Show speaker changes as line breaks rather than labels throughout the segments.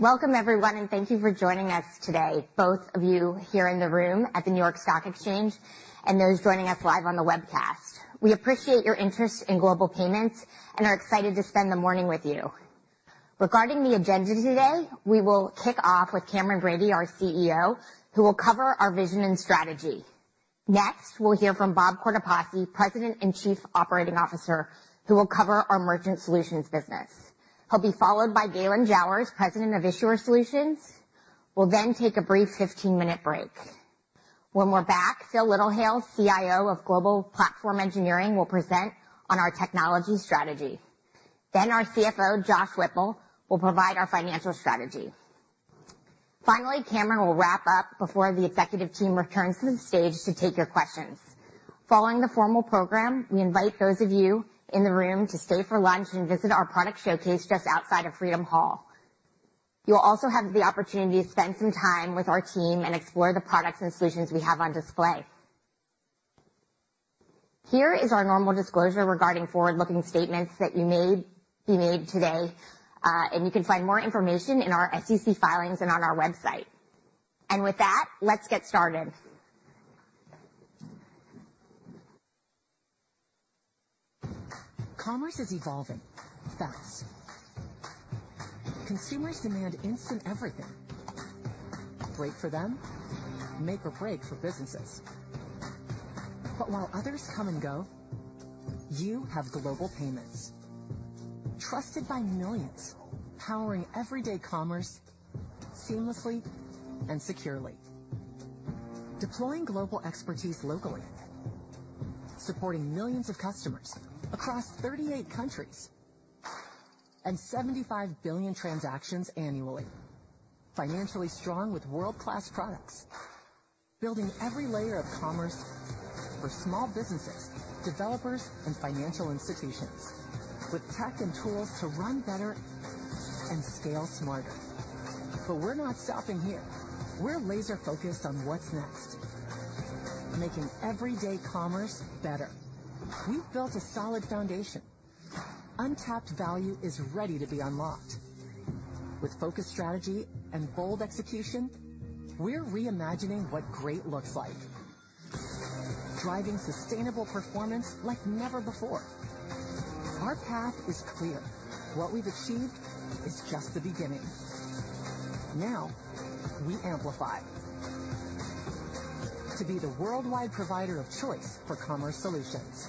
Welcome, everyone, and thank you for joining us today, both of you here in the room at the New York Stock Exchange, and those joining us live on the webcast. We appreciate your interest in Global Payments and are excited to spend the morning with you. Regarding the agenda today, we will kick off with Cameron Bready, our CEO, who will cover our vision and strategy. Next, we'll hear from Bob Cortopassi, President and Chief Operating Officer, who will cover our Merchant Solutions business. He'll be followed by Gaylon Jowers, President of Issuer Solutions. We'll then take a brief 15-minute break. When we're back, Phil Littlehale, CIO of Global Platform Engineering, will present on our technology strategy. Then our CFO, Josh Whipple, will provide our financial strategy. Finally, Cameron will wrap up before the executive team returns to the stage to take your questions. Following the formal program, we invite those of you in the room to stay for lunch and visit our product showcase just outside of Freedom Hall. You'll also have the opportunity to spend some time with our team and explore the products and solutions we have on display. Here is our normal disclosure regarding forward-looking statements that you made, we made today, and you can find more information in our SEC filings and on our website. And with that, let's get started.
Commerce is evolving fast. Consumers demand instant everything. Great for them, make or break for businesses. But while others come and go, you have Global Payments, trusted by millions, powering everyday commerce seamlessly and securely, deploying global expertise locally, supporting millions of customers across 38 countries and 75 billion transactions annually. Financially strong with world-class products, building every layer of commerce for small businesses, developers, and financial institutions, with tech and tools to run better and scale smarter. But we're not stopping here. We're laser focused on what's next, making everyday commerce better. We've built a solid foundation. Untapped value is ready to be unlocked. With focused strategy and bold execution, we're reimagining what great looks like, driving sustainable performance like never before. Our path is clear. What we've achieved is just the beginning. Now, we amplify to be the worldwide provider of choice for commerce solutions.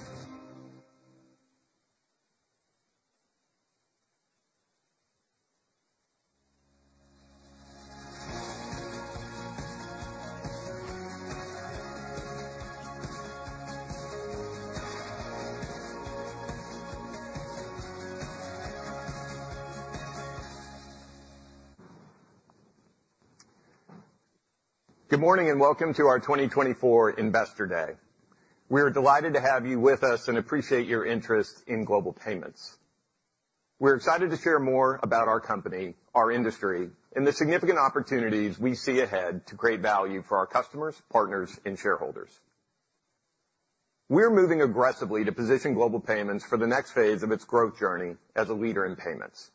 Good morning, and welcome to our 2024 Investor Day. We are delighted to have you with us and appreciate your interest in Global Payments. We're excited to share more about our company, our industry, and the significant opportunities we see ahead to create value for our customers, partners, and shareholders. We're moving aggressively to position Global Payments for the next phase of its growth journey as a leader in payments.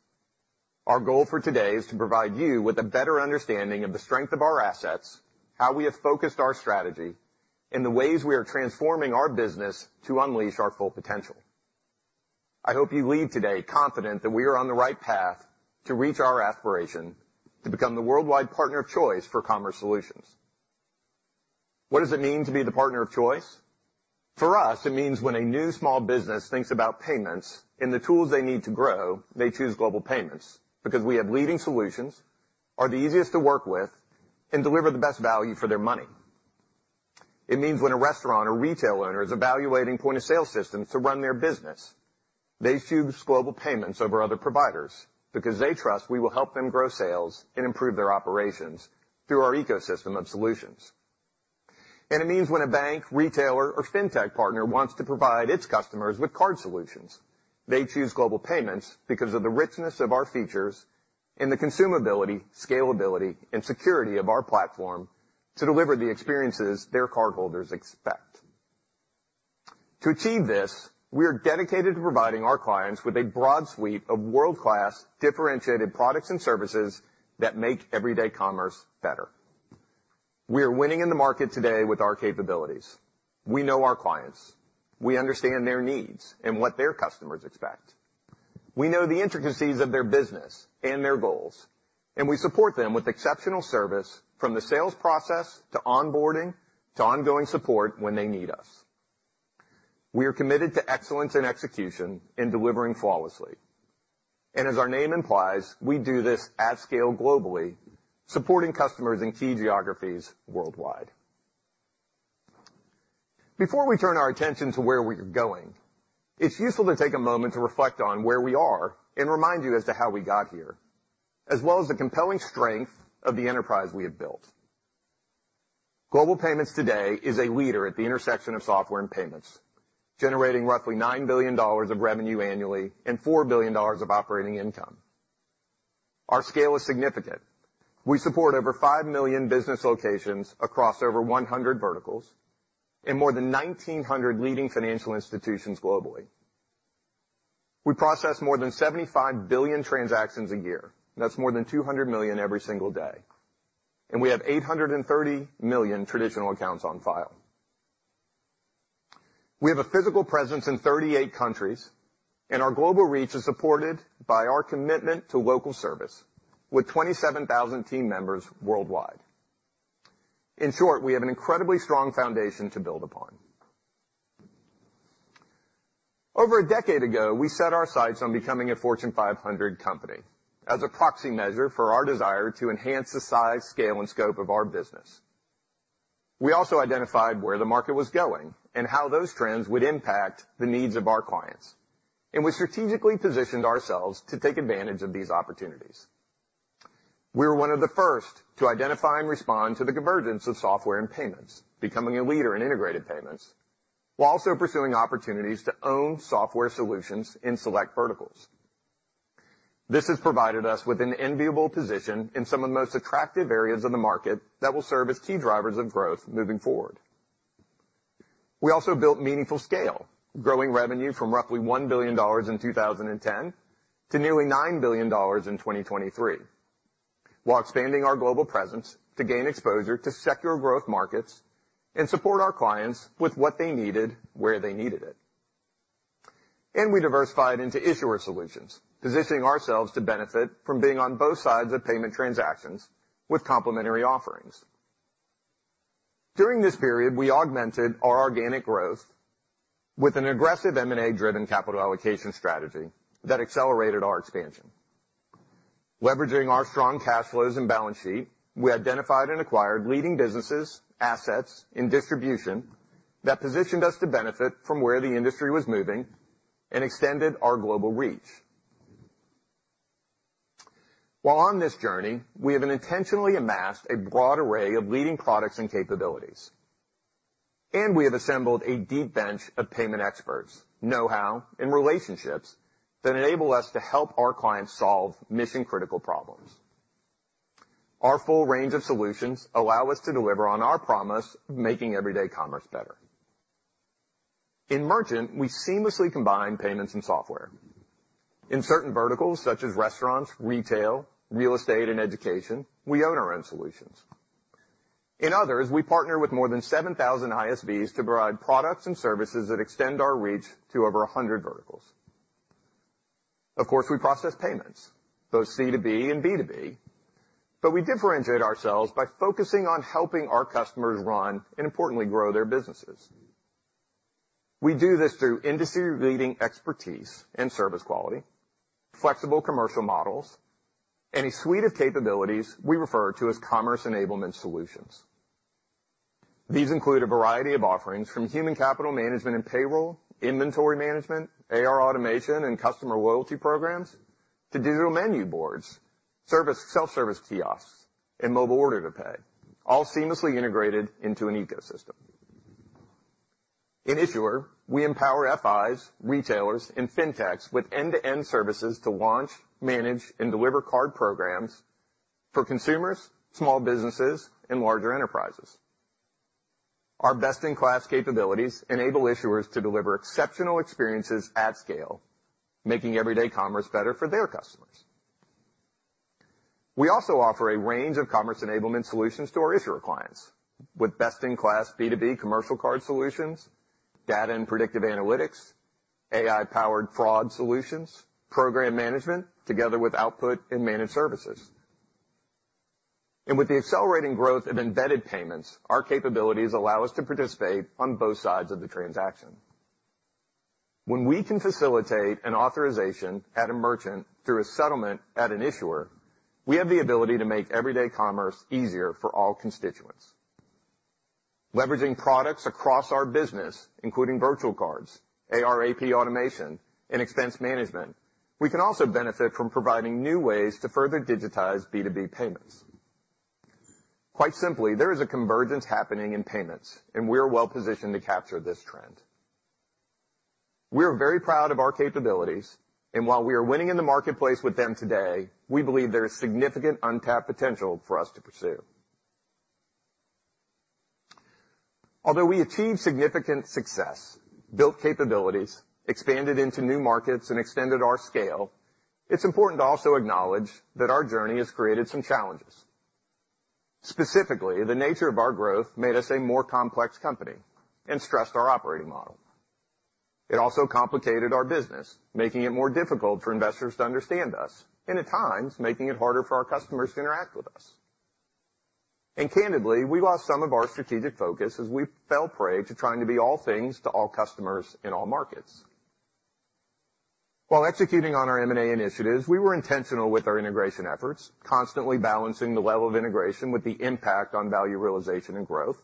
Our goal for today is to provide you with a better understanding of the strength of our assets, how we have focused our strategy, and the ways we are transforming our business to unleash our full potential. I hope you leave today confident that we are on the right path to reach our aspiration to become the worldwide partner of choice for commerce solutions. What does it mean to be the partner of choice? For us, it means when a new small business thinks about payments and the tools they need to grow, they choose Global Payments because we have leading solutions, are the easiest to work with, and deliver the best value for their money. It means when a restaurant or retail owner is evaluating point-of-sale systems to run their business, they choose Global Payments over other providers because they trust we will help them grow sales and improve their operations through our ecosystem of solutions. And it means when a bank, retailer, or fintech partner wants to provide its customers with card solutions, they choose Global Payments because of the richness of our features and the consumability, scalability, and security of our platform to deliver the experiences their cardholders expect. To achieve this, we are dedicated to providing our clients with a broad suite of world-class, differentiated products and services that make everyday commerce better. We are winning in the market today with our capabilities. We know our clients. We understand their needs and what their customers expect. We know the intricacies of their business and their goals, and we support them with exceptional service from the sales process, to onboarding, to ongoing support when they need us. We are committed to excellence in execution and delivering flawlessly, and as our name implies, we do this at scale globally, supporting customers in key geographies worldwide. Before we turn our attention to where we are going, it's useful to take a moment to reflect on where we are and remind you as to how we got here, as well as the compelling strength of the enterprise we have built. Global Payments today is a leader at the intersection of software and payments, generating roughly $9 billion of revenue annually and $4 billion of operating income. Our scale is significant. We support over 5 million business locations across over 100 verticals and more than 1,900 leading financial institutions globally... We process more than 75 billion transactions a year. That's more than 200 million every single day, and we have 830 million traditional accounts on file. We have a physical presence in 38 countries, and our global reach is supported by our commitment to local service, with 27,000 team members worldwide. In short, we have an incredibly strong foundation to build upon. Over a decade ago, we set our sights on becoming a Fortune 500 company as a proxy measure for our desire to enhance the size, scale, and scope of our business. We also identified where the market was going and how those trends would impact the needs of our clients, and we strategically positioned ourselves to take advantage of these opportunities. We were one of the first to identify and respond to the convergence of software and payments, becoming a leader in integrated payments, while also pursuing opportunities to own software solutions in select verticals. This has provided us with an enviable position in some of the most attractive areas of the market that will serve as key drivers of growth moving forward. We also built meaningful scale, growing revenue from roughly $1 billion in 2010 to nearly $9 billion in 2023, while expanding our global presence to gain exposure to secular growth markets and support our clients with what they needed, where they needed it. And we diversified into Issuer Solutions, positioning ourselves to benefit from being on both sides of payment transactions with complementary offerings. During this period, we augmented our organic growth with an aggressive M&A-driven capital allocation strategy that accelerated our expansion. Leveraging our strong cash flows and balance sheet, we identified and acquired leading businesses, assets and distribution that positioned us to benefit from where the industry was moving and extended our global reach. While on this journey, we have intentionally amassed a broad array of leading products and capabilities, and we have assembled a deep bench of payment experts, know-how, and relationships that enable us to help our clients solve mission-critical problems. Our full range of solutions allow us to deliver on our promise, making everyday commerce better. In merchant, we seamlessly combine payments and software. In certain verticals, such as restaurants, retail, real estate, and education, we own our own solutions. In others, we partner with more than 7000 ISVs to provide products and services that extend our reach to over a 100 verticals. Of course, we process payments, both C2B and B2B, but we differentiate ourselves by focusing on helping our customers run, and importantly, grow their businesses. We do this through industry-leading expertise and service quality, flexible commercial models, and a suite of capabilities we refer to as commerce enablement solutions. These include a variety of offerings from human capital management and payroll, inventory management, AR automation, and customer loyalty programs, to digital menu boards, service, self-service kiosks, and mobile order to pay, all seamlessly integrated into an ecosystem. In issuer, we empower FIs, retailers, and fintechs with end-to-end services to launch, manage, and deliver card programs for consumers, small businesses, and larger enterprises. Our best-in-class capabilities enable issuers to deliver exceptional experiences at scale, making everyday commerce better for their customers. We also offer a range of commerce enablement solutions to our issuer clients, with best-in-class B2B commercial card solutions, data and predictive analytics, AI-powered fraud solutions, program management, together with output and managed services. And with the accelerating growth of embedded payments, our capabilities allow us to participate on both sides of the transaction. When we can facilitate an authorization at a merchant through a settlement at an issuer, we have the ability to make everyday commerce easier for all constituents. Leveraging products across our business, including virtual cards, AR/AP automation, and expense management, we can also benefit from providing new ways to further digitize B2B payments. Quite simply, there is a convergence happening in payments, and we are well positioned to capture this trend. We are very proud of our capabilities, and while we are winning in the marketplace with them today, we believe there is significant untapped potential for us to pursue. Although we achieved significant success, built capabilities, expanded into new markets, and extended our scale, it's important to also acknowledge that our journey has created some challenges. Specifically, the nature of our growth made us a more complex company and stressed our operating model. It also complicated our business, making it more difficult for investors to understand us, and at times, making it harder for our customers to interact with us. And candidly, we lost some of our strategic focus as we fell prey to trying to be all things to all customers in all markets. While executing on our M&A initiatives, we were intentional with our integration efforts, constantly balancing the level of integration with the impact on value realization and growth.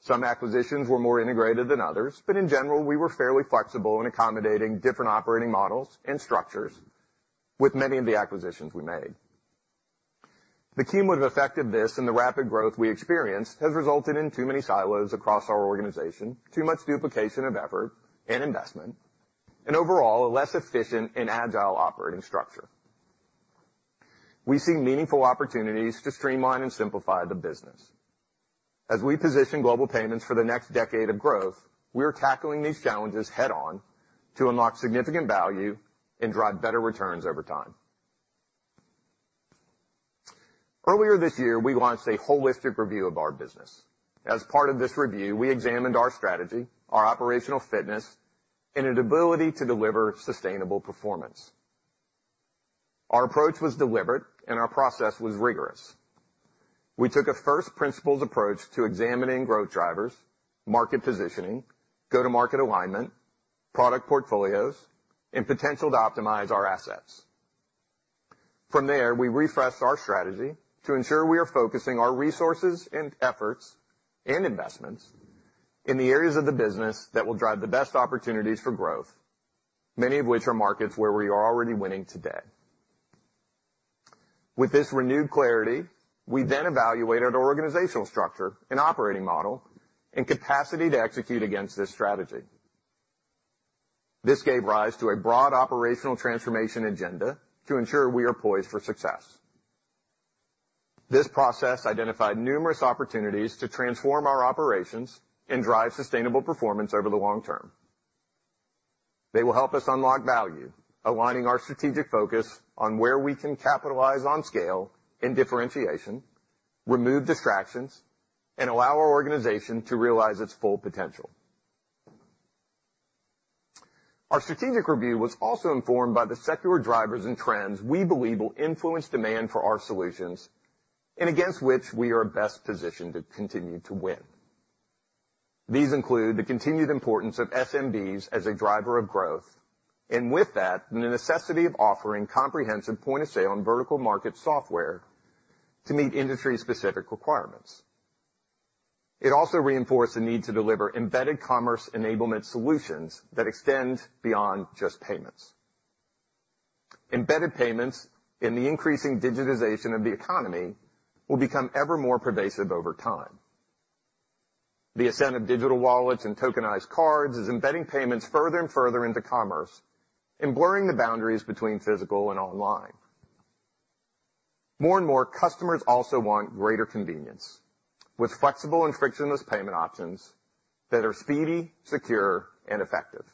Some acquisitions were more integrated than others, but in general, we were fairly flexible in accommodating different operating models and structures with many of the acquisitions we made. The cumulative effect of this and the rapid growth we experienced has resulted in too many silos across our organization, too much duplication of effort and investment, and overall, a less efficient and agile operating structure. We see meaningful opportunities to streamline and simplify the business. As we position Global Payments for the next decade of growth, we are tackling these challenges head-on to unlock significant value and drive better returns over time. Earlier this year, we launched a holistic review of our business. As part of this review, we examined our strategy, our operational fitness, and an ability to deliver sustainable performance. Our approach was deliberate and our process was rigorous. We took a first principles approach to examining growth drivers, market positioning, go-to-market alignment, product portfolios, and potential to optimize our assets. From there, we refreshed our strategy to ensure we are focusing our resources and efforts and investments in the areas of the business that will drive the best opportunities for growth, many of which are markets where we are already winning today. With this renewed clarity, we then evaluated organizational structure and operating model and capacity to execute against this strategy. This gave rise to a broad operational transformation agenda to ensure we are poised for success. This process identified numerous opportunities to transform our operations and drive sustainable performance over the long term. They will help us unlock value, aligning our strategic focus on where we can capitalize on scale and differentiation, remove distractions, and allow our organization to realize its full potential. Our strategic review was also informed by the secular drivers and trends we believe will influence demand for our solutions, and against which we are best positioned to continue to win. These include the continued importance of SMBs as a driver of growth, and with that, the necessity of offering comprehensive point-of-sale and vertical market software to meet industry-specific requirements. It also reinforced the need to deliver embedded commerce enablement solutions that extend beyond just payments. Embedded payments in the increasing digitization of the economy will become ever more pervasive over time. The ascent of digital wallets and tokenized cards is embedding payments further and further into commerce and blurring the boundaries between physical and online. More and more customers also want greater convenience, with flexible and frictionless payment options that are speedy, secure, and effective.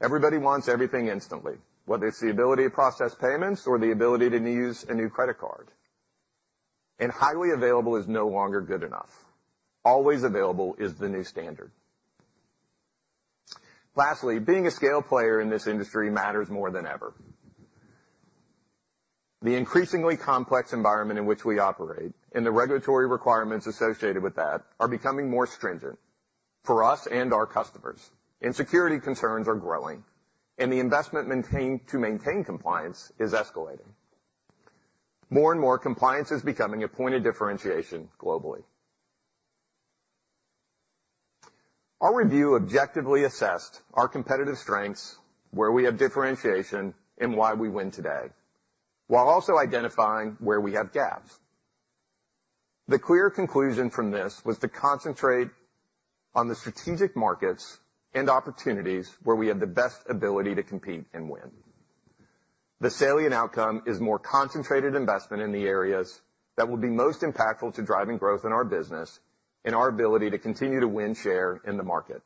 Everybody wants everything instantly, whether it's the ability to process payments or the ability to use a new credit card. And highly available is no longer good enough. Always available is the new standard. Lastly, being a scale player in this industry matters more than ever. The increasingly complex environment in which we operate and the regulatory requirements associated with that are becoming more stringent for us and our customers, and security concerns are growing, and the investment to maintain compliance is escalating. More and more, compliance is becoming a point of differentiation globally. Our review objectively assessed our competitive strengths, where we have differentiation, and why we win today, while also identifying where we have gaps. The clear conclusion from this was to concentrate on the strategic markets and opportunities where we have the best ability to compete and win. The salient outcome is more concentrated investment in the areas that will be most impactful to driving growth in our business and our ability to continue to win share in the market.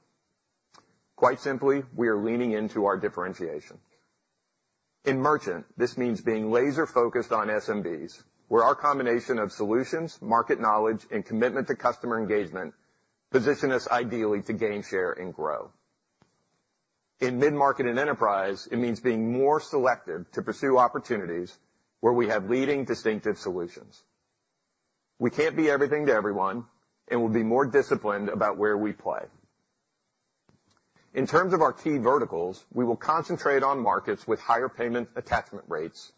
Quite simply, we are leaning into our differentiation. In merchant, this means being laser-focused on SMBs, where our combination of solutions, market knowledge, and commitment to customer engagement position us ideally to gain share and grow. In mid-market and enterprise, it means being more selective to pursue opportunities where we have leading distinctive solutions. We can't be everything to everyone, and we'll be more disciplined about where we play. In terms of our key verticals, we will concentrate on markets with higher payment attachment rates,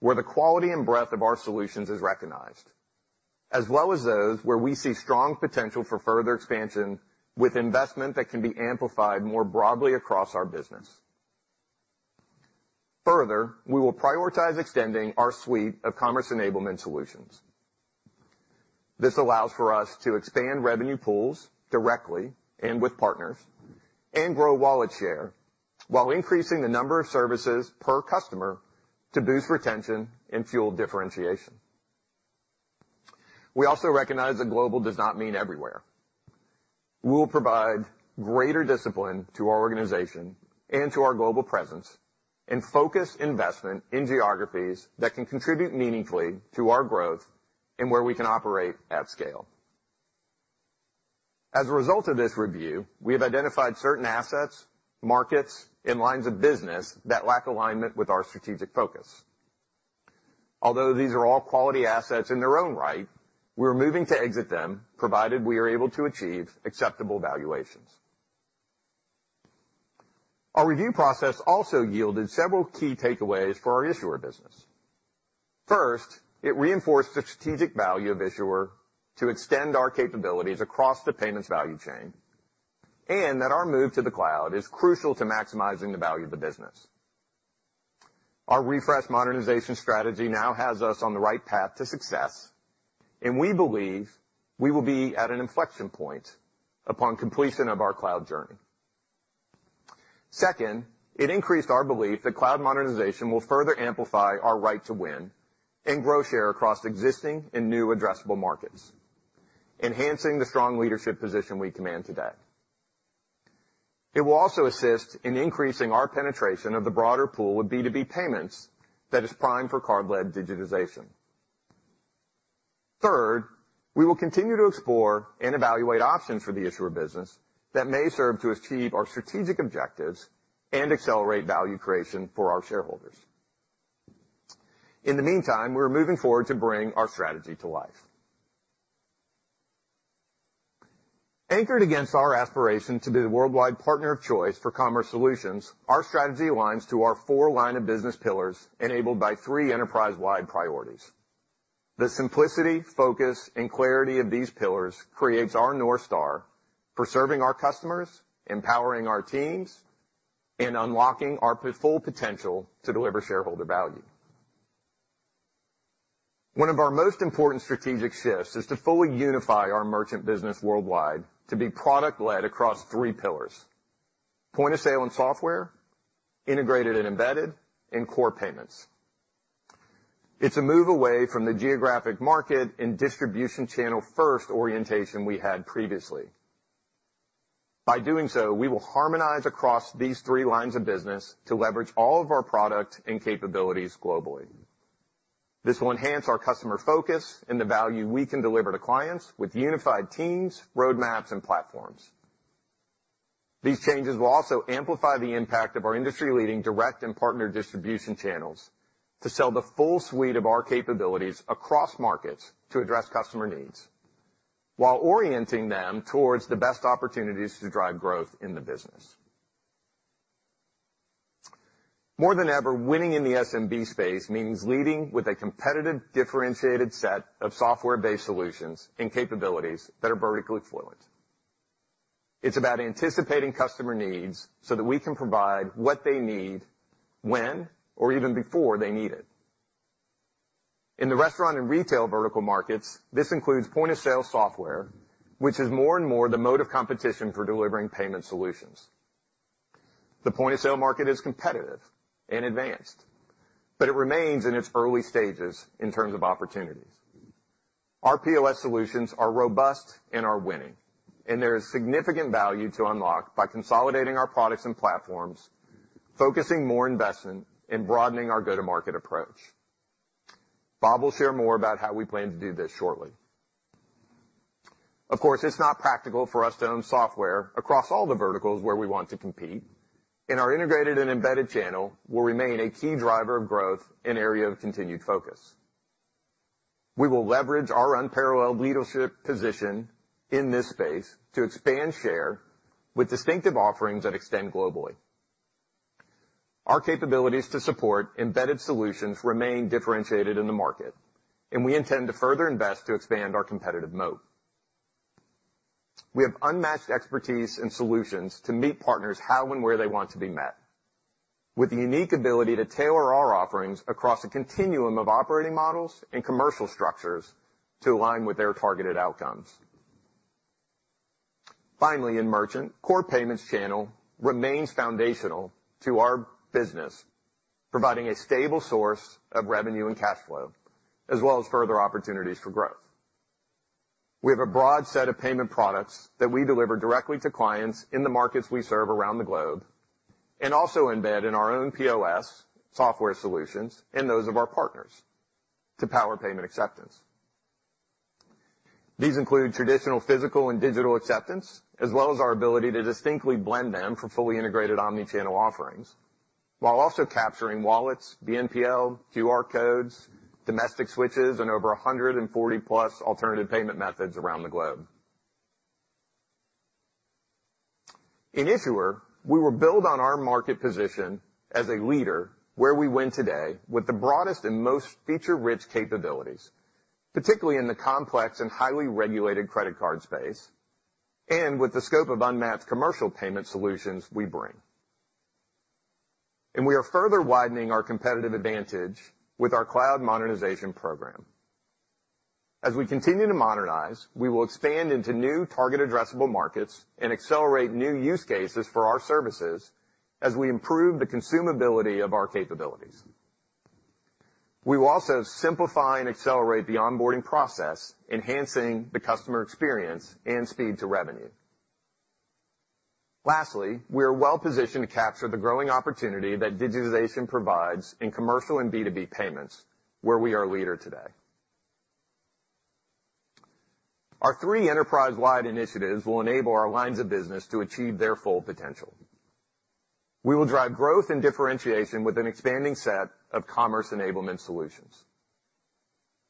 where the quality and breadth of our solutions is recognized, as well as those where we see strong potential for further expansion with investment that can be amplified more broadly across our business. Further, we will prioritize extending our suite of commerce enablement solutions. This allows for us to expand revenue pools directly and with partners and grow wallet share while increasing the number of services per customer to boost retention and fuel differentiation. We also recognize that global does not mean everywhere. We will provide greater discipline to our organization and to our global presence and focus investment in geographies that can contribute meaningfully to our growth and where we can operate at scale. As a result of this review, we have identified certain assets, markets, and lines of business that lack alignment with our strategic focus. Although these are all quality assets in their own right, we're moving to exit them, provided we are able to achieve acceptable valuations. Our review process also yielded several key takeaways for our Issuer business. First, it reinforced the strategic value of issuer to extend our capabilities across the payments value chain, and that our move to the cloud is crucial to maximizing the value of the business. Our refreshed modernization strategy now has us on the right path to success, and we believe we will be at an inflection point upon completion of our cloud journey. Second, it increased our belief that cloud modernization will further amplify our right to win and grow share across existing and new addressable markets, enhancing the strong leadership position we command today. It will also assist in increasing our penetration of the broader pool of B2B payments that is primed for card-led digitization. Third, we will continue to explore and evaluate options for the Issuer business that may serve to achieve our strategic objectives and accelerate value creation for our shareholders. In the meantime, we're moving forward to bring our strategy to life. Anchored against our aspiration to be the worldwide partner of choice for commerce solutions, our strategy aligns to our four line of business pillars, enabled by three enterprise-wide priorities. The simplicity, focus, and clarity of these pillars creates our North Star for serving our customers, empowering our teams, and unlocking our full potential to deliver shareholder value. One of our most important strategic shifts is to fully unify our merchant business worldwide to be product-led across three pillars: point of sale and software, Integrated and Embedded, Core Payments. It's a move away from the geographic market and distribution channel-first orientation we had previously. By doing so, we will harmonize across these three lines of business to leverage all of our product and capabilities globally. This will enhance our customer focus and the value we can deliver to clients with unified teams, roadmaps, and platforms. These changes will also amplify the impact of our industry-leading direct and partner distribution channels to sell the full suite of our capabilities across markets to address customer needs, while orienting them towards the best opportunities to drive growth in the business. More than ever, winning in the SMB space means leading with a competitive, differentiated set of software-based solutions and capabilities that are vertically fluent. It's about anticipating customer needs so that we can provide what they need, when or even before they need it. In the restaurant and retail vertical markets, this includes point-of-sale software, which is more and more the mode of competition for delivering payment solutions. The point-of-sale market is competitive and advanced, but it remains in its early stages in terms of opportunities. Our POS solutions are robust and are winning, and there is significant value to unlock by consolidating our products and platforms, focusing more investment, and broadening our go-to-market approach. Bob will share more about how we plan to do this shortly. Of course, it's not practical for us to own software across all the verticals where we want to compete, and our Integrated and Embedded channel will remain a key driver of growth and area of continued focus. We will leverage our unparalleled leadership position in this space to expand share with distinctive offerings that extend globally. Our capabilities to support embedded solutions remain differentiated in the market, and we intend to further invest to expand our competitive moat. We have unmatched expertise and solutions to meet partners how and where they want to be met, with the unique ability to tailor our offerings across a continuum of operating models and commercial structures to align with their targeted outcomes. Finally, in merchant, Core Payments channel remains foundational to our business, providing a stable source of revenue and cash flow, as well as further opportunities for growth. We have a broad set of payment products that we deliver directly to clients in the markets we serve around the globe, and also embed in our own POS software solutions and those of our partners to power payment acceptance. These include traditional physical and digital acceptance, as well as our ability to distinctly blend them for fully integrated omni-channel offerings, while also capturing wallets, BNPL, QR codes, domestic switches, and over 140+ alternative payment methods around the globe. In Issuer, we will build on our market position as a leader where we win today with the broadest and most feature-rich capabilities, particularly in the complex and highly regulated credit card space, and with the scope of unmatched commercial payment solutions we bring. And we are further widening our competitive advantage with our cloud modernization program. As we continue to modernize, we will expand into new target addressable markets and accelerate new use cases for our services as we improve the consumability of our capabilities. We will also simplify and accelerate the onboarding process, enhancing the customer experience and speed to revenue. Lastly, we are well positioned to capture the growing opportunity that digitization provides in commercial and B2B payments, where we are a leader today. Our three enterprise-wide initiatives will enable our lines of business to achieve their full potential. We will drive growth and differentiation with an expanding set of commerce enablement solutions.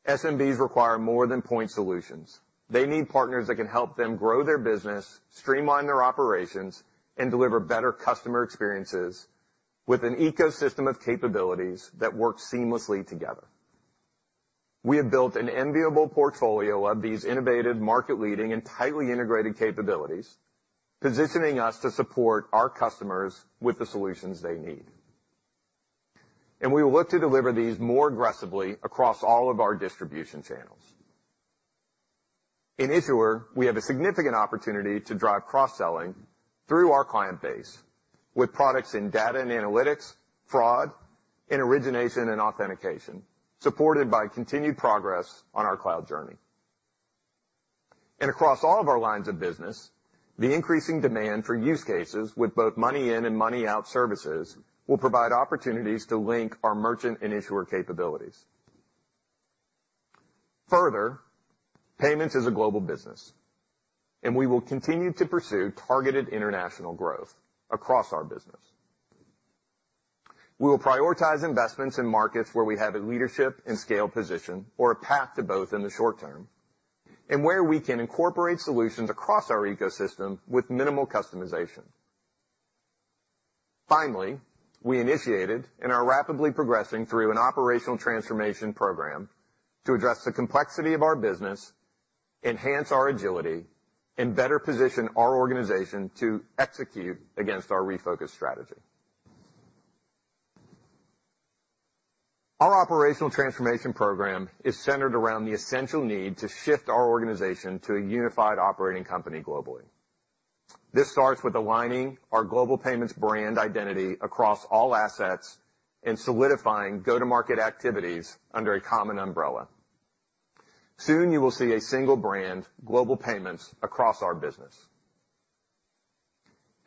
SMBs require more than point solutions. They need partners that can help them grow their business, streamline their operations, and deliver better customer experiences with an ecosystem of capabilities that work seamlessly together. We have built an enviable portfolio of these innovative, market-leading, and tightly integrated capabilities, positioning us to support our customers with the solutions they need. And we will look to deliver these more aggressively across all of our distribution channels. In issuer, we have a significant opportunity to drive cross-selling through our client base, with products in data and analytics, fraud, in origination and authentication, supported by continued progress on our cloud journey. And across all of our lines of business, the increasing demand for use cases with both money in and money out services will provide opportunities to link our merchant and issuer capabilities. Further, payments is a global business, and we will continue to pursue targeted international growth across our business. We will prioritize investments in markets where we have a leadership and scale position or a path to both in the short term, and where we can incorporate solutions across our ecosystem with minimal customization. Finally, we initiated and are rapidly progressing through an operational transformation program to address the complexity of our business, enhance our agility, and better position our organization to execute against our refocused strategy. Our operational transformation program is centered around the essential need to shift our organization to a unified operating company globally. This starts with aligning our Global Payments brand identity across all assets and solidifying go-to-market activities under a common umbrella. Soon, you will see a single brand, Global Payments, across our business.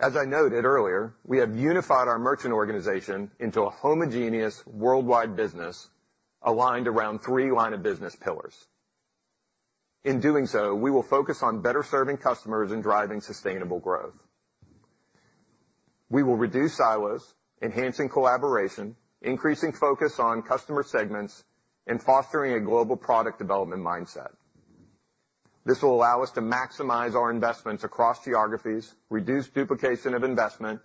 As I noted earlier, we have unified our merchant organization into a homogeneous worldwide business aligned around three lines of business pillars. In doing so, we will focus on better serving customers and driving sustainable growth. We will reduce silos, enhancing collaboration, increasing focus on customer segments, and fostering a global product development mindset. This will allow us to maximize our investments across geographies, reduce duplication of investment,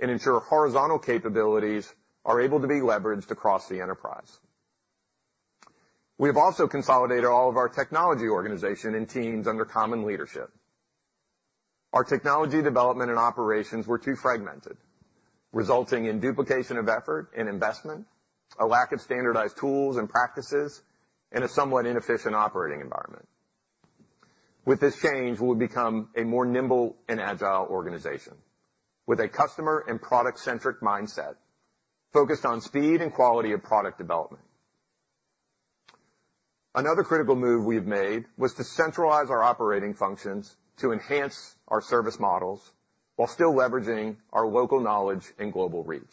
and ensure horizontal capabilities are able to be leveraged across the enterprise. We have also consolidated all of our technology organization and teams under common leadership. Our technology development and operations were too fragmented, resulting in duplication of effort and investment, a lack of standardized tools and practices, and a somewhat inefficient operating environment. With this change, we'll become a more nimble and agile organization with a customer and product-centric mindset focused on speed and quality of product development. Another critical move we've made was to centralize our operating functions to enhance our service models while still leveraging our local knowledge and global reach.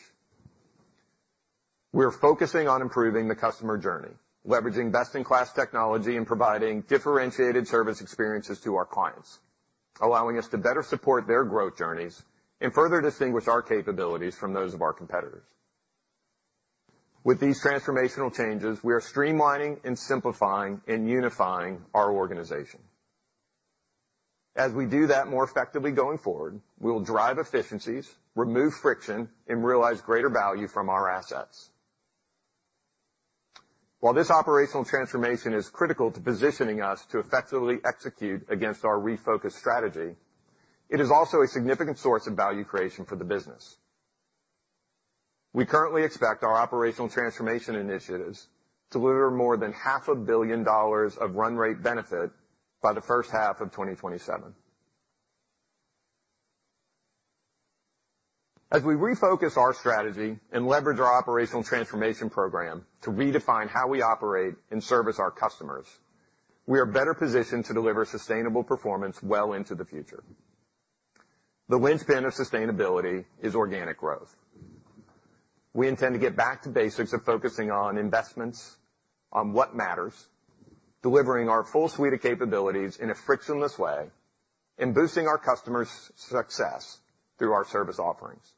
We're focusing on improving the customer journey, leveraging best-in-class technology and providing differentiated service experiences to our clients, allowing us to better support their growth journeys and further distinguish our capabilities from those of our competitors. With these transformational changes, we are streamlining and simplifying and unifying our organization. As we do that more effectively going forward, we will drive efficiencies, remove friction, and realize greater value from our assets. While this operational transformation is critical to positioning us to effectively execute against our refocused strategy, it is also a significant source of value creation for the business. We currently expect our operational transformation initiatives to deliver more than $500 million of run rate benefit by the first half of 2027. As we refocus our strategy and leverage our operational transformation program to redefine how we operate and service our customers, we are better positioned to deliver sustainable performance well into the future. The win-win of sustainability is organic growth. We intend to get back to basics of focusing on investments, on what matters, delivering our full suite of capabilities in a frictionless way, and boosting our customers' success through our service offerings.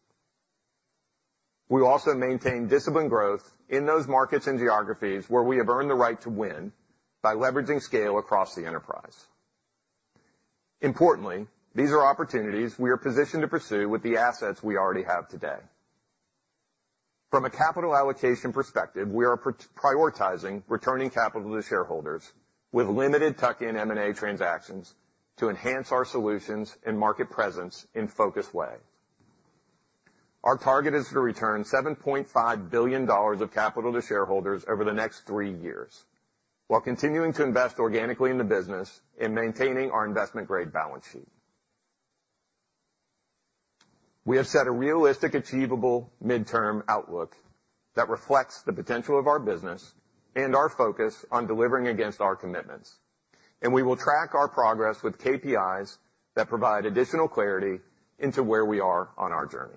We will also maintain disciplined growth in those markets and geographies where we have earned the right to win by leveraging scale across the enterprise. Importantly, these are opportunities we are positioned to pursue with the assets we already have today. From a capital allocation perspective, we are prioritizing returning capital to shareholders with limited tuck-in M&A transactions to enhance our solutions and market presence in focused way. Our target is to return $7.5 billion of capital to shareholders over the next three years, while continuing to invest organically in the business and maintaining our investment-grade balance sheet. We have set a realistic, achievable midterm outlook that reflects the potential of our business and our focus on delivering against our commitments, and we will track our progress with KPIs that provide additional clarity into where we are on our journey.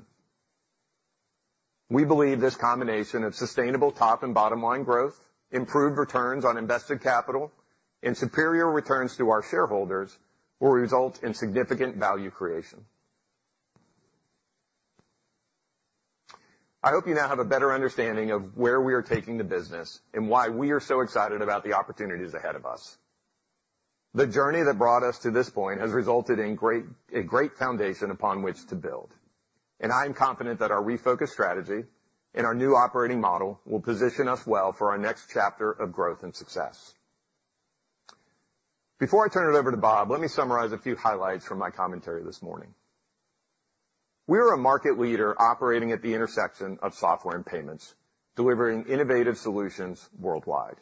We believe this combination of sustainable top and bottom line growth, improved returns on invested capital, and superior returns to our shareholders will result in significant value creation. I hope you now have a better understanding of where we are taking the business and why we are so excited about the opportunities ahead of us. The journey that brought us to this point has resulted in a great foundation upon which to build, and I am confident that our refocused strategy and our new operating model will position us well for our next chapter of growth and success. Before I turn it over to Bob, let me summarize a few highlights from my commentary this morning. We're a market leader operating at the intersection of software and payments, delivering innovative solutions worldwide.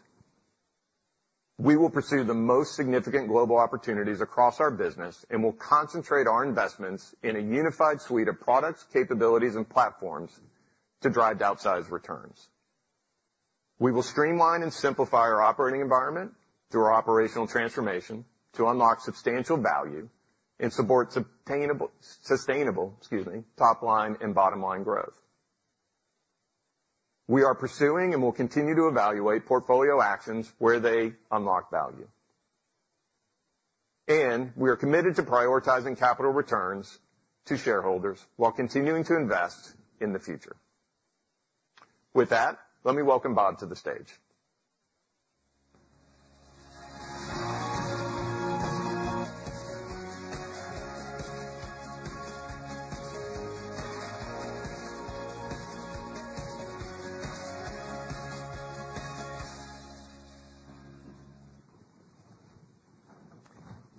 We will pursue the most significant global opportunities across our business, and we'll concentrate our investments in a unified suite of products, capabilities, and platforms to drive outsized returns. We will streamline and simplify our operating environment through our operational transformation to unlock substantial value and support obtainable - sustainable, excuse me, top-line and bottom-line growth. We are pursuing and will continue to evaluate portfolio actions where they unlock value, and we are committed to prioritizing capital returns to shareholders while continuing to invest in the future. With that, let me welcome Bob to the stage.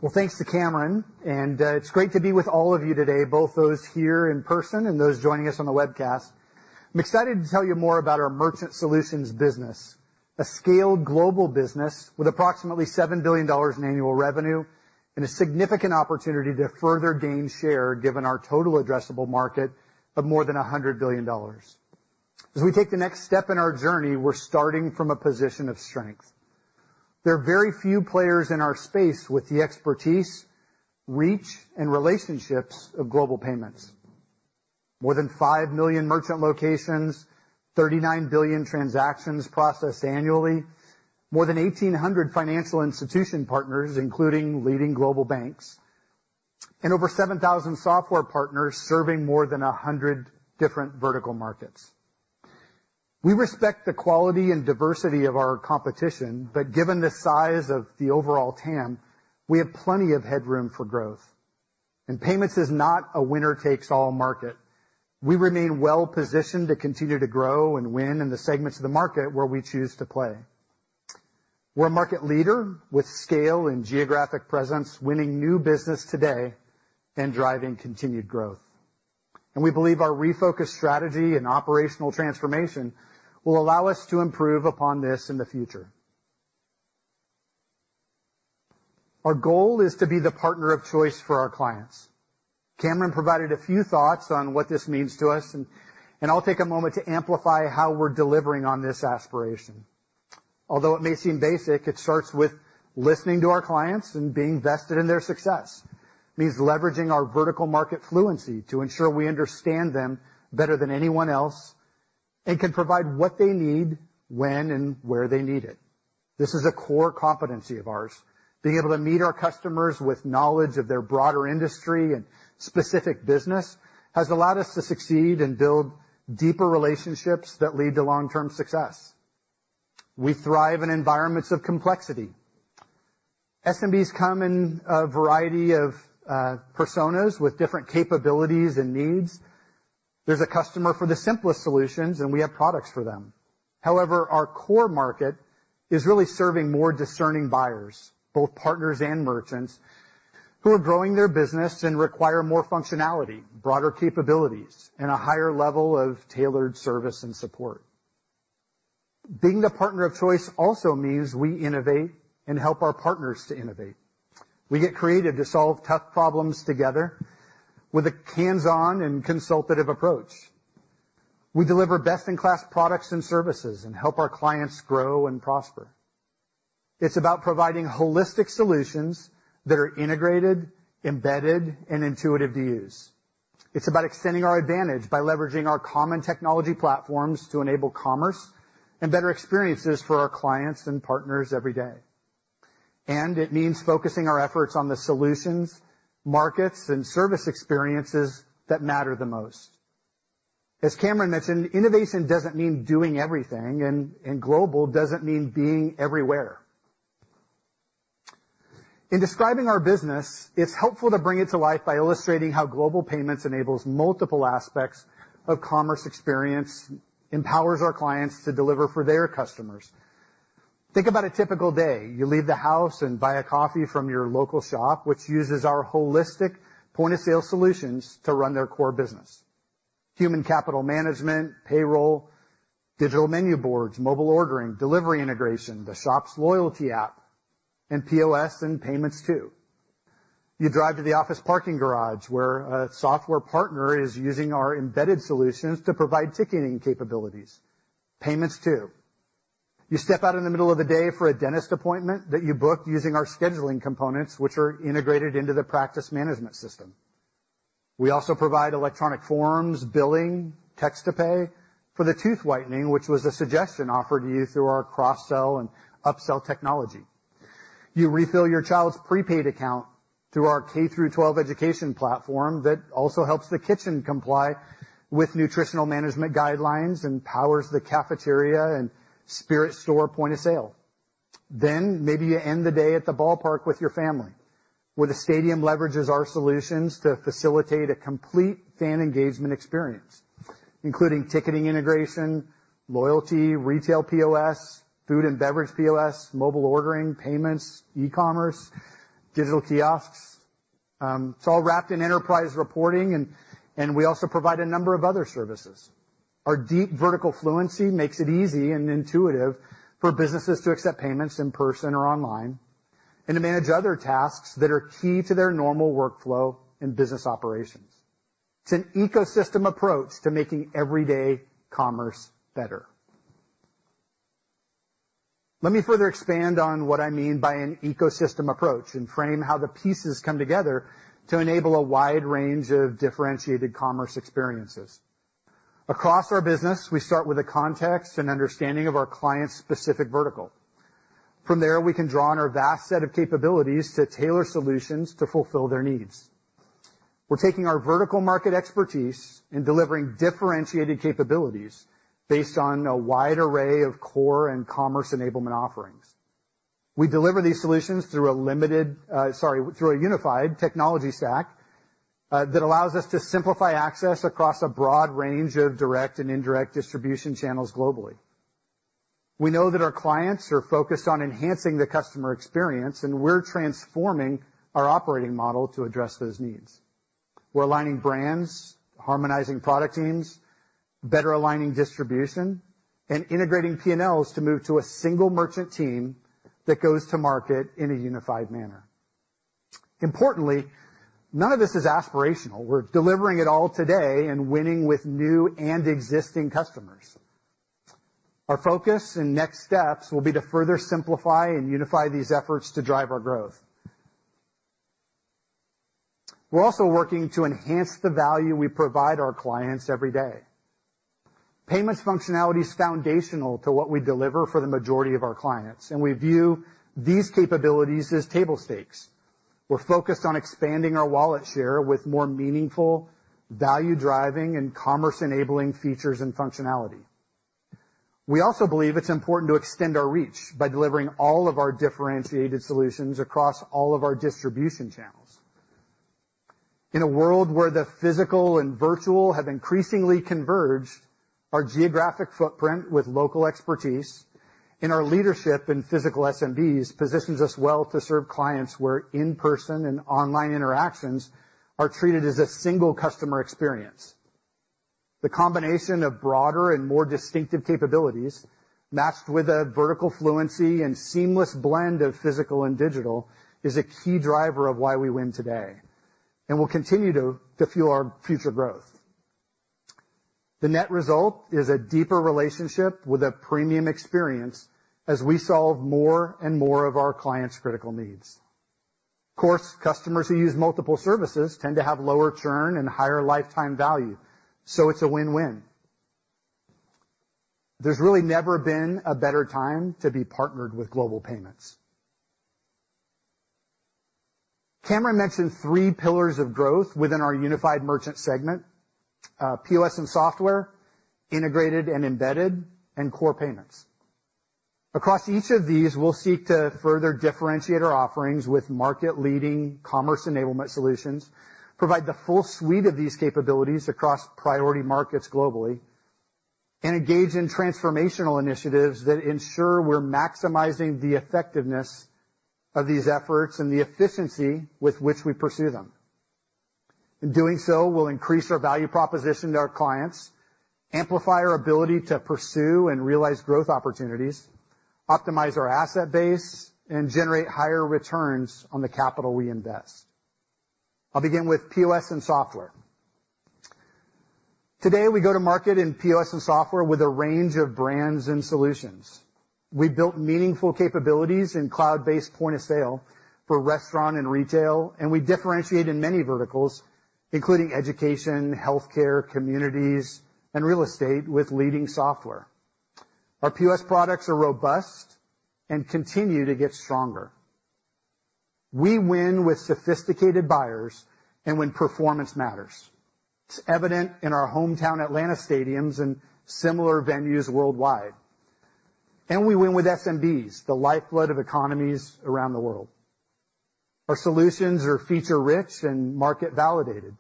Thanks to Cameron, and it's great to be with all of you today, both those here in person and those joining us on the webcast. I'm excited to tell you more about our Merchant Solutions business, a scaled global business with approximately $7 billion in annual revenue and a significant opportunity to further gain share, given our total addressable market of more than $100 billion. As we take the next step in our journey, we're starting from a position of strength. There are very few players in our space with the expertise, reach, and relationships of Global Payments. More than 5 million merchant locations, 39 billion transactions processed annually, more than 1,800 financial institution partners, including leading global banks, and over 7,000 software partners serving more than 100 different vertical markets. We respect the quality and diversity of our competition, but given the size of the overall TAM, we have plenty of headroom for growth, and payments is not a winner-takes-all market. We remain well-positioned to continue to grow and win in the segments of the market where we choose to play. We're a market leader with scale and geographic presence, winning new business today and driving continued growth, and we believe our refocused strategy and operational transformation will allow us to improve upon this in the future. Our goal is to be the partner of choice for our clients. Cameron provided a few thoughts on what this means to us, and I'll take a moment to amplify how we're delivering on this aspiration. Although it may seem basic, it starts with listening to our clients and being vested in their success. It means leveraging our vertical market fluency to ensure we understand them better than anyone else and can provide what they need, when and where they need it. This is a core competency of ours. Being able to meet our customers with knowledge of their broader industry and specific business has allowed us to succeed and build deeper relationships that lead to long-term success. We thrive in environments of complexity. SMBs come in a variety of personas with different capabilities and needs. There's a customer for the simplest solutions, and we have products for them. However, our core market is really serving more discerning buyers, both partners and merchants, who are growing their business and require more functionality, broader capabilities, and a higher level of tailored service and support. Being the partner of choice also means we innovate and help our partners to innovate. We get creative to solve tough problems together with a hands-on and consultative approach. We deliver best-in-class products and services and help our clients grow and prosper. It's about providing holistic solutions that are integrated, embedded, and intuitive to use. It's about extending our advantage by leveraging our common technology platforms to enable commerce and better experiences for our clients and partners every day. And it means focusing our efforts on the solutions, markets, and service experiences that matter the most. As Cameron mentioned, innovation doesn't mean doing everything, and, and global doesn't mean being everywhere. In describing our business, it's helpful to bring it to life by illustrating how Global Payments enables multiple aspects of commerce experience, empowers our clients to deliver for their customers. Think about a typical day. You leave the house and buy a coffee from your local shop, which uses our holistic point-of-sale solutions to run their core business. Human capital management, payroll, digital menu boards, mobile ordering, delivery integration, the shop's loyalty app, and POS and payments, too. You drive to the office parking garage, where a software partner is using our embedded solutions to provide ticketing capabilities, payments, too. You step out in the middle of the day for a dentist appointment that you booked using our scheduling components, which are integrated into the practice management system. We also provide electronic forms, billing, text to pay for the tooth whitening, which was a suggestion offered to you through our cross-sell and upsell technology. You refill your child's prepaid account through our K-12 education platform that also helps the kitchen comply with nutritional management guidelines and powers the cafeteria and spirit store point of sale. Then maybe you end the day at the ballpark with your family, where the stadium leverages our solutions to facilitate a complete fan engagement experience, including ticketing integration, loyalty, retail POS, food and beverage POS, mobile ordering, payments, e-commerce, digital kiosks. It's all wrapped in enterprise reporting, and we also provide a number of other services. Our deep vertical fluency makes it easy and intuitive for businesses to accept payments in person or online, and to manage other tasks that are key to their normal workflow and business operations. It's an ecosystem approach to making everyday commerce better. Let me further expand on what I mean by an ecosystem approach, and frame how the pieces come together to enable a wide range of differentiated commerce experiences. Across our business, we start with a context and understanding of our client's specific vertical. From there, we can draw on our vast set of capabilities to tailor solutions to fulfill their needs. We're taking our vertical market expertise and delivering differentiated capabilities based on a wide array of core and commerce enablement offerings. We deliver these solutions through a unified technology stack that allows us to simplify access across a broad range of direct and indirect distribution channels globally. We know that our clients are focused on enhancing the customer experience, and we're transforming our operating model to address those needs. We're aligning brands, harmonizing product teams, better aligning distribution, and integrating PNLs to move to a single merchant team that goes to market in a unified manner. Importantly, none of this is aspirational. We're delivering it all today and winning with new and existing customers. Our focus and next steps will be to further simplify and unify these efforts to drive our growth. We're also working to enhance the value we provide our clients every day. Payments functionality is foundational to what we deliver for the majority of our clients, and we view these capabilities as table stakes. We're focused on expanding our wallet share with more meaningful, value-driving, and commerce-enabling features and functionality. We also believe it's important to extend our reach by delivering all of our differentiated solutions across all of our distribution channels. In a world where the physical and virtual have increasingly converged, our geographic footprint with local expertise and our leadership in physical SMBs, positions us well to serve clients where in-person and online interactions are treated as a single customer experience. The combination of broader and more distinctive capabilities, matched with a vertical fluency and seamless blend of physical and digital, is a key driver of why we win today and will continue to, to fuel our future growth. The net result is a deeper relationship with a premium experience as we solve more and more of our clients' critical needs. Of course, customers who use multiple services tend to have lower churn and higher lifetime value, so it's a win-win. There's really never been a better time to be partnered with Global Payments. Cameron mentioned three pillars of growth within our unified merchant segment, POS and software, Integrated and Embedded, Core Payments. Across each of these, we'll seek to further differentiate our offerings with market-leading commerce enablement solutions, provide the full suite of these capabilities across priority markets globally, and engage in transformational initiatives that ensure we're maximizing the effectiveness of these efforts and the efficiency with which we pursue them. In doing so, we'll increase our value proposition to our clients, amplify our ability to pursue and realize growth opportunities, optimize our asset base, and generate higher returns on the capital we invest. I'll begin with POS and software. Today, we go to market in POS and software with a range of brands and solutions. We built meaningful capabilities in cloud-based point-of-sale for restaurant and retail, and we differentiate in many verticals, including education, healthcare, communities, and real estate with leading software. Our POS products are robust and continue to get stronger. We win with sophisticated buyers and when performance matters. It's evident in our hometown Atlanta stadiums and similar venues worldwide, and we win with SMBs, the lifeblood of economies around the world. Our solutions are feature-rich and market-validated.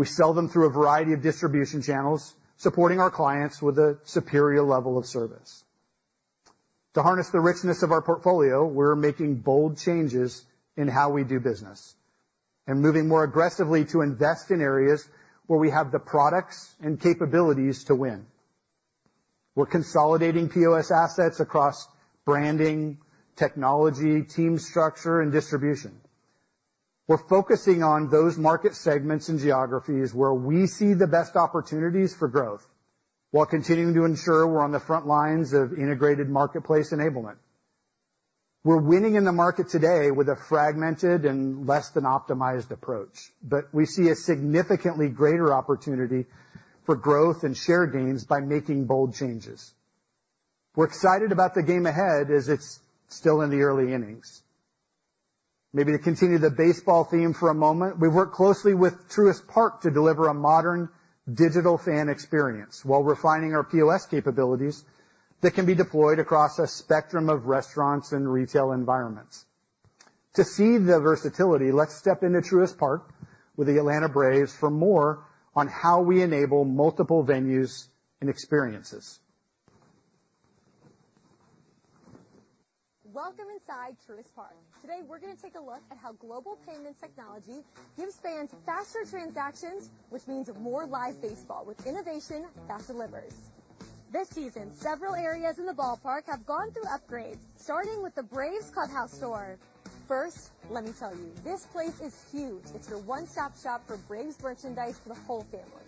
We sell them through a variety of distribution channels, supporting our clients with a superior level of service. To harness the richness of our portfolio, we're making bold changes in how we do business and moving more aggressively to invest in areas where we have the products and capabilities to win. We're consolidating POS assets across branding, technology, team structure, and distribution. We're focusing on those market segments and geographies where we see the best opportunities for growth, while continuing to ensure we're on the front lines of integrated marketplace enablement. We're winning in the market today with a fragmented and less than optimized approach, but we see a significantly greater opportunity for growth and share gains by making bold changes. We're excited about the game ahead, as it's still in the early innings. Maybe to continue the baseball theme for a moment, we work closely with Truist Park to deliver a modern digital fan experience, while refining our POS capabilities that can be deployed across a spectrum of restaurants and retail environments. To see the versatility, let's step into Truist Park with the Atlanta Braves for more on how we enable multiple venues and experiences.
Welcome inside Truist Park. Today, we're going to take a look at how Global Payments technology gives fans faster transactions, which means more live baseball, with innovation that delivers. This season, several areas in the ballpark have gone through upgrades, starting with the Braves Clubhouse Store. First, let me tell you, this place is huge. It's your one-stop shop for Braves merchandise for the whole family.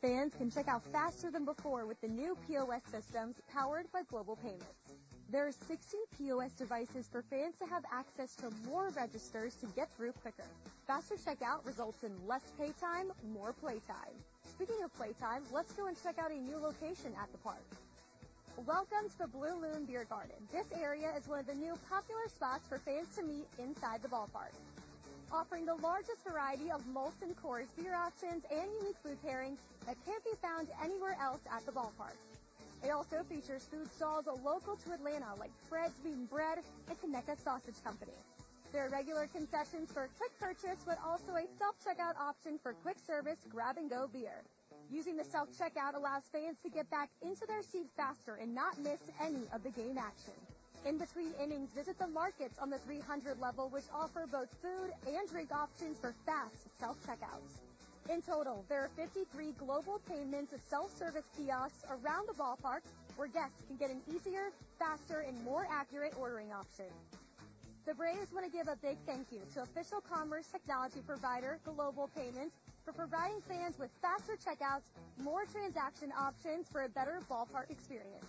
Fans can check out faster than before with the new POS systems powered by Global Payments. There are 16 POS devices for fans to have access to more registers to get through quicker. Faster checkout results in less pay time, more play time. Speaking of play time, let's go and check out a new location at the park. Welcome to the Blue Moon Beer Garden. This area is one of the new popular spots for fans to meet inside the ballpark, offering the largest variety of Molson Coors beer options and unique food pairings that can't be found anywhere else at the ballpark. It also features food stalls local to Atlanta, like Fred's Meat & Bread and Conecuh Sausage Company. There are regular concessions for a quick purchase, but also a self-checkout option for quick service, grab-and-go beer. Using the self-checkout allows fans to get back into their seats faster and not miss any of the game action. In between innings, visit The Markets on the 300 level, which offer both food and drink options for fast self-checkouts. In total, there are 53 Global Payments' self-service kiosks around the ballpark, where guests can get an easier, faster, and more accurate ordering option. The Braves want to give a big thank you to official commerce technology provider, Global Payments, for providing fans with faster checkouts, more transaction options for a better ballpark experience.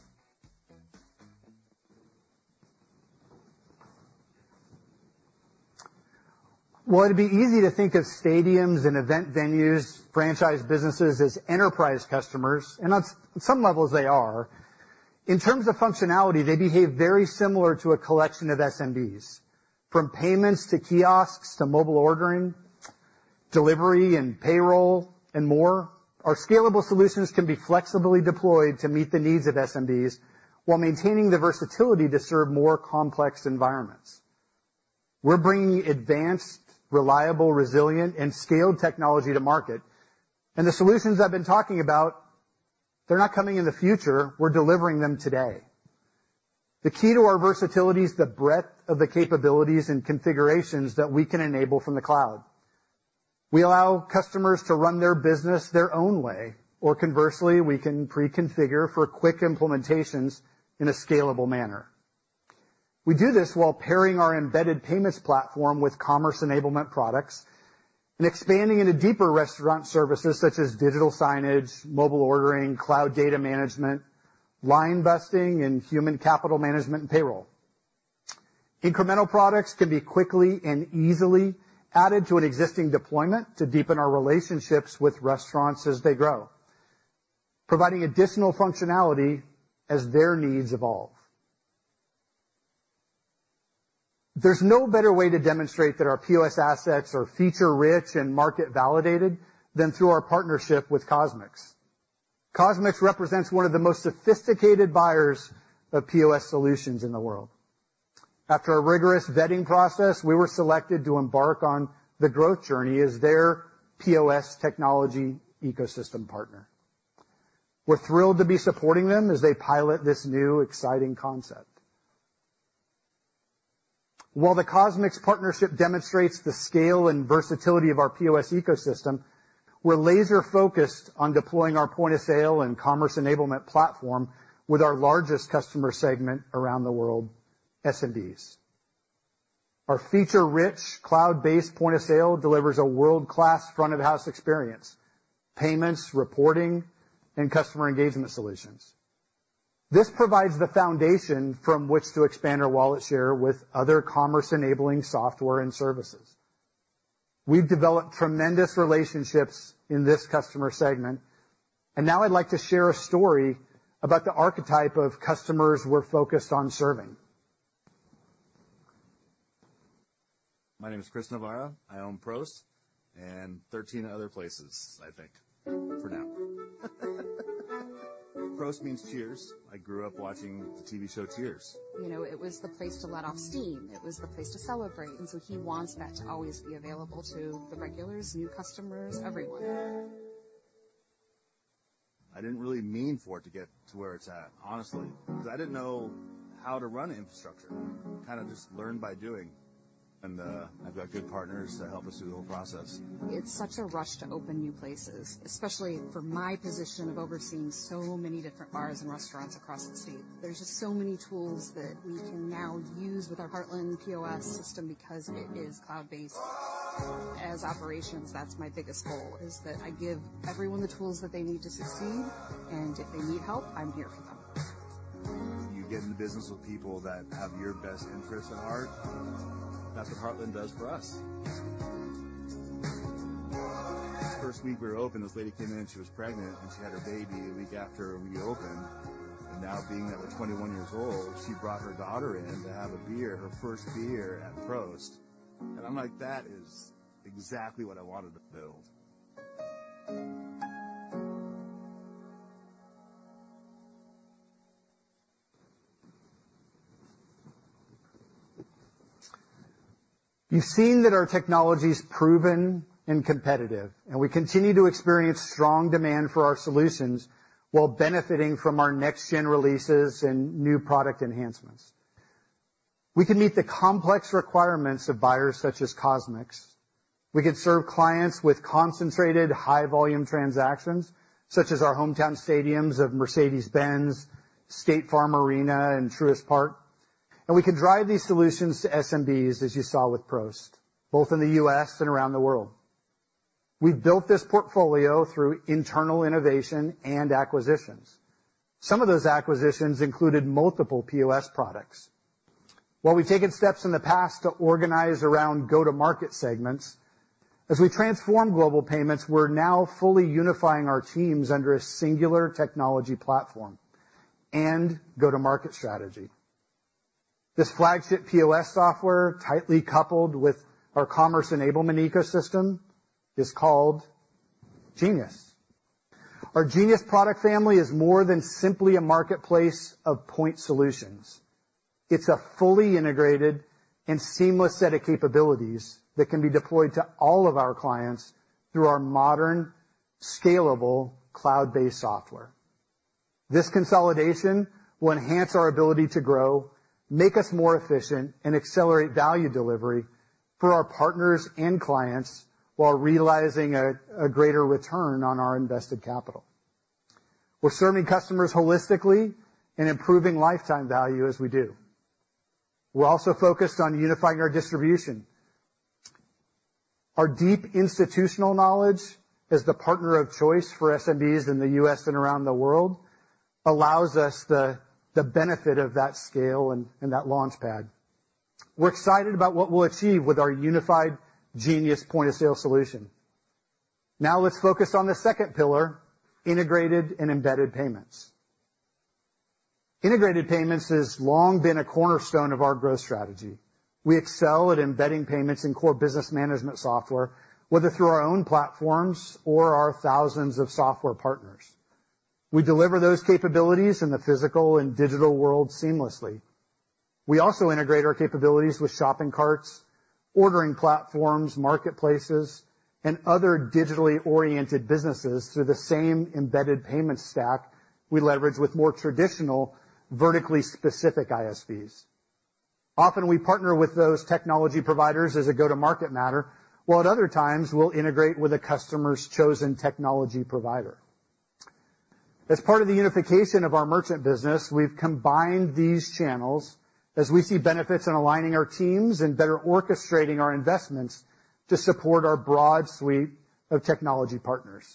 It'd be easy to think of stadiums and event venues, franchise businesses, as enterprise customers, and on some levels, they are. In terms of functionality, they behave very similar to a collection of SMBs. From payments to kiosks to mobile ordering, delivery and payroll and more, our scalable solutions can be flexibly deployed to meet the needs of SMBs while maintaining the versatility to serve more complex environments. We're bringing advanced, reliable, resilient, and scaled technology to market, and the solutions I've been talking about, they're not coming in the future, we're delivering them today. The key to our versatility is the breadth of the capabilities and configurations that we can enable from the cloud. We allow customers to run their business their own way, or conversely, we can preconfigure for quick implementations in a scalable manner. We do this while pairing our embedded payments platform with commerce enablement products and expanding into deeper restaurant services such as digital signage, mobile ordering, cloud data management, line busting, and human capital management, and payroll. Incremental products can be quickly and easily added to an existing deployment to deepen our relationships with restaurants as they grow, providing additional functionality as their needs evolve. There's no better way to demonstrate that our POS assets are feature-rich and market-validated than through our partnership with CosMc's. CosMc's represents one of the most sophisticated buyers of POS solutions in the world. After a rigorous vetting process, we were selected to embark on the growth journey as their POS technology ecosystem partner. We're thrilled to be supporting them as they pilot this new, exciting concept. While the CosMc's partnership demonstrates the scale and versatility of our POS ecosystem, we're laser-focused on deploying our point of sale and commerce enablement platform with our largest customer segment around the world, SMBs. Our feature-rich, cloud-based point of sale delivers a world-class front-of-house experience, payments, reporting, and customer engagement solutions. This provides the foundation from which to expand our wallet share with other commerce-enabling software and services. We've developed tremendous relationships in this customer segment, and now I'd like to share a story about the archetype of customers we're focused on serving.
My name is Chris Navarra. I own Prost and 13 other places, I think, for now. Prost means cheers. I grew up watching the TV show, Cheers. You know, it was the place to let off steam. It was the place to celebrate, and so he wants that to always be available to the regulars, new customers, everyone. I didn't really mean for it to get to where it's at, honestly, because I didn't know how to run infrastructure. Kind of just learn by doing, and I've got good partners to help us through the whole process. It's such a rush to open new places, especially for my position of overseeing so many different bars and restaurants across the state. There's just so many tools that we can now use with our Heartland POS system because it is cloud-based. As operations, that's my biggest goal, is that I give everyone the tools that they need to succeed, and if they need help, I'm here for them. You get in the business with people that have your best interests at heart. That's what Heartland does for us. First week we were open, this lady came in, she was pregnant, and she had her baby a week after we opened. And now being that we're 21 years old, she brought her daughter in to have a beer, her first beer at Prost, and I'm like, "That is exactly what I wanted to build....
You've seen that our technology's proven and competitive, and we continue to experience strong demand for our solutions while benefiting from our next-gen releases and new product enhancements. We can meet the complex requirements of buyers such as CosMc's. We can serve clients with concentrated, high-volume transactions, such as our hometown stadiums of Mercedes-Benz, State Farm Arena, and Truist Park, and we can drive these solutions to SMBs, as you saw with Prost, both in the U.S. and around the world. We've built this portfolio through internal innovation and acquisitions. Some of those acquisitions included multiple POS products. While we've taken steps in the past to organize around go-to-market segments, as we transform Global Payments, we're now fully unifying our teams under a singular technology platform and go-to-market strategy. This flagship POS software, tightly coupled with our commerce enablement ecosystem, is called Genius. Our Genius product family is more than simply a marketplace of point solutions. It's a fully integrated and seamless set of capabilities that can be deployed to all of our clients through our modern, scalable, cloud-based software. This consolidation will enhance our ability to grow, make us more efficient, and accelerate value delivery for our partners and clients while realizing a greater return on our invested capital. We're serving customers holistically and improving lifetime value as we do. We're also focused on unifying our distribution. Our deep institutional knowledge as the partner of choice for SMBs in the U.S. and around the world, allows us the benefit of that scale and that launchpad. We're excited about what we'll achieve with our unified Genius point-of-sale solution. Now, let's focus on the second pillar, Integrated and Embedded payments. Integrated payments has long been a cornerstone of our growth strategy. We excel at embedding payments in core business management software, whether through our own platforms or our thousands of software partners. We deliver those capabilities in the physical and digital world seamlessly. We also integrate our capabilities with shopping carts, ordering platforms, marketplaces, and other digitally oriented businesses through the same embedded payment stack we leverage with more traditional, vertically specific ISVs. Often, we partner with those technology providers as a go-to-market matter, while at other times, we'll integrate with a customer's chosen technology provider. As part of the unification of our merchant business, we've combined these channels as we see benefits in aligning our teams and better orchestrating our investments to support our broad suite of technology partners.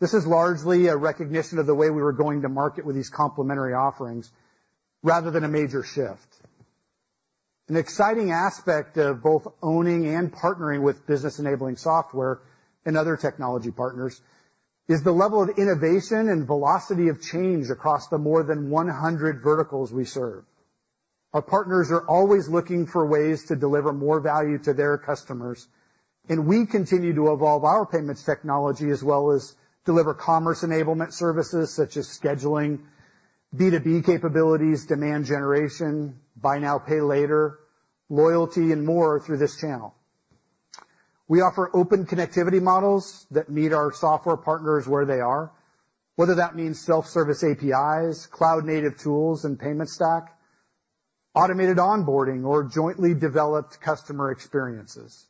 This is largely a recognition of the way we were going to market with these complementary offerings, rather than a major shift. An exciting aspect of both owning and partnering with business-enabling software and other technology partners is the level of innovation and velocity of change across the more than 100 verticals we serve. Our partners are always looking for ways to deliver more value to their customers, and we continue to evolve our payments technology, as well as deliver commerce enablement services, such as scheduling, B2B capabilities, demand generation, buy now, pay later, loyalty, and more through this channel. We offer open connectivity models that meet our software partners where they are, whether that means self-service APIs, cloud-native tools and payment stack, automated onboarding, or jointly developed customer experiences.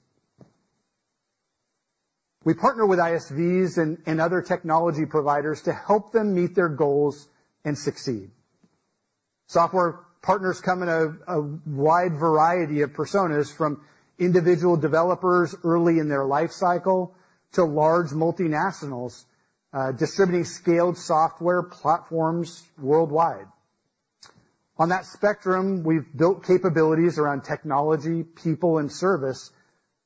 We partner with ISVs and other technology providers to help them meet their goals and succeed. Software partners come in a wide variety of personas, from individual developers early in their life cycle to large multinationals, distributing scaled software platforms worldwide. On that spectrum, we've built capabilities around technology, people, and service,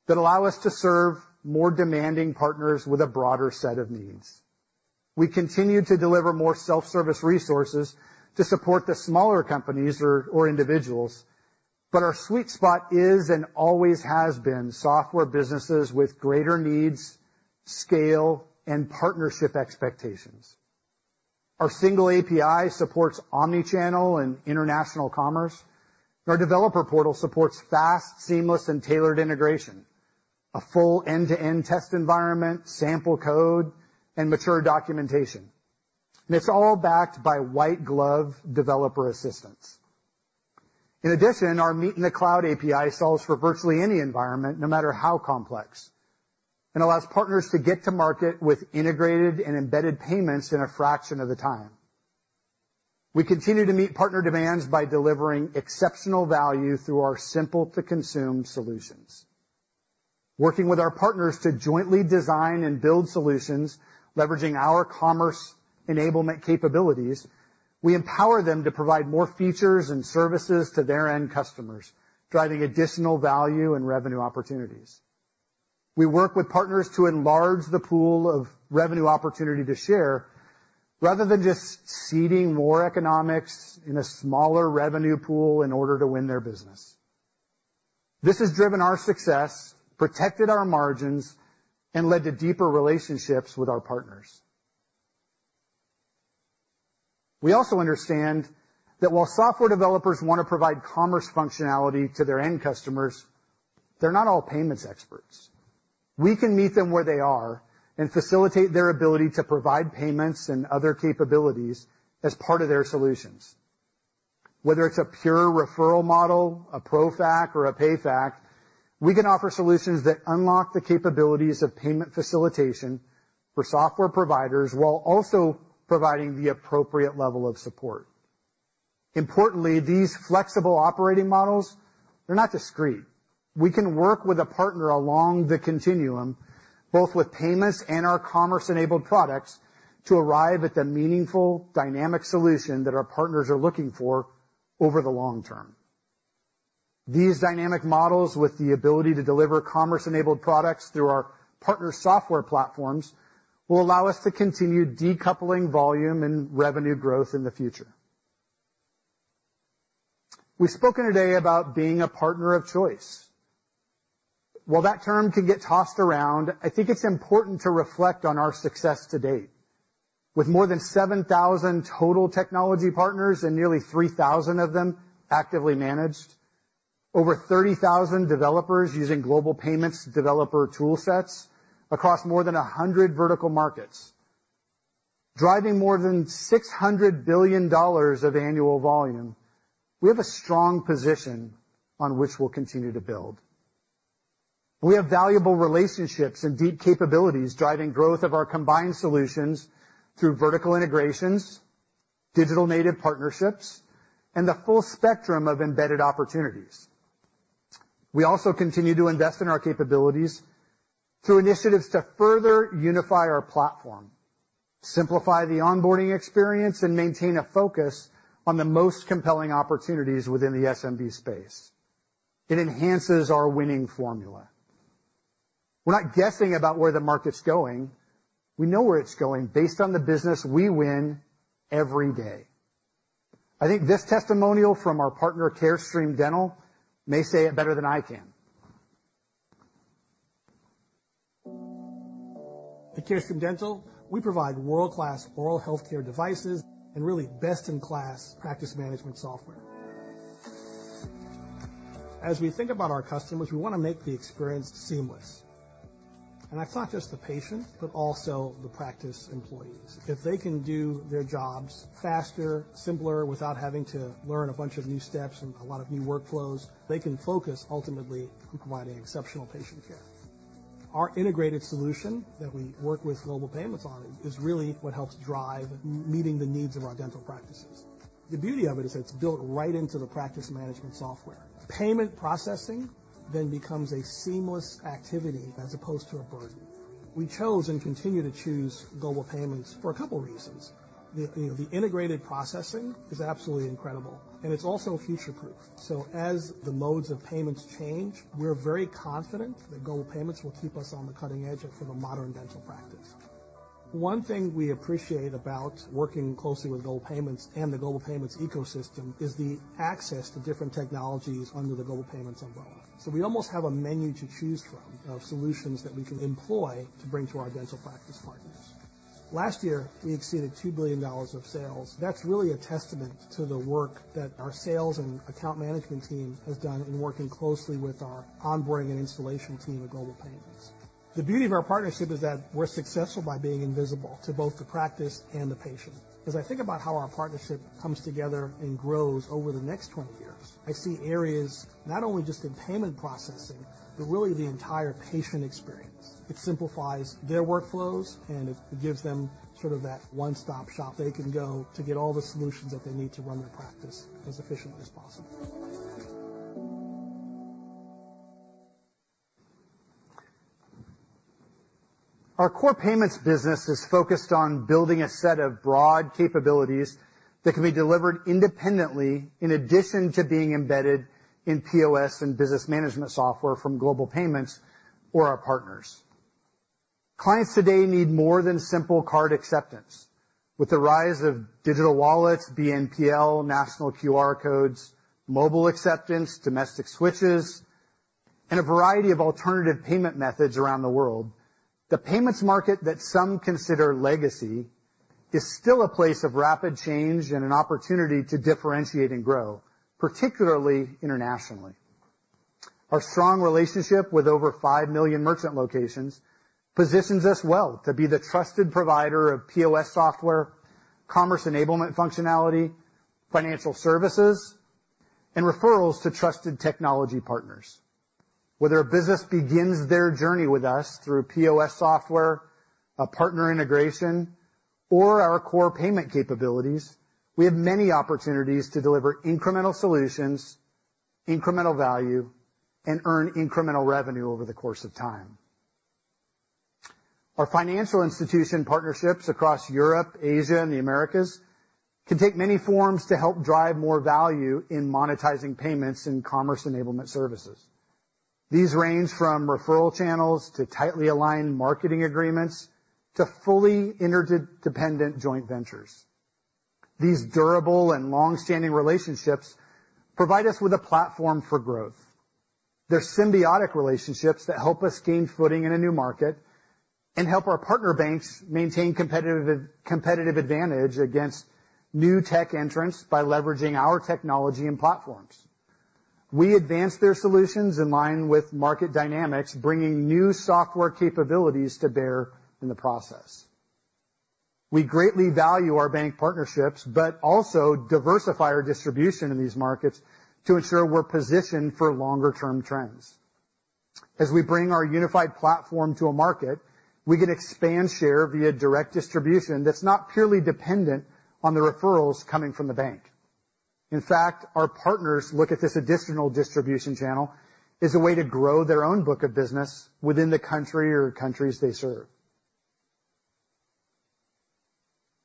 that allow us to serve more demanding partners with a broader set of needs. We continue to deliver more self-service resources to support the smaller companies or individuals, but our sweet spot is and always has been software businesses with greater needs, scale, and partnership expectations. Our single API supports omni-channel and international commerce. Our developer portal supports fast, seamless, and tailored integration, a full end-to-end test environment, sample code, and mature documentation, and it's all backed by white-glove developer assistance. In addition, our Meet in the Cloud API solves for virtually any environment, no matter how complex, and allows partners to get to market with Integrated and Embedded payments in a fraction of the time. We continue to meet partner demands by delivering exceptional value through our simple-to-consume solutions. Working with our partners to jointly design and build solutions, leveraging our commerce enablement capabilities, we empower them to provide more features and services to their end customers, driving additional value and revenue opportunities. We work with partners to enlarge the pool of revenue opportunity to share, rather than just ceding more economics in a smaller revenue pool in order to win their business. This has driven our success, protected our margins, and led to deeper relationships with our partners. We also understand that while software developers want to provide commerce functionality to their end customers, they're not all payments experts. We can meet them where they are and facilitate their ability to provide payments and other capabilities as part of their solutions. Whether it's a pure referral model, a ProFac, or a PayFac, we can offer solutions that unlock the capabilities of payment facilitation for software providers, while also providing the appropriate level of support. Importantly, these flexible operating models, they're not discrete. We can work with a partner along the continuum, both with payments and our commerce-enabled products, to arrive at the meaningful dynamic solution that our partners are looking for over the long term. These dynamic models, with the ability to deliver commerce-enabled products through our partner software platforms, will allow us to continue decoupling volume and revenue growth in the future. We've spoken today about being a partner of choice. While that term can get tossed around, I think it's important to reflect on our success to date. With more than 7,000 total technology partners and nearly 3,000 of them actively managed, over 30,000 developers using Global Payments developer toolsets across more than a 100 vertical markets, driving more than $600 billion of annual volume, we have a strong position on which we'll continue to build. We have valuable relationships and deep capabilities driving growth of our combined solutions through vertical integrations, digital native partnerships, and the full spectrum of embedded opportunities. We also continue to invest in our capabilities through initiatives to further unify our platform, simplify the onboarding experience, and maintain a focus on the most compelling opportunities within the SMB space. It enhances our winning formula. We're not guessing about where the market's going. We know where it's going based on the business we win every day. I think this testimonial from our partner, Carestream Dental, may say it better than I can.
At Carestream Dental, we provide world-class oral health care devices and really best-in-class practice management software. As we think about our customers, we want to make the experience seamless, and that's not just the patient, but also the practice employees. If they can do their jobs faster, simpler, without having to learn a bunch of new steps and a lot of new workflows, they can focus ultimately on providing exceptional patient care. Our integrated solution that we work with Global Payments on is really what helps drive meeting the needs of our dental practices. The beauty of it is it's built right into the practice management software. Payment processing then becomes a seamless activity as opposed to a burden. We chose and continue to choose Global Payments for a couple reasons. The integrated processing is absolutely incredible, and it's also future-proof, so as the modes of payments change, we're very confident that Global Payments will keep us on the cutting edge of the modern dental practice. One thing we appreciate about working closely with Global Payments and the Global Payments ecosystem is the access to different technologies under the Global Payments umbrella. So we almost have a menu to choose from, of solutions that we can employ to bring to our dental practice partners. Last year, we exceeded $2 billion of sales. That's really a testament to the work that our sales and account management team has done in working closely with our onboarding and installation team at Global Payments. The beauty of our partnership is that we're successful by being invisible to both the practice and the patient. As I think about how our partnership comes together and grows over the next 20 years, I see areas not only just in payment processing, but really the entire patient experience. It simplifies their workflows, and it gives them sort of that one-stop-shop. They can go to get all the solutions that they need to run their practice as efficiently as possible.
Core Payments business is focused on building a set of broad capabilities that can be delivered independently, in addition to being embedded in POS and business management software from Global Payments or our partners. Clients today need more than simple card acceptance. With the rise of digital wallets, BNPL, national QR codes, mobile acceptance, domestic switches, and a variety of alternative payment methods around the world, the payments market that some consider legacy is still a place of rapid change and an opportunity to differentiate and grow, particularly internationally. Our strong relationship with over 5 million merchant locations positions us well to be the trusted provider of POS software, commerce enablement functionality, financial services, and referrals to trusted technology partners. Whether a business begins their journey with us through POS software, a partner integration, or our core payment capabilities, we have many opportunities to deliver incremental solutions, incremental value, and earn incremental revenue over the course of time. Our financial institution partnerships across Europe, Asia, and the Americas can take many forms to help drive more value in monetizing payments and commerce enablement services. These range from referral channels to tightly aligned marketing agreements to fully interdependent joint ventures. These durable and long-standing relationships provide us with a platform for growth. They're symbiotic relationships that help us gain footing in a new market and help our partner banks maintain competitive advantage against new tech entrants by leveraging our technology and platforms. We advance their solutions in line with market dynamics, bringing new software capabilities to bear in the process. We greatly value our bank partnerships, but also diversify our distribution in these markets to ensure we're positioned for longer-term trends. As we bring our unified platform to a market, we can expand share via direct distribution that's not purely dependent on the referrals coming from the bank. In fact, our partners look at this additional distribution channel as a way to grow their own book of business within the country or countries they serve.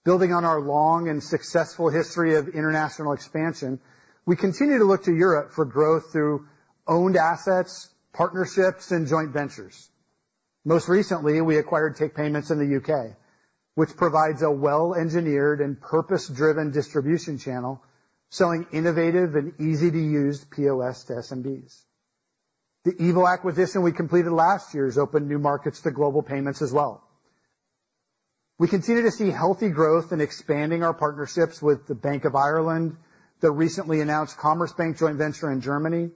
Building on our long and successful history of international expansion, we continue to look to Europe for growth through owned assets, partnerships, and joint ventures. Most recently, we acquired takepayments in the U.K., which provides a well-engineered and purpose-driven distribution channel, selling innovative and easy-to-use POS to SMBs. The EVO acquisition we completed last year has opened new markets to Global Payments as well. We continue to see healthy growth in expanding our partnerships with the Bank of Ireland, the recently announced Commerzbank joint venture in Germany,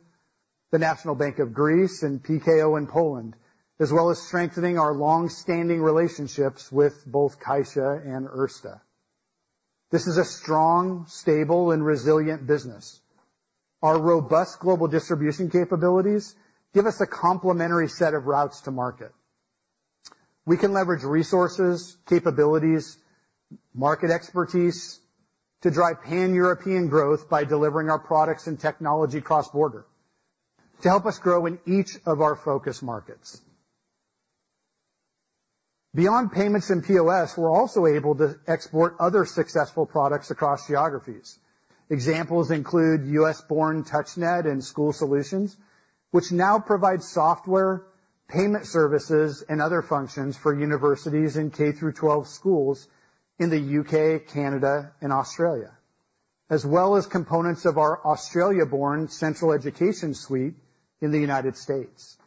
the National Bank of Greece, and PKO in Poland, as well as strengthening our long-standing relationships with both CaixaBank and Erste Group. This is a strong, stable, and resilient business. Our robust global distribution capabilities give us a complementary set of routes to market. We can leverage resources, capabilities, market expertise to drive pan-European growth by delivering our products and technology cross-border to help us grow in each of our focus markets. Beyond payments and POS, we're also able to export other successful products across geographies. Examples include U.S.-born TouchNet and School Solutions, which now provide software, payment services, and other functions for universities and K through 12 schools in the U.K., Canada, and Australia, as well as components of our Australia-born Sentral Education Suite in the United States.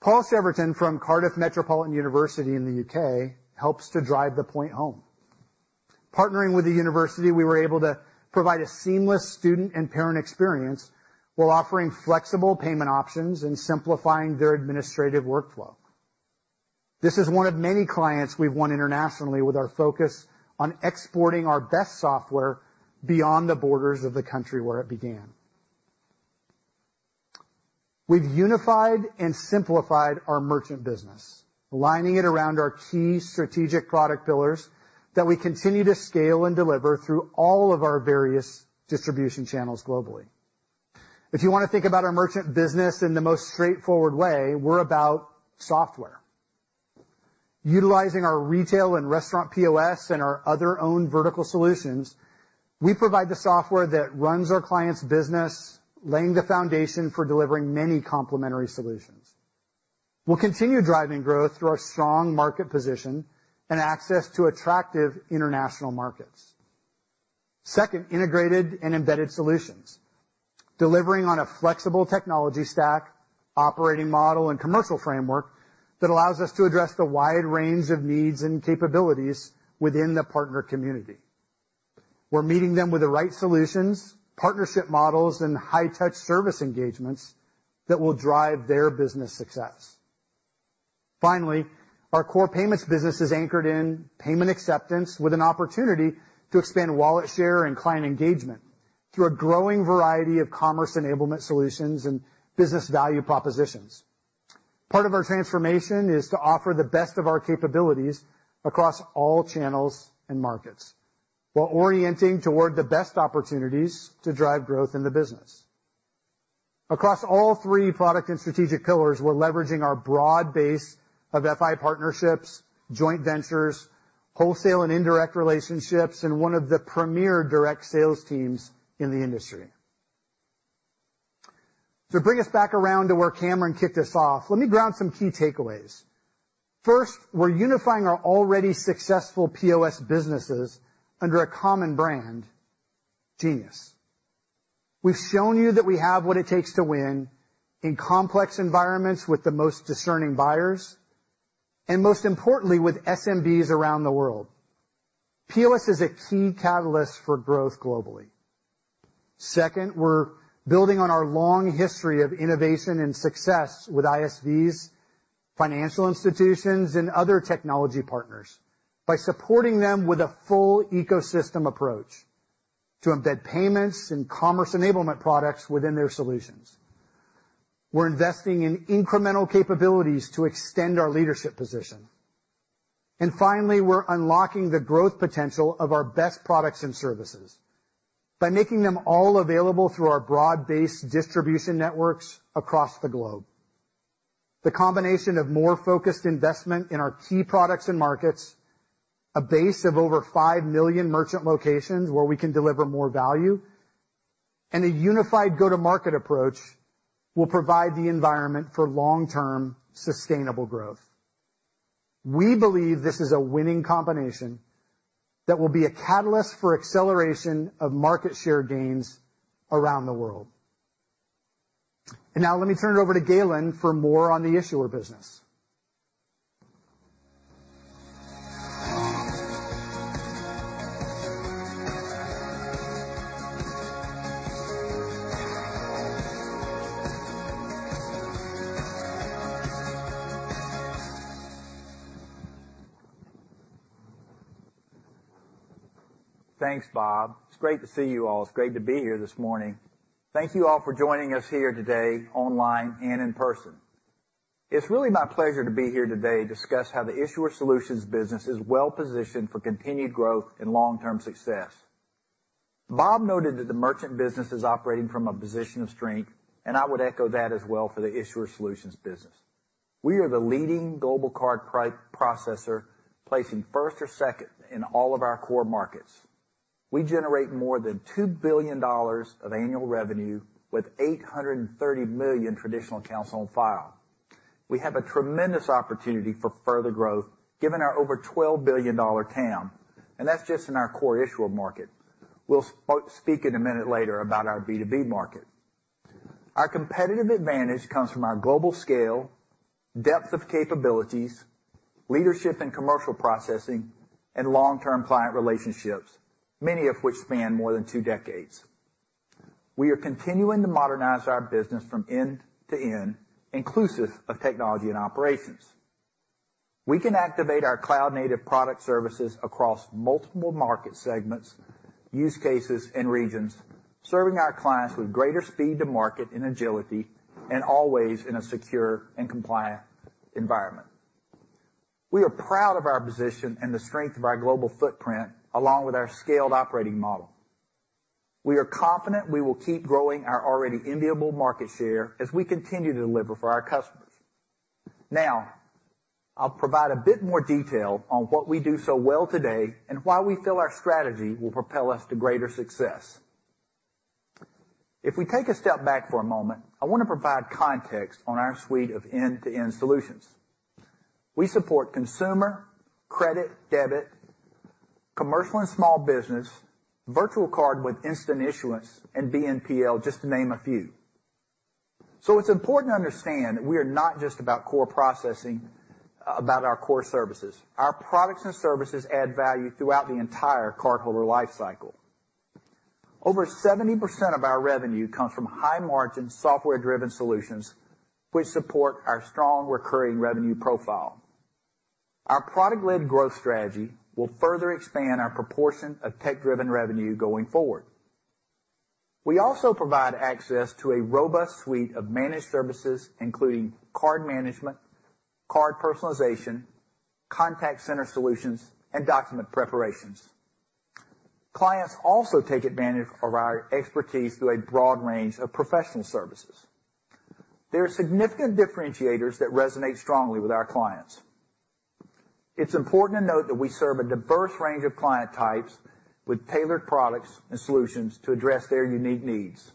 Paul Leverton from Cardiff Metropolitan University in the U.K. helps to drive the point home. Partnering with the university, we were able to provide a seamless student and parent experience while offering flexible payment options and simplifying their administrative workflow. This is one of many clients we've won internationally with our focus on exporting our best software beyond the borders of the country where it began. We've unified and simplified our merchant business, aligning it around our key strategic product pillars that we continue to scale and deliver through all of our various distribution channels globally. If you want to think about our merchant business in the most straightforward way, we're about software. Utilizing our retail and restaurant POS and our other own vertical solutions, we provide the software that runs our clients' business, laying the foundation for delivering many complementary solutions. We'll continue driving growth through our strong market position and access to attractive international markets. Second, Integrated and Embedded solutions, delivering on a flexible technology stack, operating model, and commercial framework that allows us to address the wide range of needs and capabilities within the partner community. We're meeting them with the right solutions, partnership models, and high-touch service engagements that will drive their business success. Finally, Core Payments business is anchored in payment acceptance, with an opportunity to expand wallet share and client engagement through a growing variety of commerce enablement solutions and business value propositions. Part of our transformation is to offer the best of our capabilities across all channels and markets, while orienting toward the best opportunities to drive growth in the business. Across all three product and strategic pillars, we're leveraging our broad base of FI partnerships, joint ventures, wholesale and indirect relationships, and one of the premier direct sales teams in the industry. To bring us back around to where Cameron kicked us off, let me ground some key takeaways. First, we're unifying our already successful POS businesses under a common brand, Genius. We've shown you that we have what it takes to win in complex environments with the most discerning buyers, and most importantly, with SMBs around the world. POS is a key catalyst for growth globally. Second, we're building on our long history of innovation and success with ISVs, financial institutions, and other technology partners by supporting them with a full ecosystem approach to embed payments and commerce enablement products within their solutions. We're investing in incremental capabilities to extend our leadership position. And finally, we're unlocking the growth potential of our best products and services by making them all available through our broad-based distribution networks across the globe. The combination of more focused investment in our key products and markets, a base of over 5 million merchant locations where we can deliver more value, and a unified go-to-market approach will provide the environment for long-term, sustainable growth. We believe this is a winning combination that will be a catalyst for acceleration of market share gains around the world. And now let me turn it over to Gaylon for more on the Issuer business.
Thanks, Bob. It's great to see you all. It's great to be here this morning. Thank you all for joining us here today, online and in person. It's really my pleasure to be here today to discuss how the Issuer Solutions business is well-positioned for continued growth and long-term success. Bob noted that the merchant business is operating from a position of strength, and I would echo that as well for the Issuer Solutions business. We are the leading global card processor, placing first or second in all of our core markets. We generate more than $2 billion of annual revenue, with 830 million traditional accounts on file. We have a tremendous opportunity for further growth, given our over $12 billion TAM, and that's just in our core issuer market. We'll speak in a minute later about our B2B market. Our competitive advantage comes from our global scale, depth of capabilities, leadership and commercial processing, and long-term client relationships, many of which span more than two decades. We are continuing to modernize our business from end to end, inclusive of technology and operations. We can activate our cloud-native product services across multiple market segments, use cases, and regions, serving our clients with greater speed to market and agility, and always in a secure and compliant environment. We are proud of our position and the strength of our global footprint, along with our scaled operating model. We are confident we will keep growing our already enviable market share as we continue to deliver for our customers. Now, I'll provide a bit more detail on what we do so well today and why we feel our strategy will propel us to greater success. If we take a step back for a moment, I want to provide context on our suite of end-to-end solutions. We support consumer, credit, debit, commercial and small business, virtual card with instant issuance and BNPL, just to name a few. So it's important to understand that we are not just about core processing, about our core services. Our products and services add value throughout the entire cardholder life cycle. Over 70% of our revenue comes from high-margin, software-driven solutions, which support our strong recurring revenue profile. Our product-led growth strategy will further expand our proportion of tech-driven revenue going forward. We also provide access to a robust suite of managed services, including card management, card personalization, contact center solutions, and document preparations. Clients also take advantage of our expertise through a broad range of professional services. There are significant differentiators that resonate strongly with our clients. It's important to note that we serve a diverse range of client types with tailored products and solutions to address their unique needs,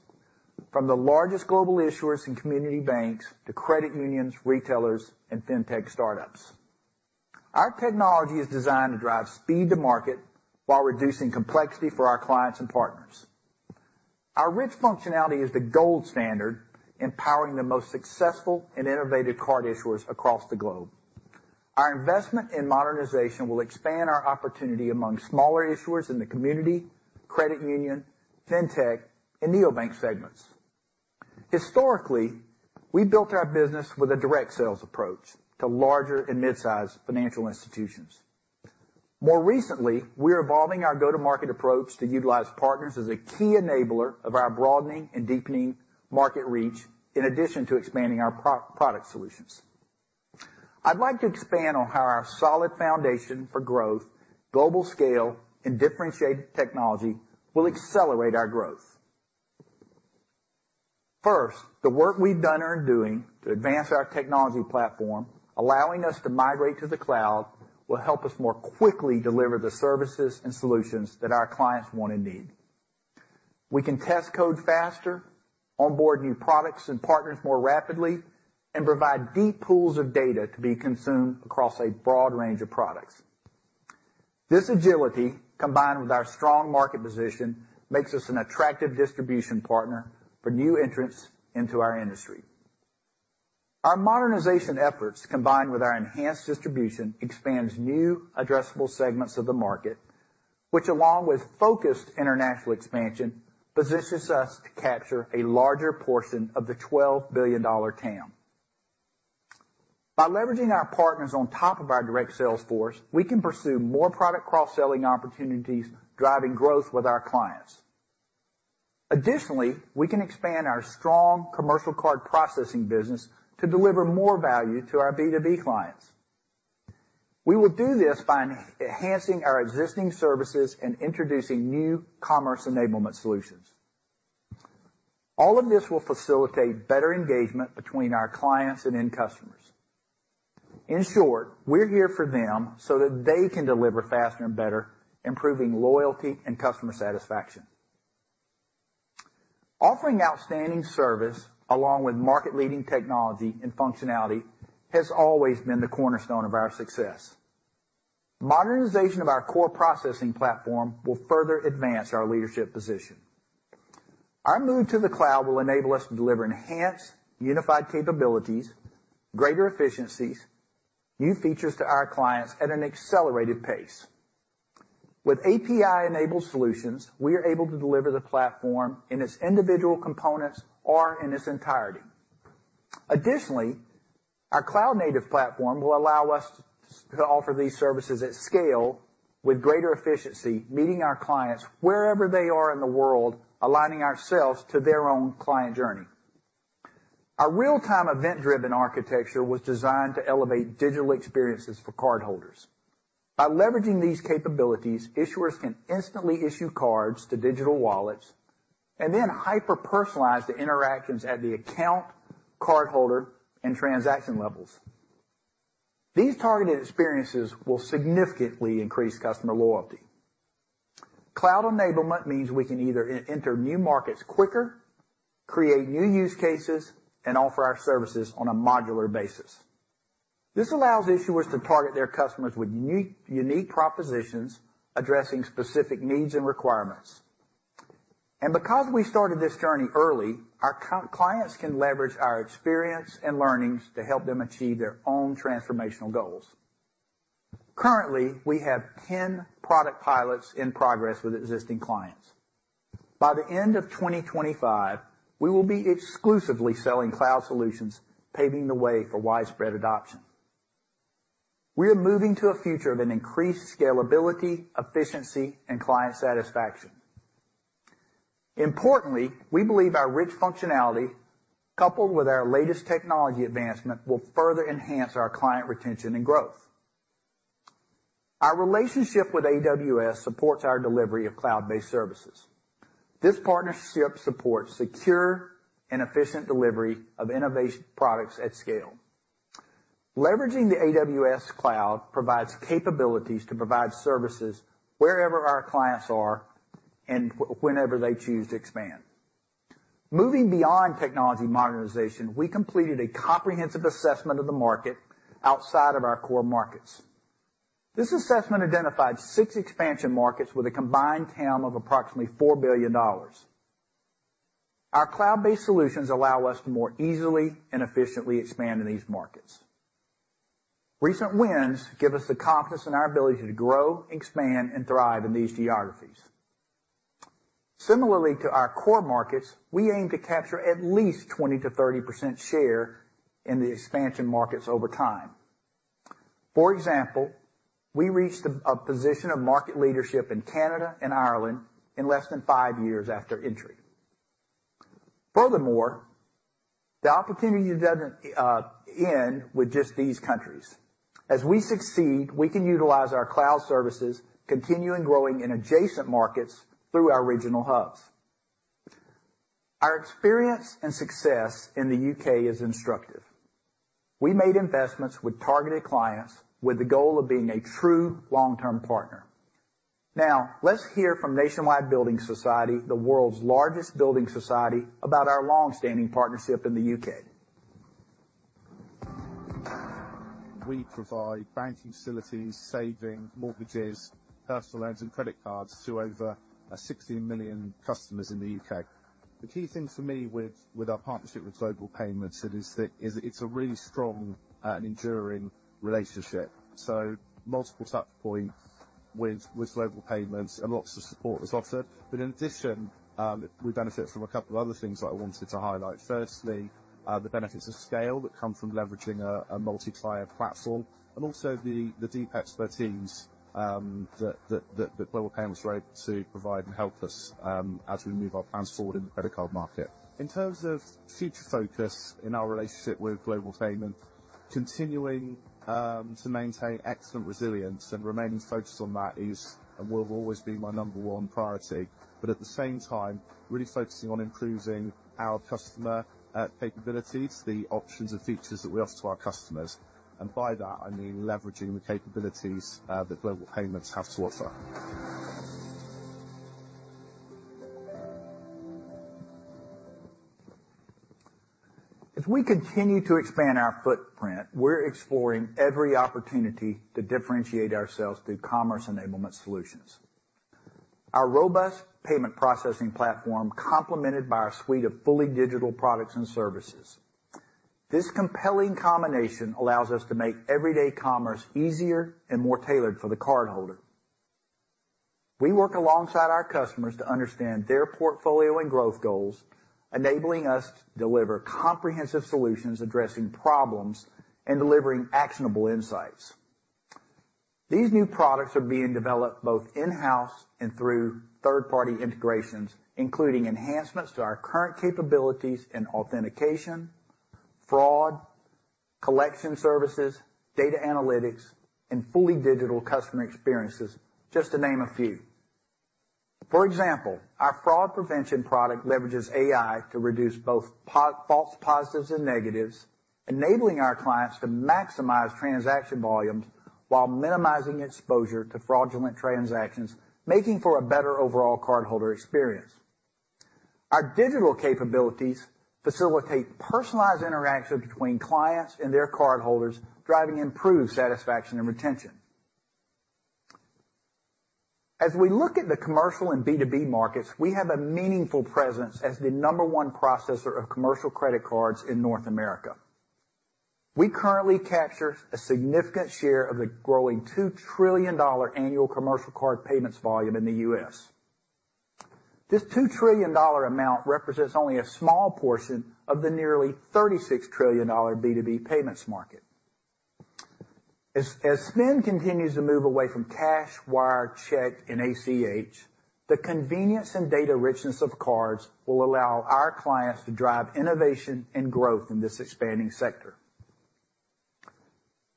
from the largest global issuers and community banks to credit unions, retailers, and fintech startups. Our technology is designed to drive speed to market while reducing complexity for our clients and partners. Our rich functionality is the gold standard, empowering the most successful and innovative card issuers across the globe. Our investment in modernization will expand our opportunity among smaller issuers in the community, credit union, fintech, and neobank segments. Historically, we built our business with a direct sales approach to larger and mid-sized financial institutions. More recently, we're evolving our go-to-market approach to utilize partners as a key enabler of our broadening and deepening market reach, in addition to expanding our Product Solutions. I'd like to expand on how our solid foundation for growth, global scale, and differentiated technology will accelerate our growth. First, the work we've done and are doing to advance our technology platform, allowing us to migrate to the cloud, will help us more quickly deliver the services and solutions that our clients want and need. We can test code faster, onboard new products and partners more rapidly, and provide deep pools of data to be consumed across a broad range of products. This agility, combined with our strong market position, makes us an attractive distribution partner for new entrants into our industry. Our modernization efforts, combined with our enhanced distribution, expands new addressable segments of the market, which, along with focused international expansion, positions us to capture a larger portion of the $12 billion TAM. By leveraging our partners on top of our direct sales force, we can pursue more product cross-selling opportunities, driving growth with our clients. Additionally, we can expand our strong commercial card processing business to deliver more value to our B2B clients. We will do this by enhancing our existing services and introducing new commerce enablement solutions. All of this will facilitate better engagement between our clients and end customers. In short, we're here for them so that they can deliver faster and better, improving loyalty and customer satisfaction. Offering outstanding service, along with market-leading technology and functionality, has always been the cornerstone of our success. Modernization of our core processing platform will further advance our leadership position. Our move to the cloud will enable us to deliver enhanced, unified capabilities, greater efficiencies, new features to our clients at an accelerated pace. With API-enabled solutions, we are able to deliver the platform in its individual components or in its entirety. Additionally, our cloud-native platform will allow us to offer these services at scale with greater efficiency, meeting our clients wherever they are in the world, aligning ourselves to their own client journey. Our real-time, event-driven architecture was designed to elevate digital experiences for cardholders. By leveraging these capabilities, issuers can instantly issue cards to digital wallets and then hyper-personalize the interactions at the account, cardholder, and transaction levels. These targeted experiences will significantly increase customer loyalty. Cloud enablement means we can either enter new markets quicker, create new use cases, and offer our services on a modular basis. This allows issuers to target their customers with unique propositions, addressing specific needs and requirements. Because we started this journey early, our clients can leverage our experience and learnings to help them achieve their own transformational goals. Currently, we have ten product pilots in progress with existing clients. By the end of 2025, we will be exclusively selling cloud solutions, paving the way for widespread adoption. We are moving to a future of an increased scalability, efficiency, and client satisfaction. Importantly, we believe our rich functionality, coupled with our latest technology advancement, will further enhance our client retention and growth. Our relationship with AWS supports our delivery of cloud-based services. This partnership supports secure and efficient delivery of innovation products at scale. Leveraging the AWS Cloud provides capabilities to provide services wherever our clients are and whenever they choose to expand. Moving beyond technology modernization, we completed a comprehensive assessment of the market outside of our core markets. This assessment identified six expansion markets with a combined TAM of approximately $4 billion. Our cloud-based solutions allow us to more easily and efficiently expand in these markets. Recent wins give us the confidence in our ability to grow, expand, and thrive in these geographies. Similarly to our core markets, we aim to capture at least 20%-30% share in the expansion markets over time. For example, we reached a position of market leadership in Canada and Ireland in less than five years after entry. Furthermore, the opportunity doesn't end with just these countries. As we succeed, we can utilize our cloud services, continuing growing in adjacent markets through our regional hubs. Our experience and success in the U.K. is instructive. We made investments with targeted clients with the goal of being a true long-term partner. Now, let's hear from Nationwide Building Society, the world's largest building society, about our long-standing partnership in the U.K.
We provide banking facilities, savings, mortgages, personal loans, and credit cards to over 16 million customers in the U.K. The key thing for me with our partnership with Global Payments is that it's a really strong and enduring relationship, so multiple touchpoints with Global Payments and lots of support is offered. But in addition, we benefit from a couple other things that I wanted to highlight. Firstly, the benefits of scale that come from leveraging a multi-tier platform, and also the deep expertise that Global Payments are able to provide and help us as we move our plans forward in the credit card market. In terms of future focus in our relationship with Global Payments, continuing to maintain excellent resilience and remaining focused on that is, and will always be my number one priority. But at the same time, really focusing on improving our customer capabilities, the options and features that we offer to our customers, and by that, I mean leveraging the capabilities that Global Payments have to offer.
If we continue to expand our footprint, we're exploring every opportunity to differentiate ourselves through commerce enablement solutions. Our robust payment processing platform, complemented by our suite of fully digital products and services. This compelling combination allows us to make everyday commerce easier and more tailored for the cardholder. We work alongside our customers to understand their portfolio and growth goals, enabling us to deliver comprehensive solutions addressing problems and delivering actionable insights. These new products are being developed both in-house and through third-party integrations, including enhancements to our current capabilities in authentication, fraud, collection services, data analytics, and fully digital customer experiences, just to name a few. For example, our fraud prevention product leverages AI to reduce both false positives and negatives, enabling our clients to maximize transaction volumes while minimizing exposure to fraudulent transactions, making for a better overall cardholder experience. Our digital capabilities facilitate personalized interaction between clients and their cardholders, driving improved satisfaction and retention. As we look at the commercial and B2B markets, we have a meaningful presence as the number one processor of commercial credit cards in North America. We currently capture a significant share of the growing $2 trillion annual commercial card payments volume in the U.S. This $2 trillion amount represents only a small portion of the nearly $36 trillion B2B payments market. As spend continues to move away from cash, wire, check, and ACH, the convenience and data richness of cards will allow our clients to drive innovation and growth in this expanding sector.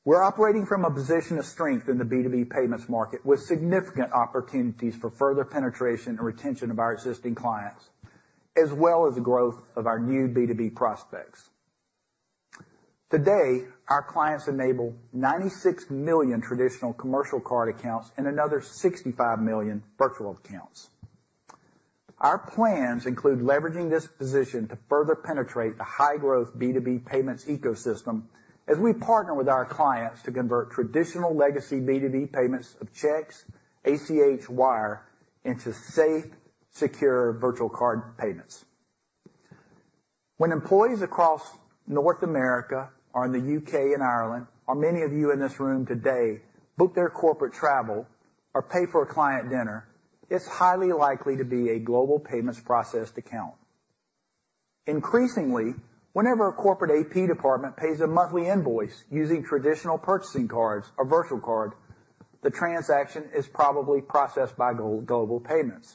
We're operating from a position of strength in the B2B payments market, with significant opportunities for further penetration and retention of our existing clients, as well as the growth of our new B2B prospects. Today, our clients enable 96 million traditional commercial card accounts and another 65 million virtual accounts. Our plans include leveraging this position to further penetrate the high-growth B2B payments ecosystem as we partner with our clients to convert traditional legacy B2B payments of checks, ACH wire into safe, secure virtual card payments. When employees across North America or in the U.K. and Ireland, or many of you in this room today, book their corporate travel or pay for a client dinner, it's highly likely to be a Global Payments processed account. Increasingly, whenever a corporate AP department pays a monthly invoice using traditional purchasing cards or virtual card, the transaction is probably processed by Global Payments.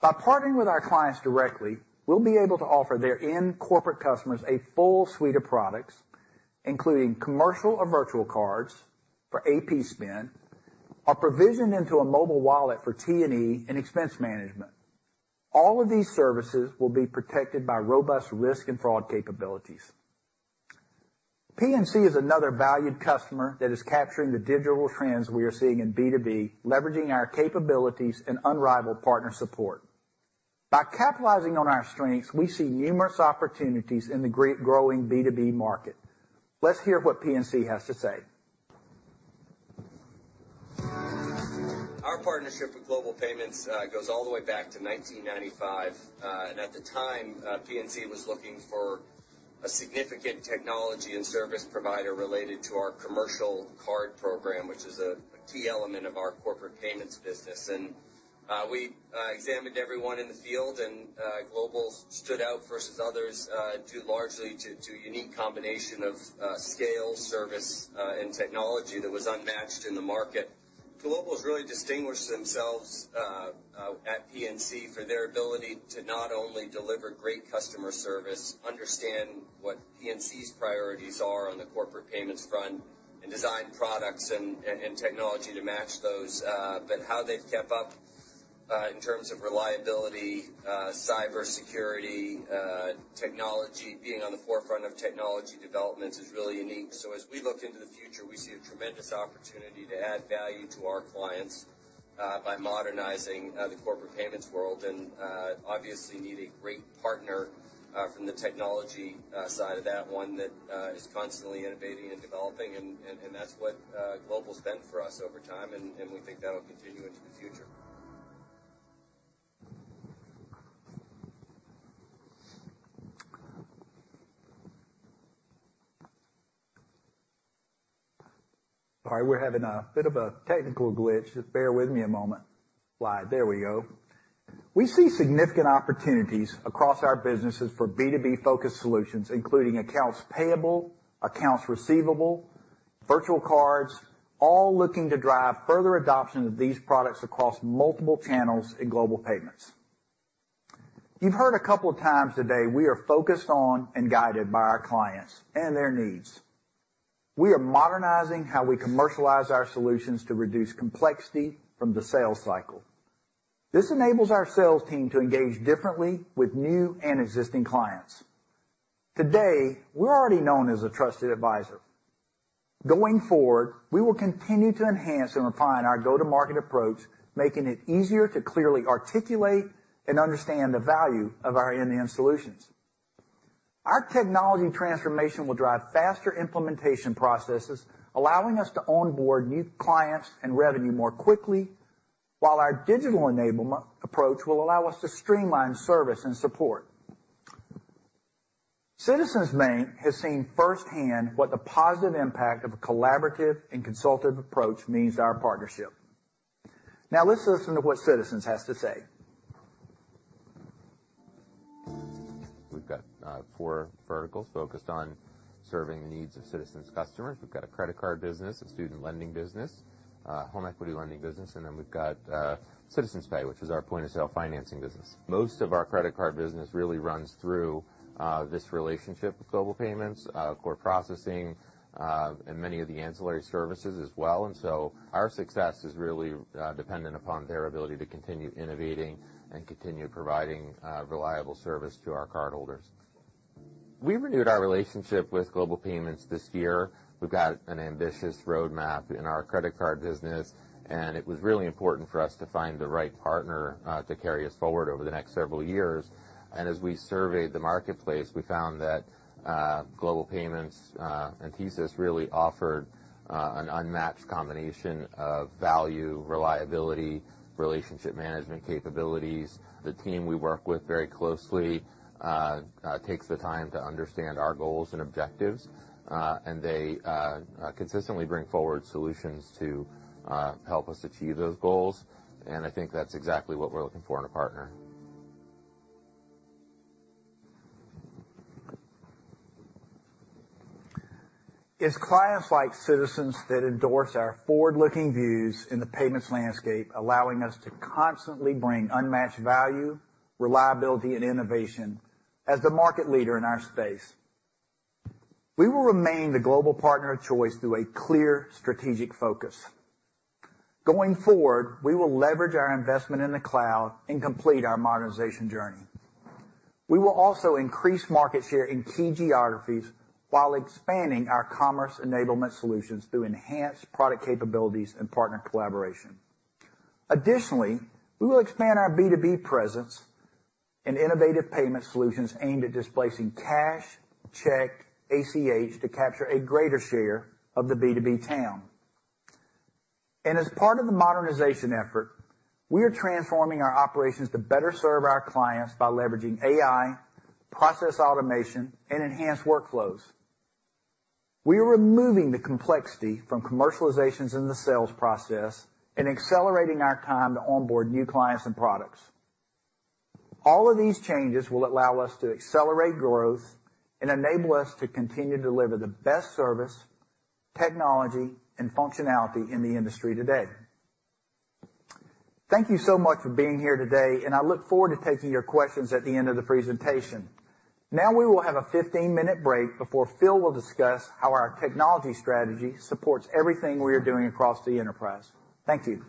By partnering with our clients directly, we'll be able to offer their end corporate customers a full suite of products, including commercial or virtual cards for AP spend, or provision into a mobile wallet for T&E and expense management. All of these services will be protected by robust risk and fraud capabilities. PNC is another valued customer that is capturing the digital trends we are seeing in B2B, leveraging our capabilities and unrivaled partner support. By capitalizing on our strengths, we see numerous opportunities in the great growing B2B market. Let's hear what PNC has to say.
Our partnership with Global Payments goes all the way back to 1995, and at the time PNC was looking for a significant technology and service provider related to our commercial card program, which is a key element of our corporate payments business, and we examined everyone in the field, and Global stood out versus others due largely to unique combination of scale, service, and technology that was unmatched in the market. Global has really distinguished themselves at PNC for their ability to not only deliver great customer service, understand what PNC's priorities are on the corporate payments front, and design products and technology to match those, but how they've kept up in terms of reliability, cybersecurity, technology. Being on the forefront of technology developments is really unique. So as we look into the future, we see a tremendous opportunity to add value to our clients by modernizing the corporate payments world and obviously need a great partner from the technology side of that, one that is constantly innovating and developing, and that's what Global's been for us over time, and we think that'll continue into the future.
All right, we're having a bit of a technical glitch. Just bear with me a moment. Slide. There we go. We see significant opportunities across our businesses for B2B-focused solutions, including accounts payable, accounts receivable, virtual cards, all looking to drive further adoption of these products across multiple channels in Global Payments. You've heard a couple of times today. We are focused on and guided by our clients and their needs. We are modernizing how we commercialize our solutions to reduce complexity from the sales cycle. This enables our sales team to engage differently with new and existing clients. Today, we're already known as a trusted advisor. Going forward, we will continue to enhance and refine our go-to-market approach, making it easier to clearly articulate and understand the value of our end-to-end solutions. Our technology transformation will drive faster implementation processes, allowing us to onboard new clients and revenue more quickly, while our digital enablement approach will allow us to streamline service and support. Citizens Bank has seen firsthand what the positive impact of a collaborative and consultative approach means to our partnership. Now let's listen to what Citizens has to say.
We've got four verticals focused on serving the needs of Citizens' customers. We've got a credit card business, a student lending business, home equity lending business, and then we've got Citizens Pay, which is our point-of-sale financing business. Most of our credit card business really runs through this relationship with Global Payments, core processing, and many of the ancillary services as well. And so our success is really dependent upon their ability to continue innovating and continue providing reliable service to our cardholders. We renewed our relationship with Global Payments this year. We've got an ambitious roadmap in our credit card business, and it was really important for us to find the right partner to carry us forward over the next several years. As we surveyed the marketplace, we found that Global Payments and TSYS really offered an unmatched combination of value, reliability, relationship management capabilities. The team we work with very closely takes the time to understand our goals and objectives, and they consistently bring forward solutions to help us achieve those goals, and I think that's exactly what we're looking for in a partner.
It's clients like Citizens that endorse our forward-looking views in the payments landscape, allowing us to constantly bring unmatched value, reliability, and innovation as the market leader in our space. We will remain the global partner of choice through a clear strategic focus. Going forward, we will leverage our investment in the cloud and complete our modernization journey. We will also increase market share in key geographies while expanding our commerce enablement solutions through enhanced product capabilities and partner collaboration. Additionally, we will expand our B2B presence and innovative payment solutions aimed at displacing cash, check, ACH, to capture a greater share of the B2B TAM, and as part of the modernization effort, we are transforming our operations to better serve our clients by leveraging AI, process automation, and enhanced workflows. We are removing the complexity from commercializations in the sales process and accelerating our time to onboard new clients and products. All of these changes will allow us to accelerate growth and enable us to continue to deliver the best service, technology, and functionality in the industry today. Thank you so much for being here today, and I look forward to taking your questions at the end of the presentation. Now, we will have a 15-minute break before Phil will discuss how our technology strategy supports everything we are doing across the enterprise. Thank you.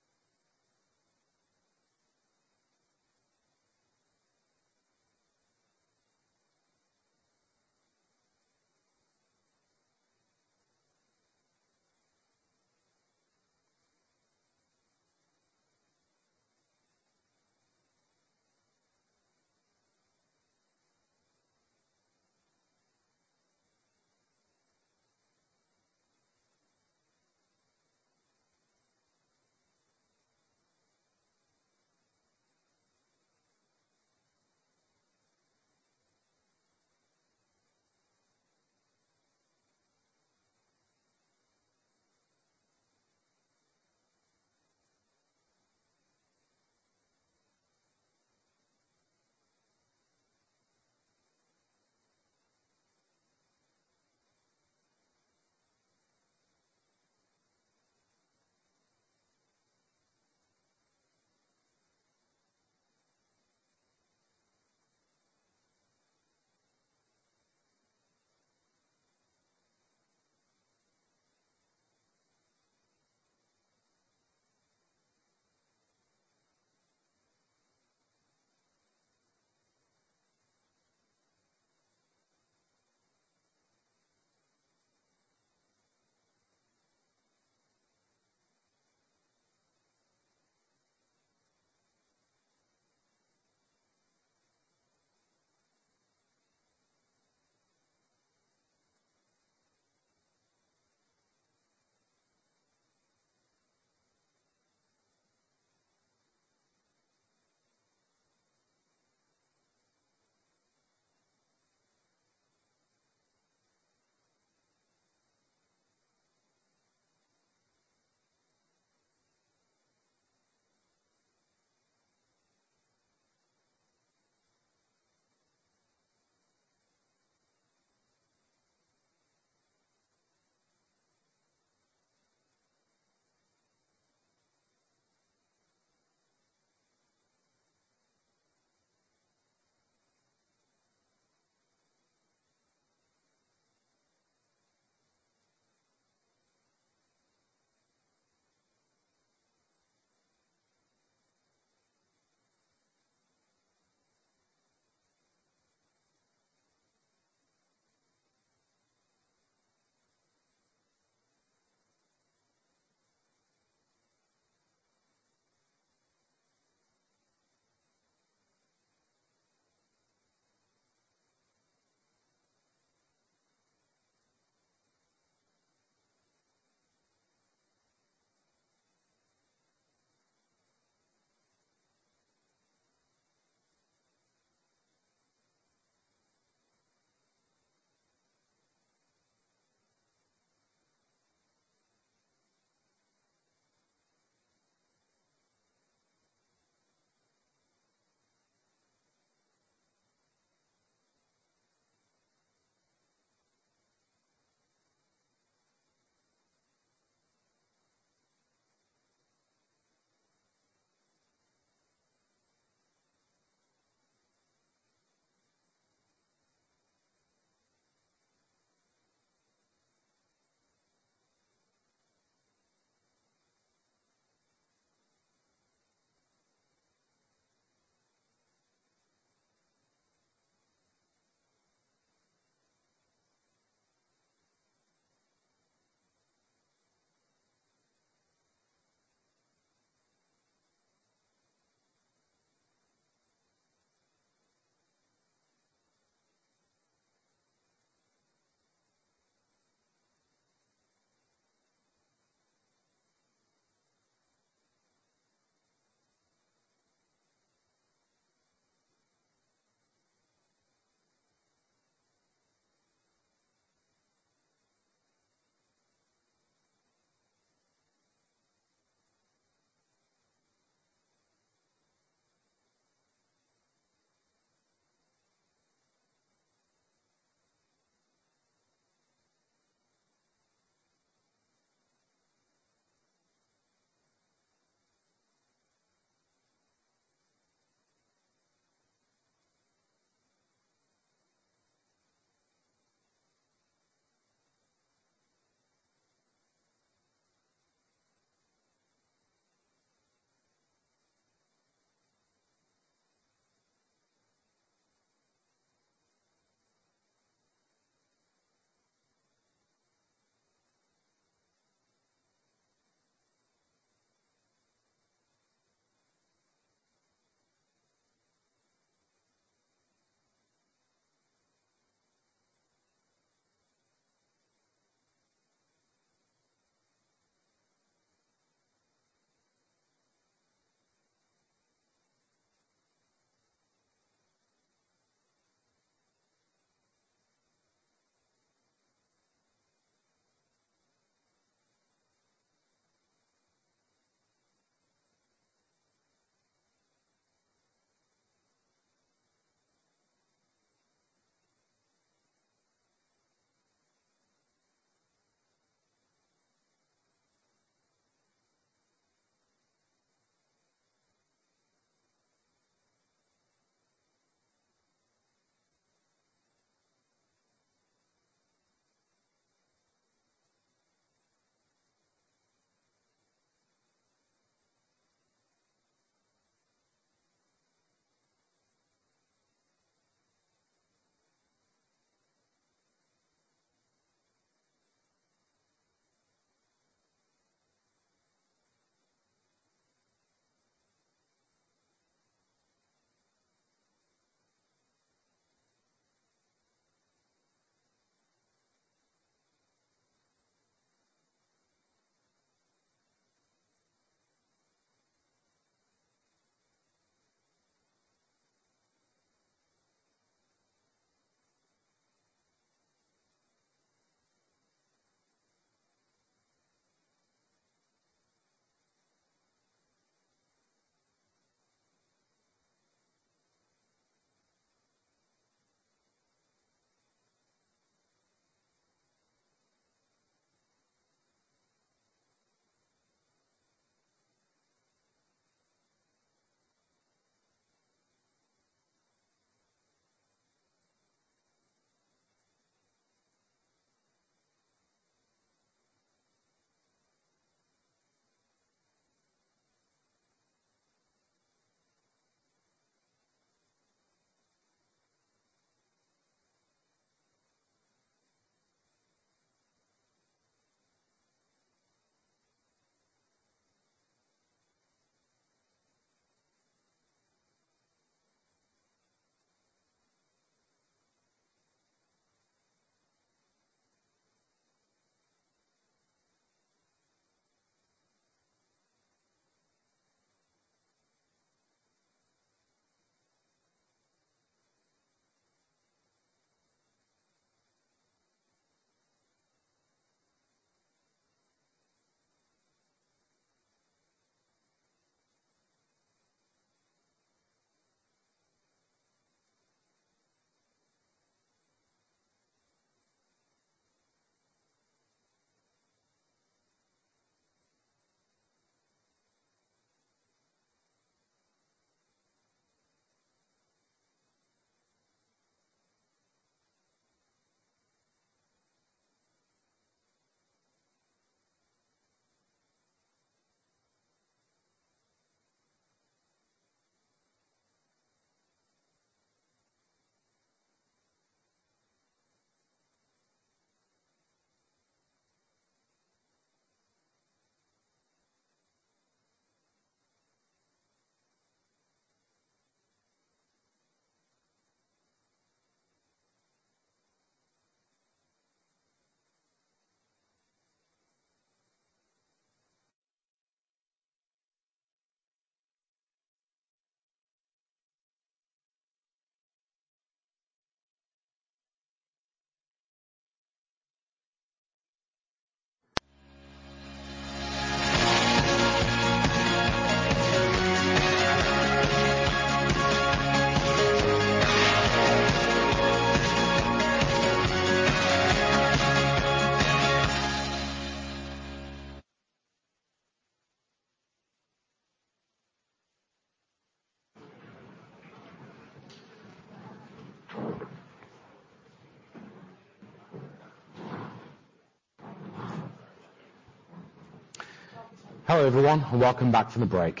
Hello, everyone, and welcome back from the break.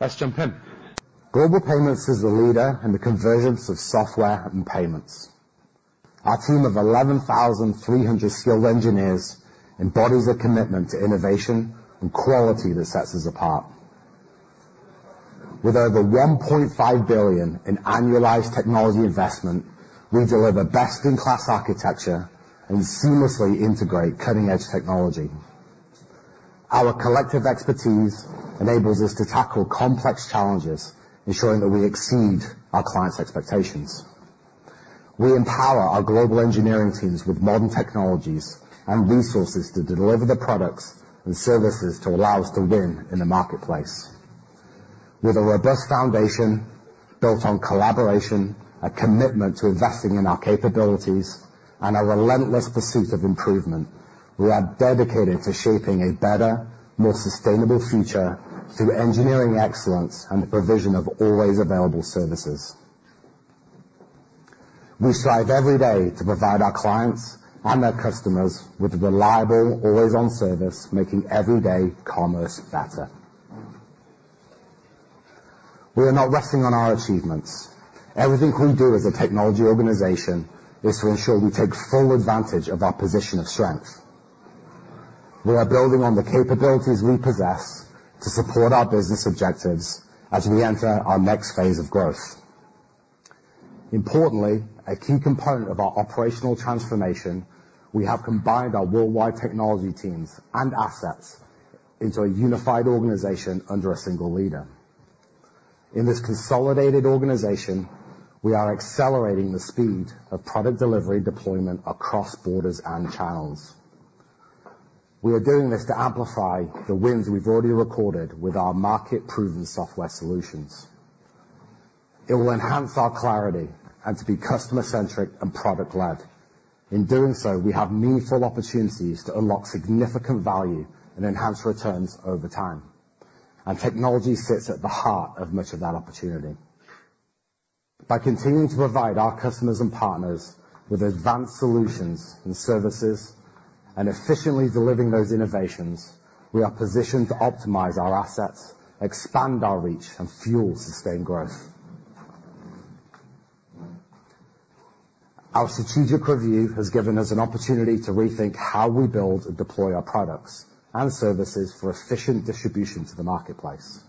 Let's jump in. Global Payments is a leader in the convergence of software and payments. Our team of 11,300 skilled engineers embodies a commitment to innovation and quality that sets us apart. With over $1.5 billion in annualized technology investment, we deliver best-in-class architecture and seamlessly integrate cutting-edge technology. Our collective expertise enables us to tackle complex challenges, ensuring that we exceed our clients' expectations. We empower our global engineering teams with modern technologies and resources to deliver the products and services to allow us to win in the marketplace.... With a robust foundation built on collaboration, a commitment to investing in our capabilities, and a relentless pursuit of improvement, we are dedicated to shaping a better, more sustainable future through engineering excellence and the provision of always available services. We strive every day to provide our clients and their customers with reliable, always-on service, making everyday commerce better. We are not resting on our achievements. Everything we do as a technology organization is to ensure we take full advantage of our position of strength. We are building on the capabilities we possess to support our business objectives as we enter our next phase of growth. Importantly, a key component of our operational transformation, we have combined our worldwide technology teams and assets into a unified organization under a single leader. In this consolidated organization, we are accelerating the speed of product delivery deployment across borders and channels. We are doing this to amplify the wins we've already recorded with our market-proven software solutions. It will enhance our clarity and to be customer-centric and product-led. In doing so, we have meaningful opportunities to unlock significant value and enhance returns over time, and technology sits at the heart of much of that opportunity. By continuing to provide our customers and partners with advanced solutions and services, and efficiently delivering those innovations, we are positioned to optimize our assets, expand our reach, and fuel sustained growth. Our strategic review has given us an opportunity to rethink how we build and deploy our products and services for efficient distribution to the marketplace.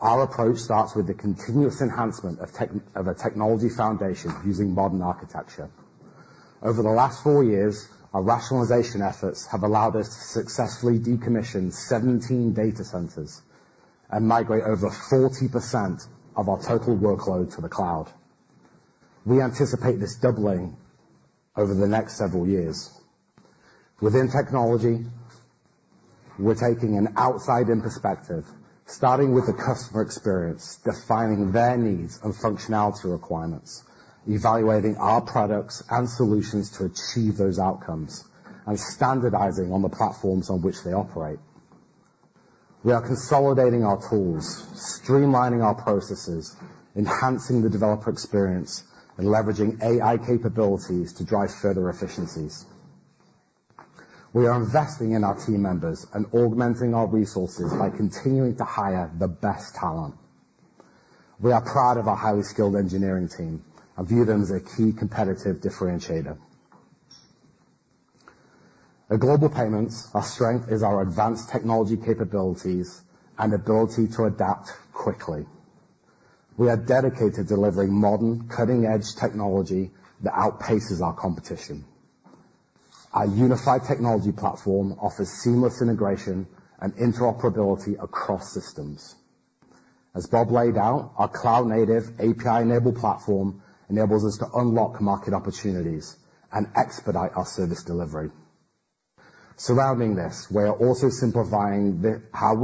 Our approach starts with the continuous enhancement of a technology foundation using modern architecture. Over the last 4 years, our rationalization efforts have allowed us to successfully decommission 17 data centers and migrate over 40% of our total workload to the cloud. We anticipate this doubling over the next several years. Within technology, we're taking an outside-in perspective, starting with the customer experience, defining their needs and functionality requirements, evaluating our products and solutions to achieve those outcomes, and standardizing on the platforms on which they operate. We are consolidating our tools, streamlining our processes, enhancing the developer experience, and leveraging AI capabilities to drive further efficiencies. We are investing in our team members and augmenting our resources by continuing to hire the best talent. We are proud of our highly skilled engineering team and view them as a key competitive differentiator. At Global Payments, our strength is our advanced technology capabilities and ability to adapt quickly. We are dedicated to delivering modern, cutting-edge technology that outpaces our competition. Our unified technology platform offers seamless integration and interoperability across systems. As Bob laid out, our cloud-native, API-enabled platform enables us to unlock market opportunities and expedite our service delivery. Surrounding this, we are also simplifying how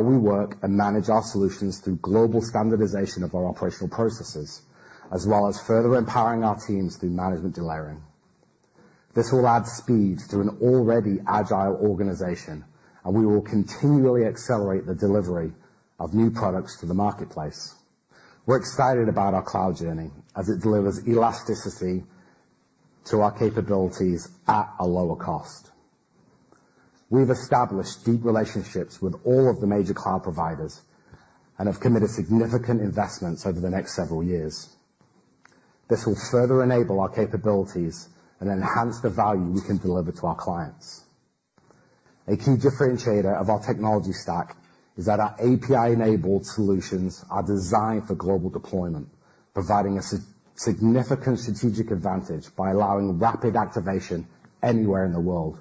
we work and manage our solutions through global standardization of our operational processes, as well as further empowering our teams through management delayering. This will add speed to an already agile organization, and we will continually accelerate the delivery of new products to the marketplace. We're excited about our cloud journey as it delivers elasticity to our capabilities at a lower cost. We've established deep relationships with all of the major cloud providers and have committed significant investments over the next several years. This will further enable our capabilities and enhance the value we can deliver to our clients. A key differentiator of our technology stack is that our API-enabled solutions are designed for global deployment, providing a significant strategic advantage by allowing rapid activation anywhere in the world.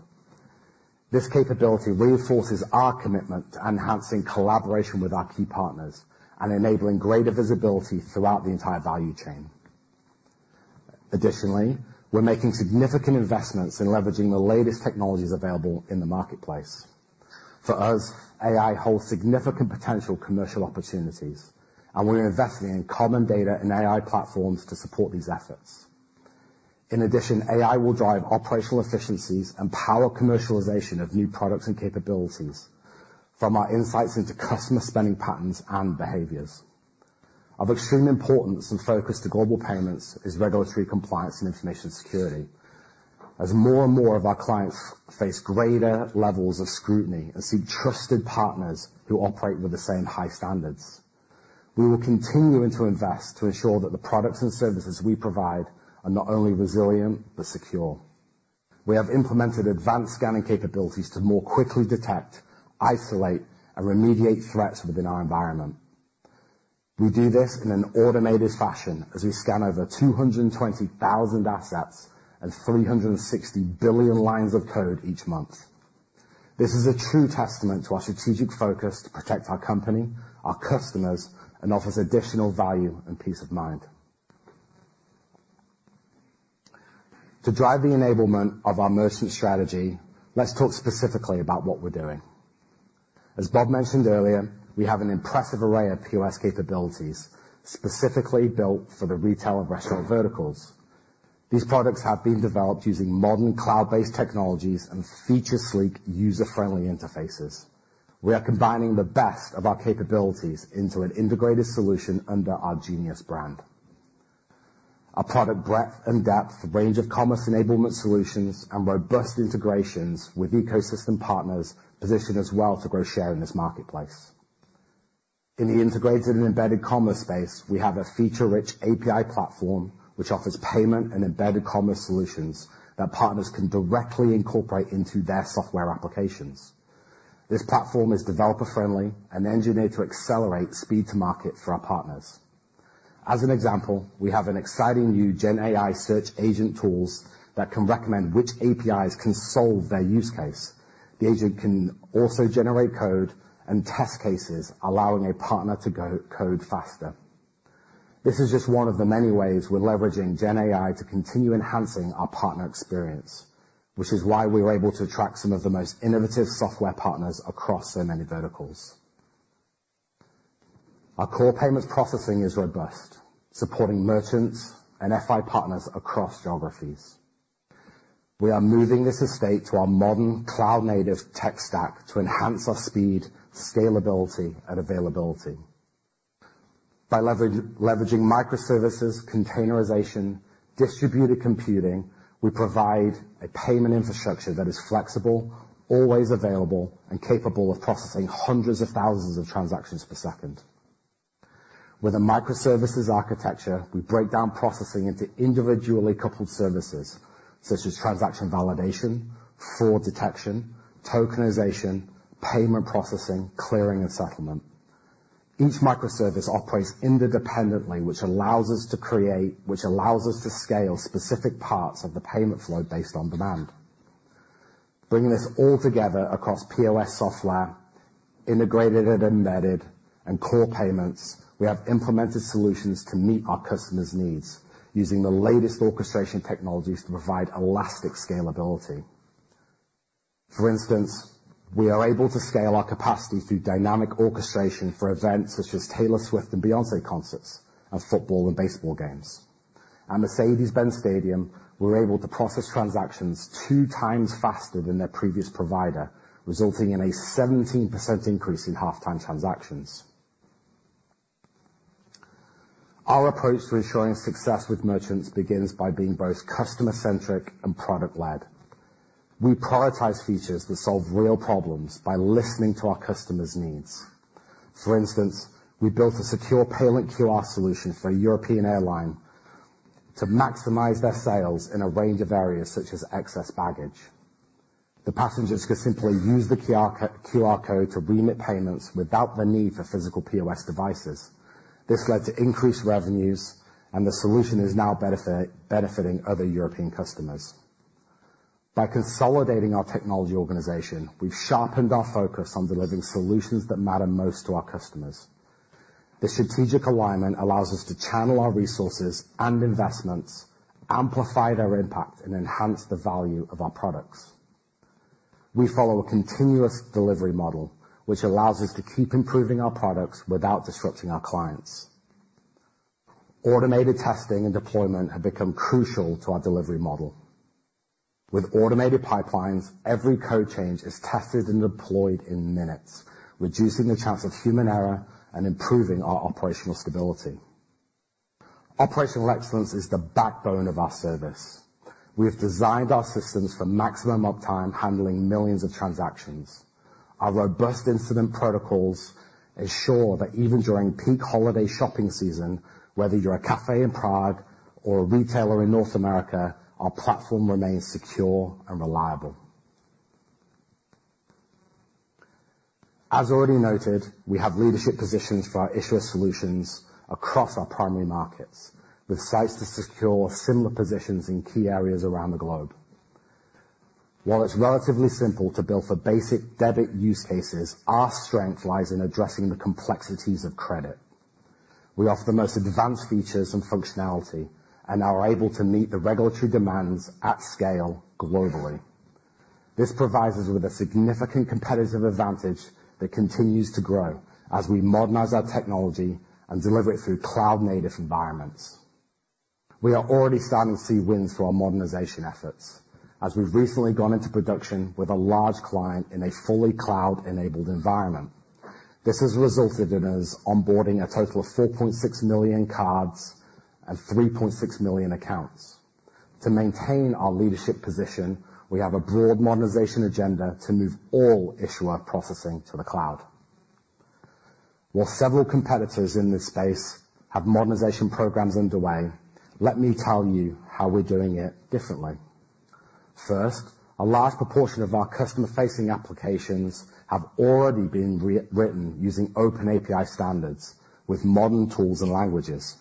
This capability reinforces our commitment to enhancing collaboration with our key partners and enabling greater visibility throughout the entire value chain. Additionally, we're making significant investments in leveraging the latest technologies available in the marketplace. For us, AI holds significant potential commercial opportunities, and we're investing in common data and AI platforms to support these efforts. In addition, AI will drive operational efficiencies and power commercialization of new products and capabilities from our insights into customer spending patterns and behaviors. Of extreme importance and focus to Global Payments is regulatory compliance and information security. As more and more of our clients face greater levels of scrutiny and seek trusted partners who operate with the same high standards, we are continuing to invest to ensure that the products and services we provide are not only resilient, but secure. We have implemented advanced scanning capabilities to more quickly detect, isolate, and remediate threats within our environment. We do this in an automated fashion as we scan over 220,000 assets and 360 billion lines of code each month. This is a true testament to our strategic focus to protect our company, our customers, and offers additional value and peace of mind.... To drive the enablement of our merchant strategy, let's talk specifically about what we're doing. As Bob mentioned earlier, we have an impressive array of POS capabilities, specifically built for the retail and restaurant verticals. These products have been developed using modern cloud-based technologies and feature sleek, user-friendly interfaces. We are combining the best of our capabilities into an integrated solution under our Genius brand. Our product breadth and depth, range of commerce enablement solutions, and robust integrations with ecosystem partners position us well to grow share in this marketplace. In the Integrated and Embedded commerce space, we have a feature-rich API platform, which offers payment and embedded commerce solutions that partners can directly incorporate into their software applications. This platform is developer-friendly and engineered to accelerate speed to market for our partners. As an example, we have an exciting new GenAI search agent tools that can recommend which APIs can solve their use case. The agent can also generate code and test cases, allowing a partner to go code faster. This is just one of the many ways we're leveraging GenAI to continue enhancing our partner experience, which is why we were able to attract some of the most innovative software partners across so many verticals. Core Payments processing is robust, supporting merchants and FI partners across geographies. We are moving this estate to our modern cloud-native tech stack to enhance our speed, scalability, and availability. By leveraging microservices, containerization, distributed computing, we provide a payment infrastructure that is flexible, always available, and capable of processing hundreds of thousands of transactions per second. With a microservices architecture, we break down processing into individually coupled services, such as transaction validation, fraud detection, tokenization, payment processing, clearing, and settlement. Each microservice operates independently, which allows us to scale specific parts of the payment flow based on demand. Bringing this all together across POS software, Integrated and Embedded, and Core Payments, we have implemented solutions to meet our customers' needs using the latest orchestration technologies to provide elastic scalability. For instance, we are able to scale our capacity through dynamic orchestration for events such as Taylor Swift and Beyoncé concerts, and football and baseball games. At Mercedes-Benz Stadium, we were able to process transactions two times faster than their previous provider, resulting in a 17% increase in halftime transactions. Our approach to ensuring success with merchants begins by being both customer-centric and product-led. We prioritize features that solve real problems by listening to our customers' needs. For instance, we built a secure payment QR solution for a European airline to maximize their sales in a range of areas such as excess baggage. The passengers could simply use the QR code to remit payments without the need for physical POS devices. This led to increased revenues, and the solution is now benefiting other European customers. By consolidating our technology organization, we've sharpened our focus on delivering solutions that matter most to our customers. The strategic alignment allows us to channel our resources and investments, amplify their impact, and enhance the value of our products. We follow a continuous delivery model, which allows us to keep improving our products without disrupting our clients. Automated testing and deployment have become crucial to our delivery model. With automated pipelines, every code change is tested and deployed in minutes, reducing the chance of human error and improving our operational stability. Operational excellence is the backbone of our service. We have designed our systems for maximum uptime, handling millions of transactions. Our robust incident protocols ensure that even during peak holiday shopping season, whether you're a cafe in Prague or a retailer in North America, our platform remains secure and reliable. As already noted, we have leadership positions for our Issuer Solutions across our primary markets, with sights to secure similar positions in key areas around the globe. While it's relatively simple to build for basic debit use cases, our strength lies in addressing the complexities of credit. We offer the most advanced features and functionality, and are able to meet the regulatory demands at scale globally. This provides us with a significant competitive advantage that continues to grow as we modernize our technology and deliver it through cloud-native environments. We are already starting to see wins for our modernization efforts, as we've recently gone into production with a large client in a fully cloud-enabled environment. This has resulted in us onboarding a total of 4.6 million cards and 3.6 million accounts. To maintain our leadership position, we have a broad modernization agenda to move all issuer processing to the cloud. While several competitors in this space have modernization programs underway, let me tell you how we're doing it differently. First, a large proportion of our customer-facing applications have already been re-written using OpenAPI standards with modern tools and languages.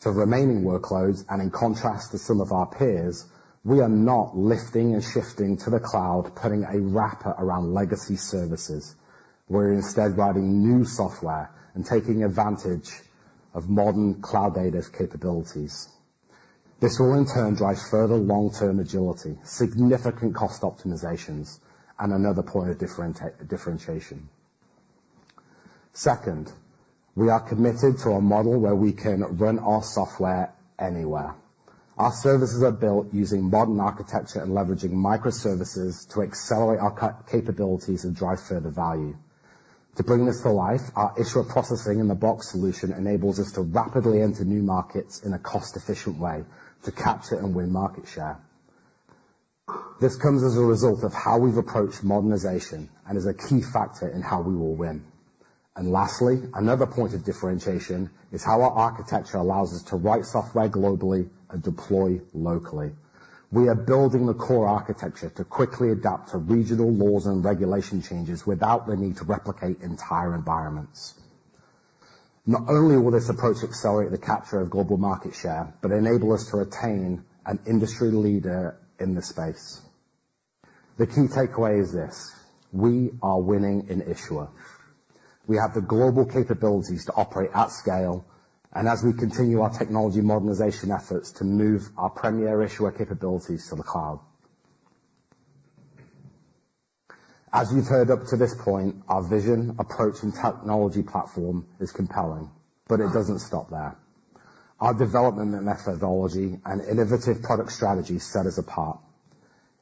For remaining workloads, and in contrast to some of our peers, we are not lifting and shifting to the cloud, putting a wrapper around legacy services. We're instead writing new software and taking advantage of modern cloud-native capabilities. This will in turn drive further long-term agility, significant cost optimizations, and another point of differentiation. Second, we are committed to a model where we can run our software anywhere. Our services are built using modern architecture and leveraging microservices to accelerate our capabilities and drive further value. To bring this to life, our issuer processing in the box solution enables us to rapidly enter new markets in a cost-efficient way to capture and win market share. This comes as a result of how we've approached modernization and is a key factor in how we will win. And lastly, another point of differentiation is how our architecture allows us to write software globally and deploy locally. We are building the core architecture to quickly adapt to regional laws and regulation changes without the need to replicate entire environments. Not only will this approach accelerate the capture of global market share, but enable us to retain an industry leader in this space. The key takeaway is this: we are winning in issuer. We have the global capabilities to operate at scale, and as we continue our technology modernization efforts to move our premier issuer capabilities to the cloud. As you've heard up to this point, our vision, approach, and technology platform is compelling, but it doesn't stop there. Our development and methodology and innovative product strategy set us apart.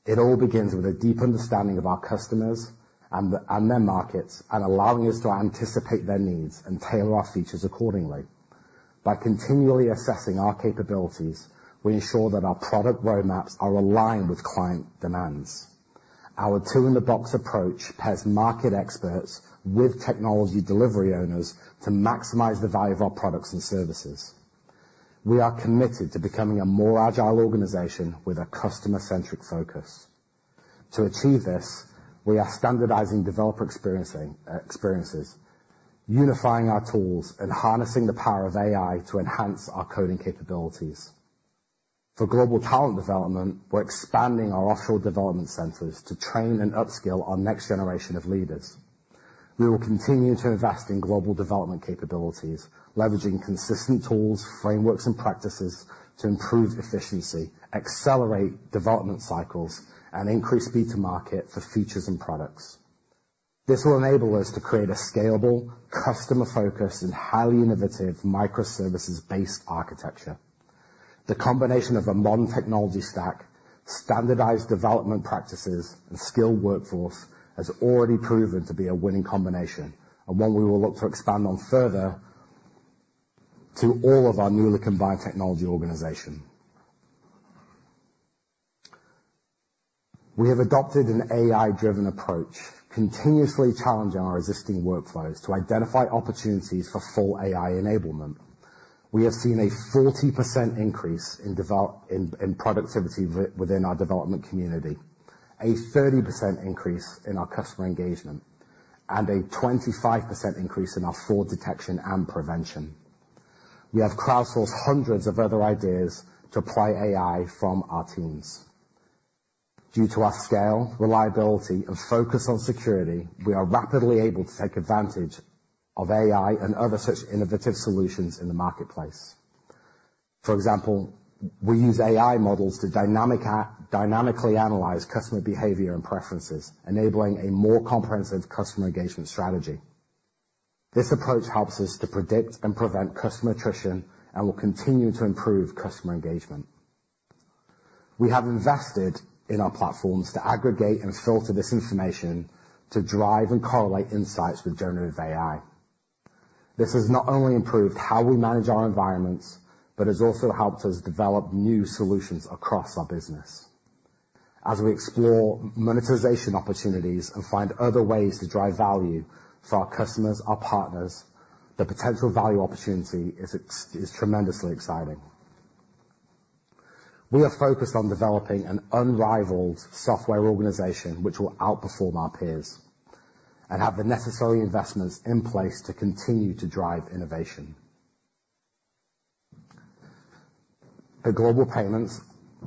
It all begins with a deep understanding of our customers and their markets, and allowing us to anticipate their needs and tailor our features accordingly. By continually assessing our capabilities, we ensure that our product roadmaps are aligned with client demands. Our two-in-the-box approach pairs market experts with technology delivery owners to maximize the value of our products and services. We are committed to becoming a more agile organization with a customer-centric focus. To achieve this, we are standardizing developer experiences, unifying our tools, and harnessing the power of AI to enhance our coding capabilities. For global talent development, we're expanding our offshore development centers to train and upskill our next generation of leaders. We will continue to invest in global development capabilities, leveraging consistent tools, frameworks, and practices to improve efficiency, accelerate development cycles, and increase speed to market for features and products. This will enable us to create a scalable, customer-focused, and highly innovative microservices-based architecture. The combination of a modern technology stack, standardized development practices, and skilled workforce has already proven to be a winning combination and one we will look to expand on further to all of our newly combined technology organization. We have adopted an AI-driven approach, continuously challenging our existing workflows to identify opportunities for full AI enablement. We have seen a 40% increase in development productivity within our development community, a 30% increase in our customer engagement, and a 25% increase in our fraud detection and prevention. We have crowdsourced hundreds of other ideas to apply AI from our teams. Due to our scale, reliability, and focus on security, we are rapidly able to take advantage of AI and other such innovative solutions in the marketplace. For example, we use AI models to dynamically analyze customer behavior and preferences, enabling a more comprehensive customer engagement strategy. This approach helps us to predict and prevent customer attrition and will continue to improve customer engagement. We have invested in our platforms to aggregate and filter this information to drive and correlate insights with generative AI. This has not only improved how we manage our environments, but has also helped us develop new solutions across our business. As we explore monetization opportunities and find other ways to drive value for our customers, our partners, the potential value opportunity is tremendously exciting. We are focused on developing an unrivaled software organization, which will outperform our peers, and have the necessary investments in place to continue to drive innovation. At Global Payments,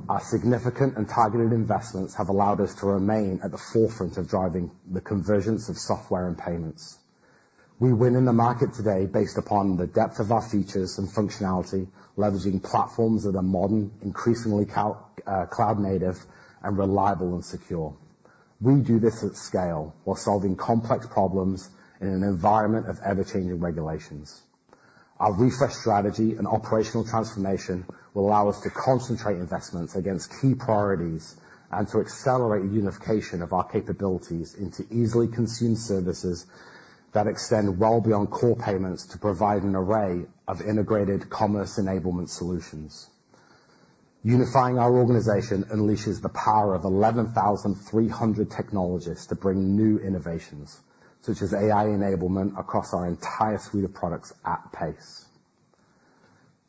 our significant and targeted investments have allowed us to remain at the forefront of driving the convergence of software and payments. We win in the market today based upon the depth of our features and functionality, leveraging platforms that are modern, increasingly cloud native, and reliable and secure. We do this at scale while solving complex problems in an environment of ever-changing regulations. Our refreshed strategy and operational transformation will allow us to concentrate investments against key priorities and to accelerate unification of our capabilities into easily consumed services that extend well beyond Core Payments to provide an array of integrated commerce enablement solutions. Unifying our organization unleashes the power of 11,300 technologists to bring new innovations, such as AI enablement, across our entire suite of products at pace.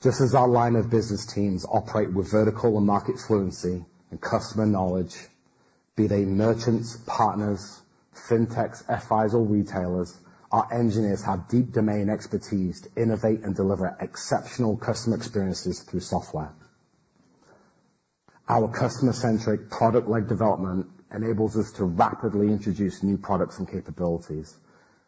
Just as our line of business teams operate with vertical and market fluency and customer knowledge, be they merchants, partners, fintechs, FIs, or retailers, our engineers have deep domain expertise to innovate and deliver exceptional customer experiences through software. Our customer-centric product-led development enables us to rapidly introduce new products and capabilities,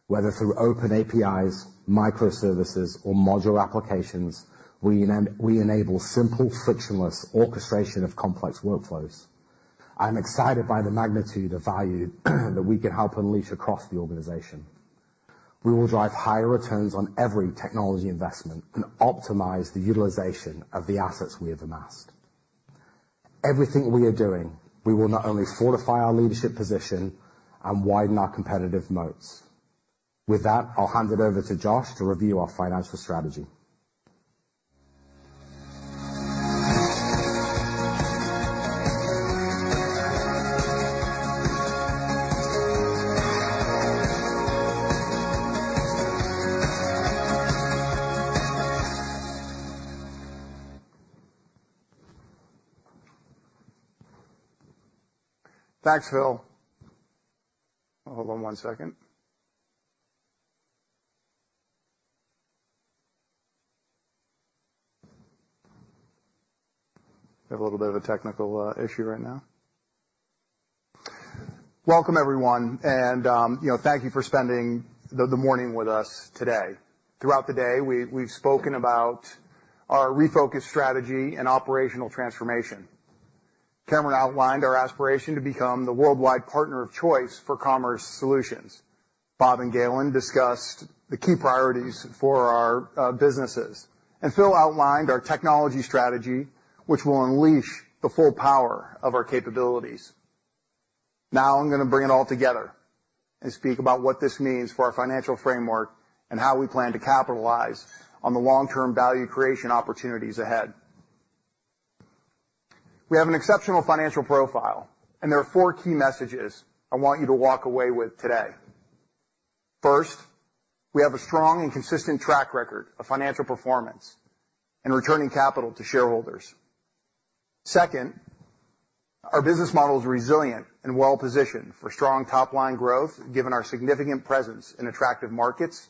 whether through open APIs, microservices, or module applications. We enable simple, frictionless orchestration of complex workflows. I'm excited by the magnitude of value that we can help unleash across the organization. We will drive higher returns on every technology investment and optimize the utilization of the assets we have amassed. Everything we are doing. We will not only fortify our leadership position and widen our competitive moats. With that, I'll hand it over to Josh to review our financial strategy.
Thanks, Phil. Hold on one second. We have a little bit of a technical issue right now. Welcome, everyone, and you know, thank you for spending the morning with us today. Throughout the day, we've spoken about our refocused strategy and operational transformation. Cameron outlined our aspiration to become the worldwide partner of choice for commerce solutions. Bob and Gaylon discussed the key priorities for our businesses. And Phil outlined our technology strategy, which will unleash the full power of our capabilities. Now I'm gonna bring it all together and speak about what this means for our financial framework and how we plan to capitalize on the long-term value creation opportunities ahead. We have an exceptional financial profile, and there are four key messages I want you to walk away with today. First, we have a strong and consistent track record of financial performance in returning capital to shareholders. Second, our business model is resilient and well-positioned for strong top-line growth, given our significant presence in attractive markets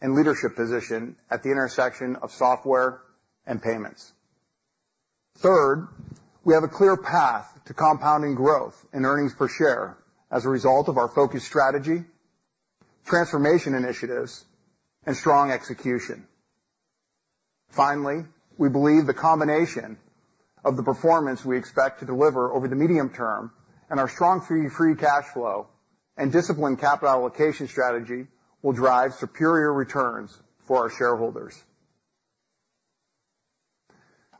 and leadership position at the intersection of software and payments. Third, we have a clear path to compounding growth and earnings per share as a result of our focused strategy, transformation initiatives, and strong execution. Finally, we believe the combination of the performance we expect to deliver over the medium term and our strong free cash flow and disciplined capital allocation strategy will drive superior returns for our shareholders.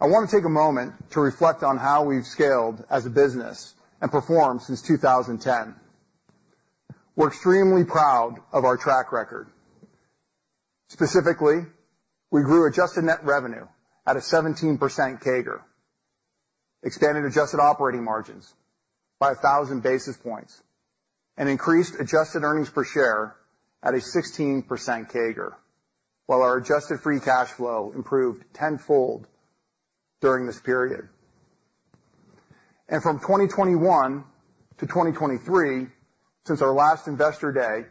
I wanna take a moment to reflect on how we've scaled as a business and performed since 2010. We're extremely proud of our track record. Specifically, we grew adjusted net revenue at a 17% CAGR, expanded adjusted operating margins by 1,000 basis points, and increased adjusted earnings per share at a 16% CAGR, while our adjusted free cash flow improved tenfold during this period. And from 2021 to 2023, since our last Investor Day,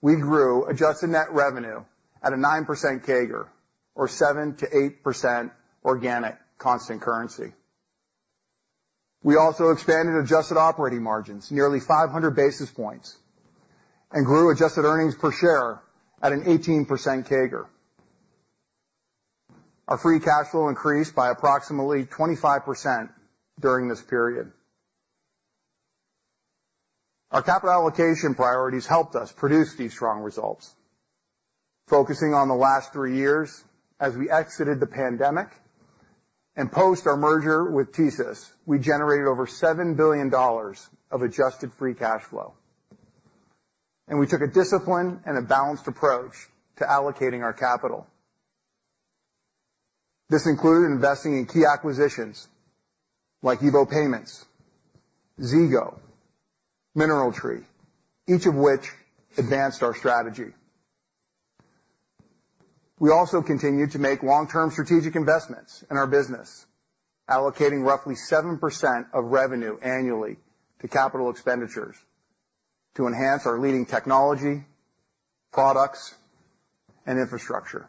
we grew adjusted net revenue at a 9% CAGR, or 7% to 8% organic constant currency. We also expanded adjusted operating margins nearly 500 basis points and grew adjusted earnings per share at an 18% CAGR. Our free cash flow increased by approximately 25% during this period. Our capital allocation priorities helped us produce these strong results. Focusing on the last three years as we exited the pandemic and post our merger with TSYS, we generated over $7 billion of adjusted free cash flow, and we took a disciplined and a balanced approach to allocating our capital. This included investing in key acquisitions like EVO Payments, Zego, MineralTree, each of which advanced our strategy. We also continued to make long-term strategic investments in our business, allocating roughly 7% of revenue annually to capital expenditures to enhance our leading technology, products, and infrastructure,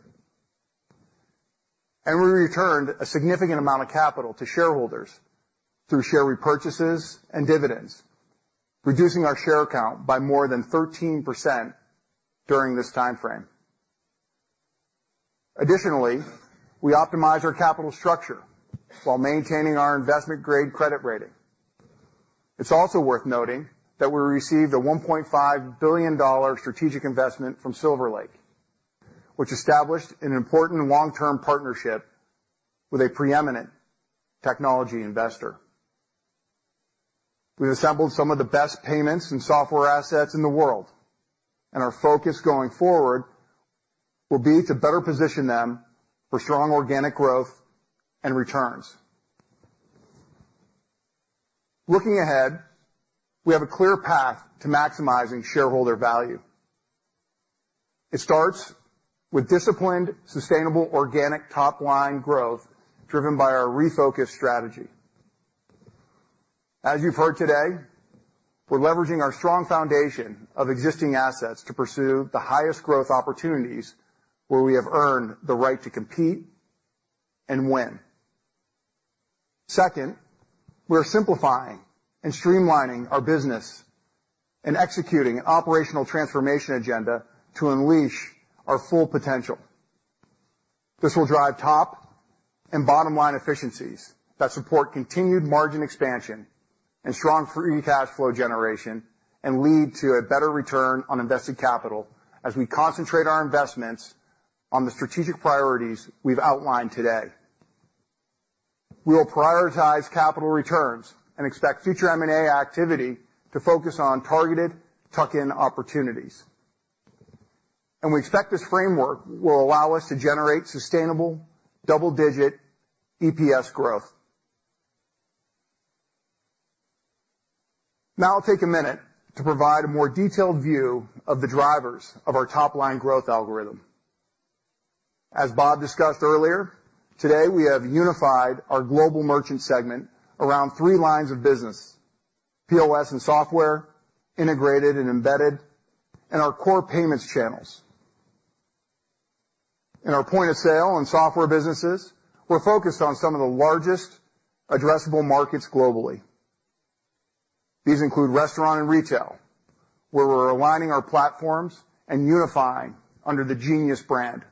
and we returned a significant amount of capital to shareholders through share repurchases and dividends, reducing our share count by more than 13% during this timeframe. Additionally, we optimized our capital structure while maintaining our investment-grade credit rating. It's also worth noting that we received a $1.5 billion strategic investment from Silver Lake, which established an important long-term partnership with a preeminent technology investor. We've assembled some of the best payments and software assets in the world, and our focus going forward will be to better position them for strong organic growth and returns. Looking ahead, we have a clear path to maximizing shareholder value. It starts with disciplined, sustainable, organic top-line growth, driven by our refocused strategy. As you've heard today, we're leveraging our strong foundation of existing assets to pursue the highest growth opportunities where we have earned the right to compete and win. Second, we are simplifying and streamlining our business and executing an operational transformation agenda to unleash our full potential. This will drive top and bottom-line efficiencies that support continued margin expansion and strong free cash flow generation, and lead to a better return on invested capital as we concentrate our investments on the strategic priorities we've outlined today. We will prioritize capital returns and expect future M&A activity to focus on targeted tuck-in opportunities. And we expect this framework will allow us to generate sustainable double-digit EPS growth. Now I'll take a minute to provide a more detailed view of the drivers of our top-line growth algorithm. As Bob discussed earlier, today, we have unified our global merchant segment around three lines of business: POS and software, Integrated and Embedded, and our Core Payments channels. In our point-of-sale and software businesses, we're focused on some of the largest addressable markets globally. These include restaurant and retail, where we're aligning our platforms and unifying under the Genius brand.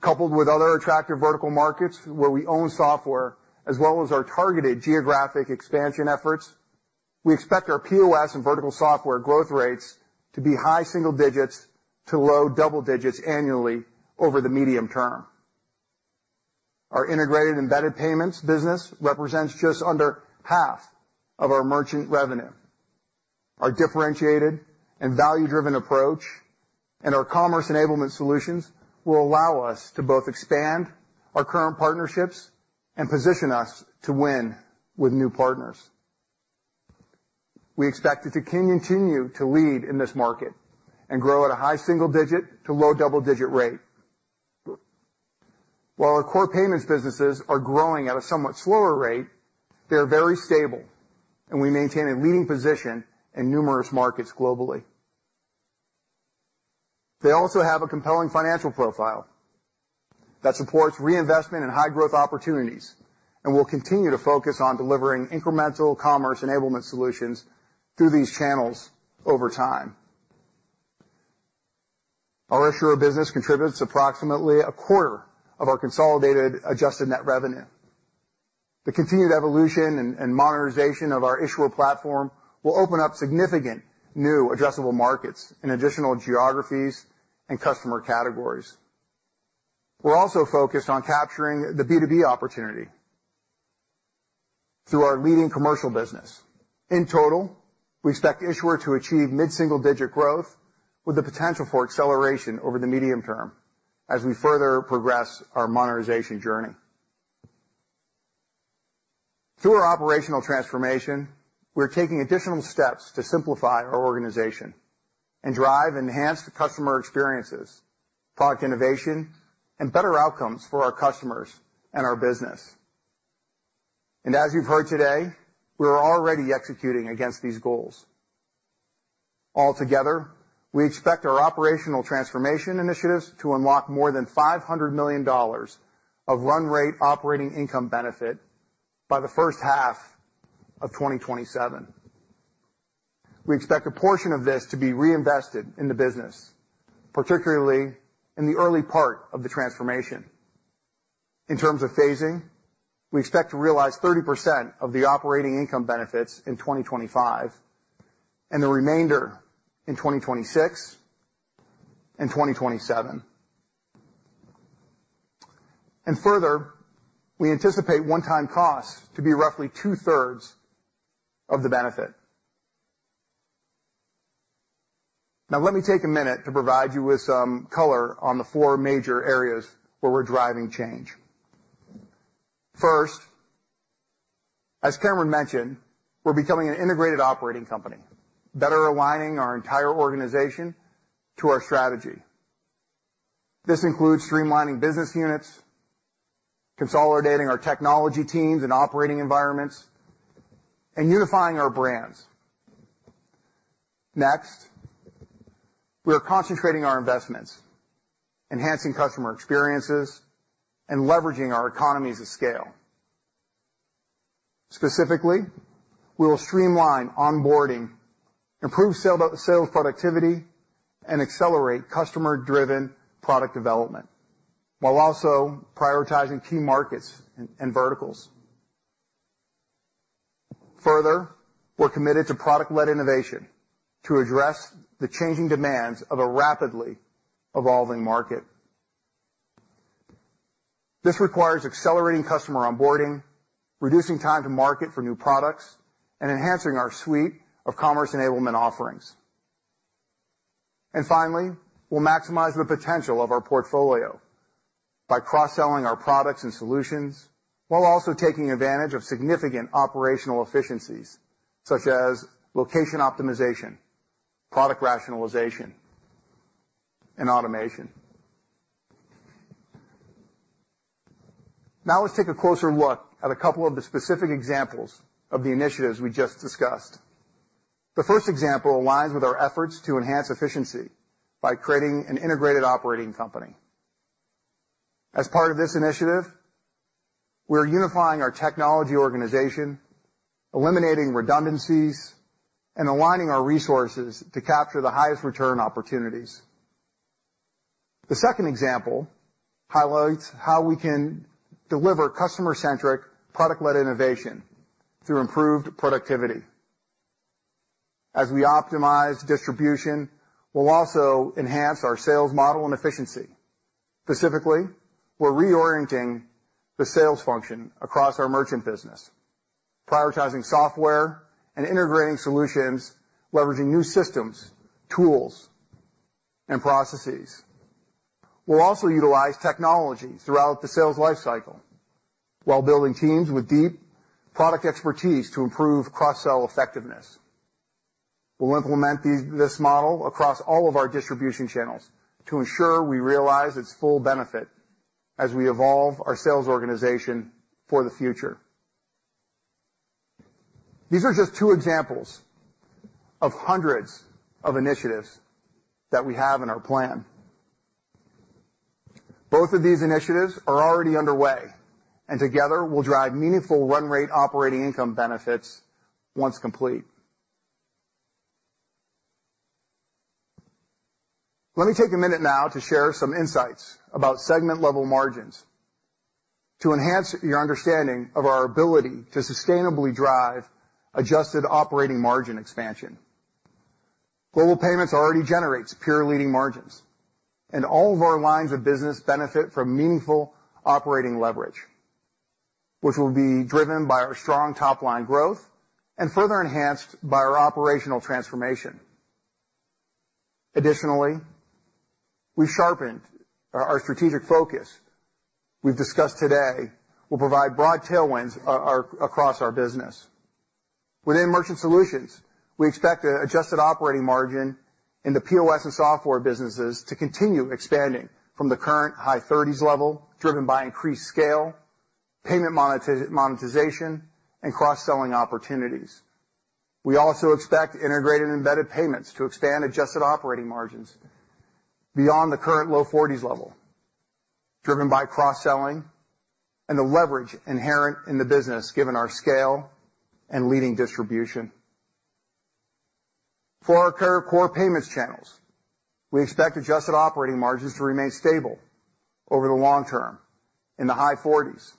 Coupled with other attractive vertical markets where we own software, as well as our targeted geographic expansion efforts, we expect our POS and vertical software growth rates to be high single digits to low double digits annually over the medium term. Our integrated embedded payments business represents just under half of our merchant revenue. Our differentiated and value-driven approach and our commerce enablement solutions will allow us to both expand our current partnerships and position us to win with new partners. We expect it to continue to lead in this market and grow at a high single digit to low double-digit rate. While our Core Payments businesses are growing at a somewhat slower rate, they are very stable, and we maintain a leading position in numerous markets globally. They also have a compelling financial profile that supports reinvestment in high-growth opportunities and will continue to focus on delivering incremental commerce enablement solutions through these channels over time. Our Issuer business contributes approximately a quarter of our consolidated adjusted net revenue. The continued evolution and modernization of our issuer platform will open up significant new addressable markets in additional geographies and customer categories. We're also focused on capturing the B2B opportunity through our leading commercial business. In total, we expect issuer to achieve mid-single-digit growth with the potential for acceleration over the medium term as we further progress our modernization journey. Through our operational transformation, we're taking additional steps to simplify our organization and drive enhanced customer experiences, product innovation, and better outcomes for our customers and our business, and as you've heard today, we are already executing against these goals. Altogether, we expect our operational transformation initiatives to unlock more than $500 million of run rate operating income benefit by the first half of 2027. We expect a portion of this to be reinvested in the business, particularly in the early part of the transformation. In terms of phasing, we expect to realize 30% of the operating income benefits in 2025, and the remainder in 2026 and 2027. And further, we anticipate one-time costs to be roughly two-thirds of the benefit. Now, let me take a minute to provide you with some color on the four major areas where we're driving change. First, as Cameron mentioned, we're becoming an integrated operating company, better aligning our entire organization to our strategy. This includes streamlining business units, consolidating our technology teams and operating environments, and unifying our brands. Next, we are concentrating our investments, enhancing customer experiences, and leveraging our economies of scale. Specifically, we will streamline onboarding, improve sales productivity, and accelerate customer-driven product development, while also prioritizing key markets and verticals. Further, we're committed to product-led innovation to address the changing demands of a rapidly evolving market. This requires accelerating customer onboarding, reducing time to market for new products, and enhancing our suite of commerce enablement offerings. And finally, we'll maximize the potential of our portfolio by cross-selling our products and solutions, while also taking advantage of significant operational efficiencies, such as location optimization, product rationalization, and automation. Now let's take a closer look at a couple of the specific examples of the initiatives we just discussed. The first example aligns with our efforts to enhance efficiency by creating an integrated operating company. As part of this initiative, we're unifying our technology organization, eliminating redundancies, and aligning our resources to capture the highest return opportunities. The second example highlights how we can deliver customer-centric, product-led innovation through improved productivity. As we optimize distribution, we'll also enhance our sales model and efficiency. Specifically, we're reorienting the sales function across our merchant business, prioritizing software and integrating solutions, leveraging new systems, tools, and processes. We'll also utilize technologies throughout the sales life cycle, while building teams with deep product expertise to improve cross-sell effectiveness. We'll implement this model across all of our distribution channels to ensure we realize its full benefit as we evolve our sales organization for the future. These are just two examples of hundreds of initiatives that we have in our plan. Both of these initiatives are already underway, and together will drive meaningful run rate operating income benefits once complete. Let me take a minute now to share some insights about segment-level margins to enhance your understanding of our ability to sustainably drive adjusted operating margin expansion. Global Payments already generates peer-leading margins, and all of our lines of business benefit from meaningful operating leverage, which will be driven by our strong top-line growth and further enhanced by our operational transformation. Additionally, we sharpened our strategic focus we've discussed today will provide broad tailwinds across our business. Within Merchant Solutions, we expect an adjusted operating margin in the POS and software businesses to continue expanding from the current high 30s level, driven by increased scale, payment monetization, and cross-selling opportunities. We also expect Integrated and Embedded payments to expand adjusted operating margins beyond the current low forties level, driven by cross-selling and the leverage inherent in the business, given our scale and leading distribution. For our Core Payments channels, we expect adjusted operating margins to remain stable over the long term in the high forties,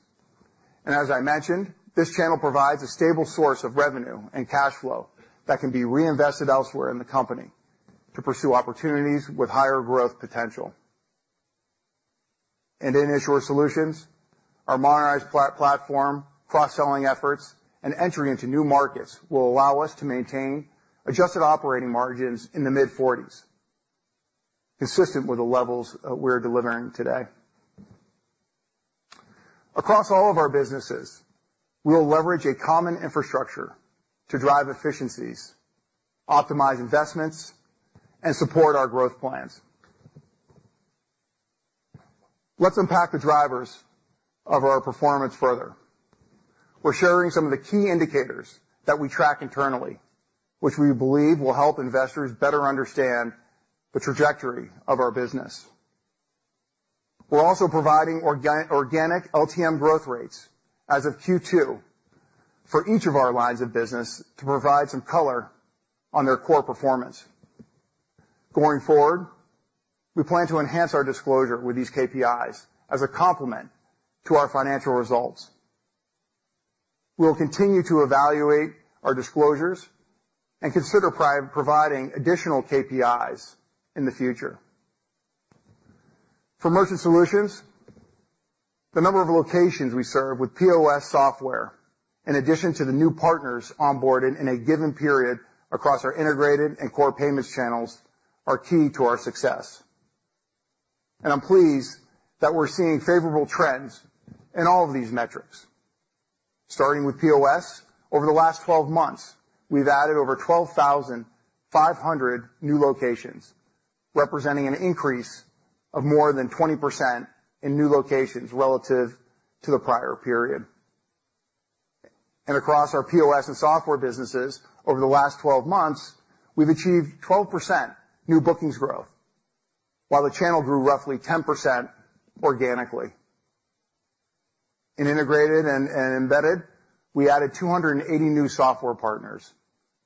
and as I mentioned, this channel provides a stable source of revenue and cash flow that can be reinvested elsewhere in the company to pursue opportunities with higher growth potential, and in Issuer Solutions, our modernized platform, cross-selling efforts, and entering into new markets will allow us to maintain adjusted operating margins in the mid-forties, consistent with the levels we're delivering today. Across all of our businesses, we'll leverage a common infrastructure to drive efficiencies, optimize investments, and support our growth plans. Let's unpack the drivers of our performance further. We're sharing some of the key indicators that we track internally, which we believe will help investors better understand the trajectory of our business. We're also providing organic LTM growth rates as of Q2 for each of our lines of business to provide some color on their core performance. Going forward, we plan to enhance our disclosure with these KPIs as a complement to our financial results. We'll continue to evaluate our disclosures and consider providing additional KPIs in the future. For Merchant Solutions, the number of locations we serve with POS software, in addition to the new partners onboarded in a given period across our integrated and Core Payments channels, are key to our success. And I'm pleased that we're seeing favorable trends in all of these metrics. Starting with POS, over the last 12 months, we've added over 12,500 new locations, representing an increase of more than 20% in new locations relative to the prior period. Across our POS and software businesses, over the last 12 months, we've achieved 12% new bookings growth, while the channel grew roughly 10% organically. In Integrated and Embedded, we added 280 new software partners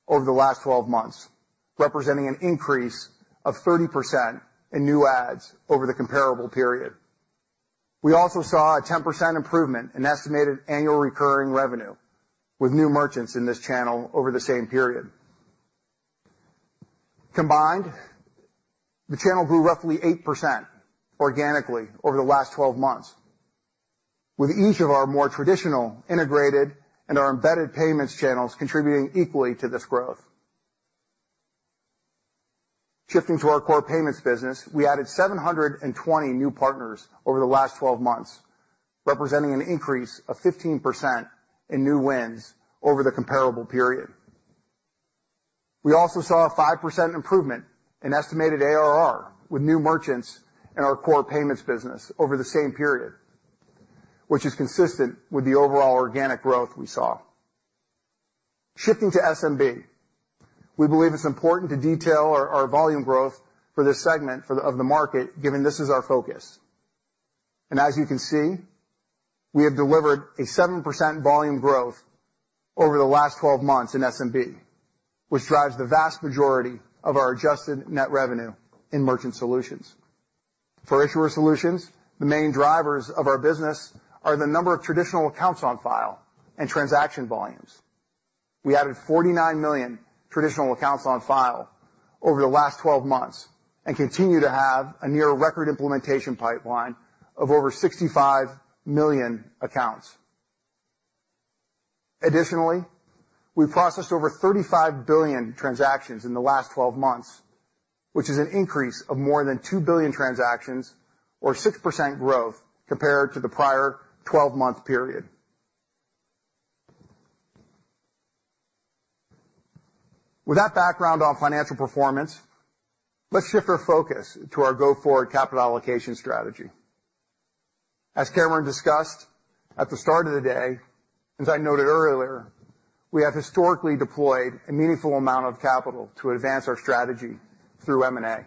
over the last 12 months, representing an increase of 30% in new ads over the comparable period. We also saw a 10% improvement in estimated annual recurring revenue with new merchants in this channel over the same period. Combined, the channel grew roughly 8% organically over the last 12 months, with each of our more traditional integrated and our embedded payments channels contributing equally to this growth. Shifting to our Core Payments business, we added 720 new partners over the last 12 months, representing an increase of 15% in new wins over the comparable period. We also saw a 5% improvement in estimated ARR with new merchants in our Core Payments business over the same period, which is consistent with the overall organic growth we saw. Shifting to SMB, we believe it's important to detail our volume growth for this segment of the market, given this is our focus. As you can see, we have delivered a 7% volume growth over the last 12 months in SMB, which drives the vast majority of our adjusted net revenue in Merchant Solutions. For Issuer Solutions, the main drivers of our business are the number of traditional accounts on file and transaction volumes. We added 49 million traditional accounts on file over the last 12 months and continue to have a near record implementation pipeline of over 65 million accounts. Additionally, we processed over 35 billion transactions in the last 12 months, which is an increase of more than 2 billion transactions or 6% growth compared to the prior 12-month period. With that background on financial performance, let's shift our focus to our go-forward capital allocation strategy. As Cameron discussed at the start of the day, as I noted earlier, we have historically deployed a meaningful amount of capital to advance our strategy through M&A.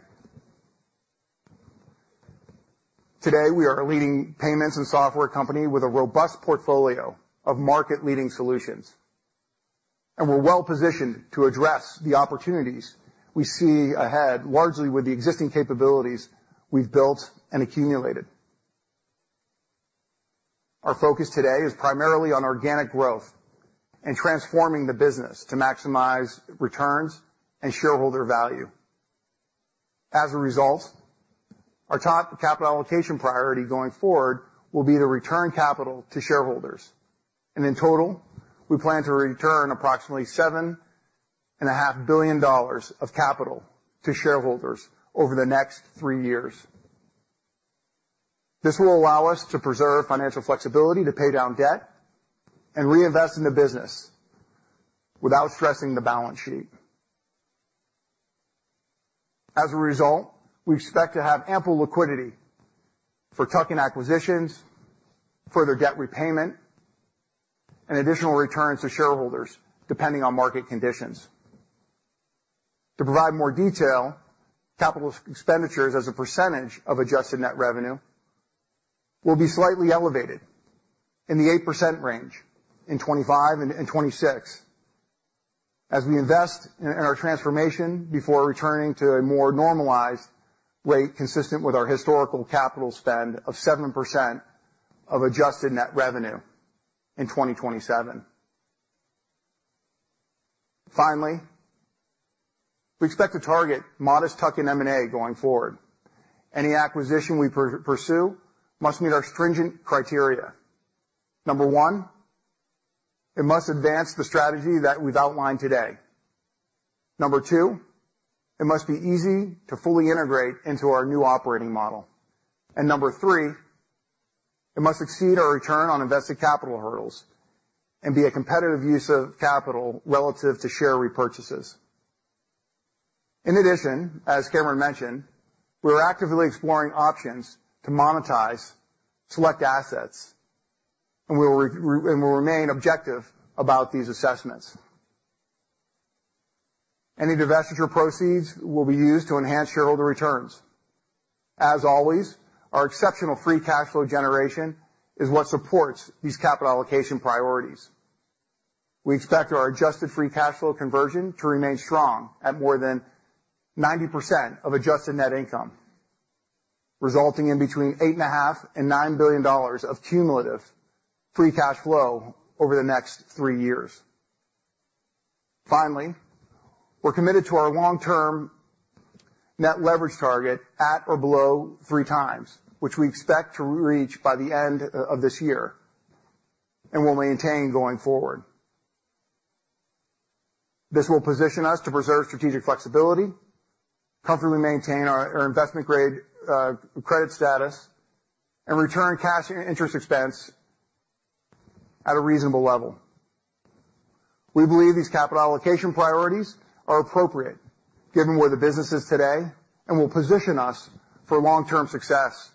Today, we are a leading payments and software company with a robust portfolio of market-leading solutions, and we're well-positioned to address the opportunities we see ahead, largely with the existing capabilities we've built and accumulated. Our focus today is primarily on organic growth and transforming the business to maximize returns and shareholder value. As a result, our top capital allocation priority going forward will be to return capital to shareholders, and in total, we plan to return approximately $7.5 billion of capital to shareholders over the next three years. This will allow us to preserve financial flexibility to pay down debt and reinvest in the business without stressing the balance sheet. As a result, we expect to have ample liquidity for tuck-in acquisitions, further debt repayment, and additional returns to shareholders, depending on market conditions. To provide more detail, capital expenditures as a percentage of adjusted net revenue will be slightly elevated in the 8% range in 2025 and 2026 as we invest in our transformation before returning to a more normalized rate, consistent with our historical capital spend of 7% of adjusted net revenue in 2027. Finally, we expect to target modest tuck-in M&A going forward. Any acquisition we pursue must meet our stringent criteria. Number one, it must advance the strategy that we've outlined today. Number two, it must be easy to fully integrate into our new operating model. And number three, it must exceed our return on invested capital hurdles and be a competitive use of capital relative to share repurchases. In addition, as Cameron mentioned, we're actively exploring options to monetize select assets, and we'll remain objective about these assessments. Any divestiture proceeds will be used to enhance shareholder returns. As always, our exceptional free cash flow generation is what supports these capital allocation priorities. We expect our adjusted free cash flow conversion to remain strong at more than 90% of adjusted net income, resulting in between $8.5 billion and $9 billion of cumulative free cash flow over the next three years. Finally, we're committed to our long-term net leverage target at or below three times, which we expect to reach by the end of this year and will maintain going forward. This will position us to preserve strategic flexibility, comfortably maintain our investment-grade credit status, and return cash and interest expense at a reasonable level. We believe these capital allocation priorities are appropriate given where the business is today and will position us for long-term success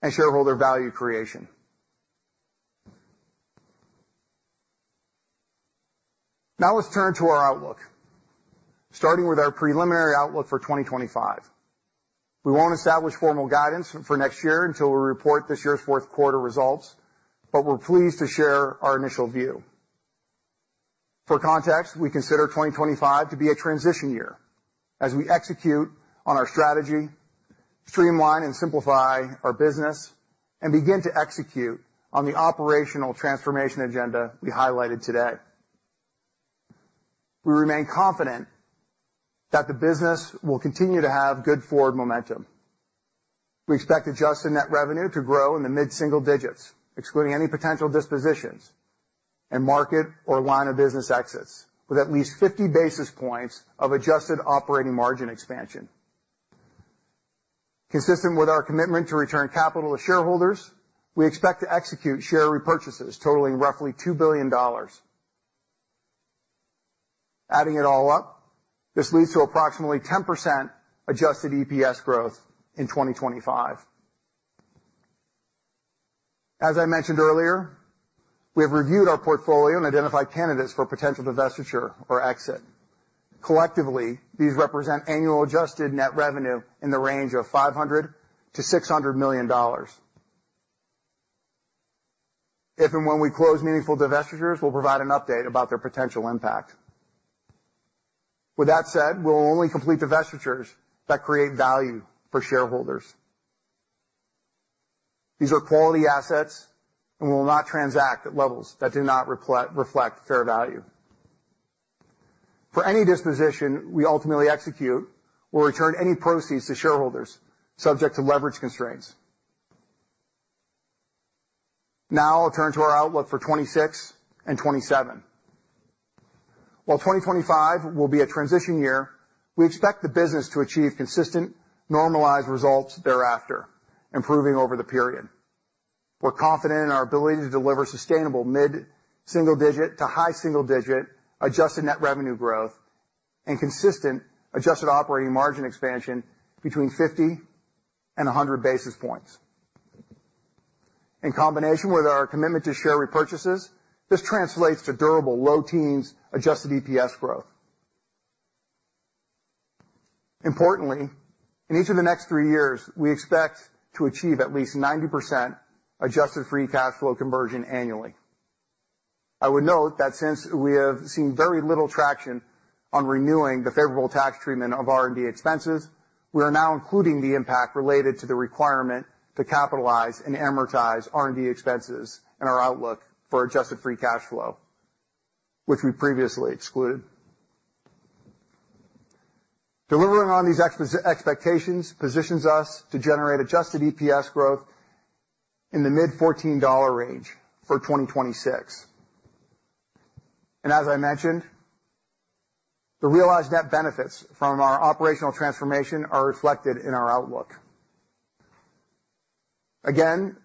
and shareholder value creation. Now, let's turn to our outlook, starting with our preliminary outlook for 2025. We won't establish formal guidance for next year until we report this year's fourth quarter results, but we're pleased to share our initial view. For context, we consider 2025 to be a transition year as we execute on our strategy, streamline and simplify our business, and begin to execute on the operational transformation agenda we highlighted today. We remain confident that the business will continue to have good forward momentum. We expect adjusted net revenue to grow in the mid-single digits, excluding any potential dispositions and market or line of business exits, with at least 50 basis points of adjusted operating margin expansion. Consistent with our commitment to return capital to shareholders, we expect to execute share repurchases totaling roughly $2 billion. Adding it all up, this leads to approximately 10% adjusted EPS growth in 2025. As I mentioned earlier, we have reviewed our portfolio and identified candidates for potential divestiture or exit. Collectively, these represent annual adjusted net revenue in the range of $500 million-$600 million. If and when we close meaningful divestitures, we'll provide an update about their potential impact. With that said, we'll only complete divestitures that create value for shareholders. These are quality assets and will not transact at levels that do not reflect fair value. For any disposition we ultimately execute, we'll return any proceeds to shareholders, subject to leverage constraints. Now I'll turn to our outlook for 2026 and 2027. While 2025 will be a transition year, we expect the business to achieve consistent, normalized results thereafter, improving over the period. We're confident in our ability to deliver sustainable mid-single digit to high single digit adjusted net revenue growth and consistent adjusted operating margin expansion between 50 and 100 basis points. In combination with our commitment to share repurchases, this translates to durable low teens adjusted EPS growth. Importantly, in each of the next three years, we expect to achieve at least 90% adjusted free cash flow conversion annually. I would note that since we have seen very little traction on renewing the favorable tax treatment of R&D expenses, we are now including the impact related to the requirement to capitalize and amortize R&D expenses in our outlook for adjusted free cash flow, which we previously excluded. Delivering on these expectations positions us to generate adjusted EPS growth in the mid-$14 range for 2026. As I mentioned, the realized net benefits from our operational transformation are reflected in our outlook. Again,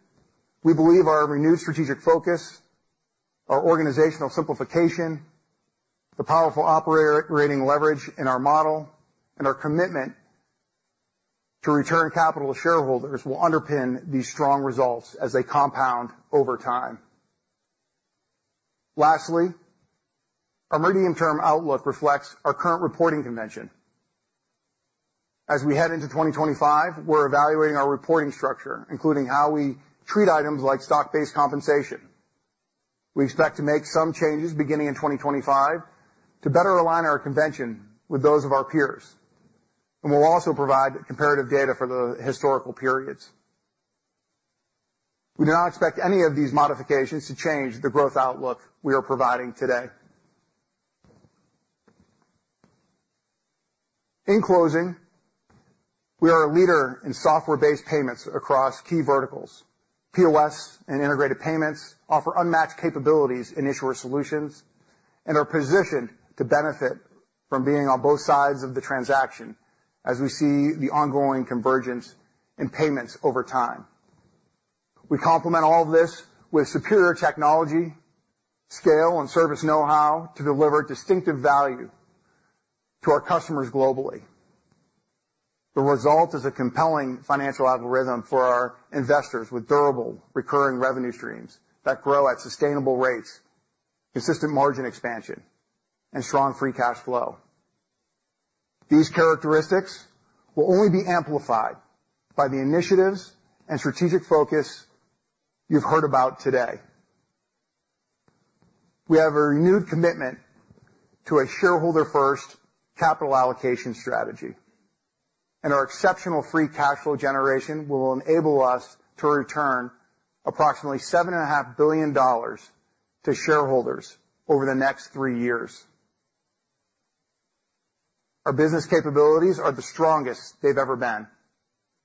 we believe our renewed strategic focus, our organizational simplification, the powerful operating leverage in our model, and our commitment to return capital to shareholders will underpin these strong results as they compound over time. Lastly, our medium-term outlook reflects our current reporting convention. As we head into 2025, we're evaluating our reporting structure, including how we treat items like stock-based compensation. We expect to make some changes beginning in 2025 to better align our convention with those of our peers, and we'll also provide comparative data for the historical periods. We do not expect any of these modifications to change the growth outlook we are providing today. In closing, we are a leader in software-based payments across key verticals. POS and integrated payments offer unmatched capabilities in Issuer Solutions and are positioned to benefit from being on both sides of the transaction as we see the ongoing convergence in payments over time. We complement all of this with superior technology, scale, and service know-how to deliver distinctive value to our customers globally. The result is a compelling financial algorithm for our investors, with durable, recurring revenue streams that grow at sustainable rates, consistent margin expansion, and strong free cash flow. These characteristics will only be amplified by the initiatives and strategic focus you've heard about today. We have a renewed commitment to a shareholder-first capital allocation strategy, and our exceptional free cash flow generation will enable us to return approximately $7.5 billion to shareholders over the next three years. Our business capabilities are the strongest they've ever been,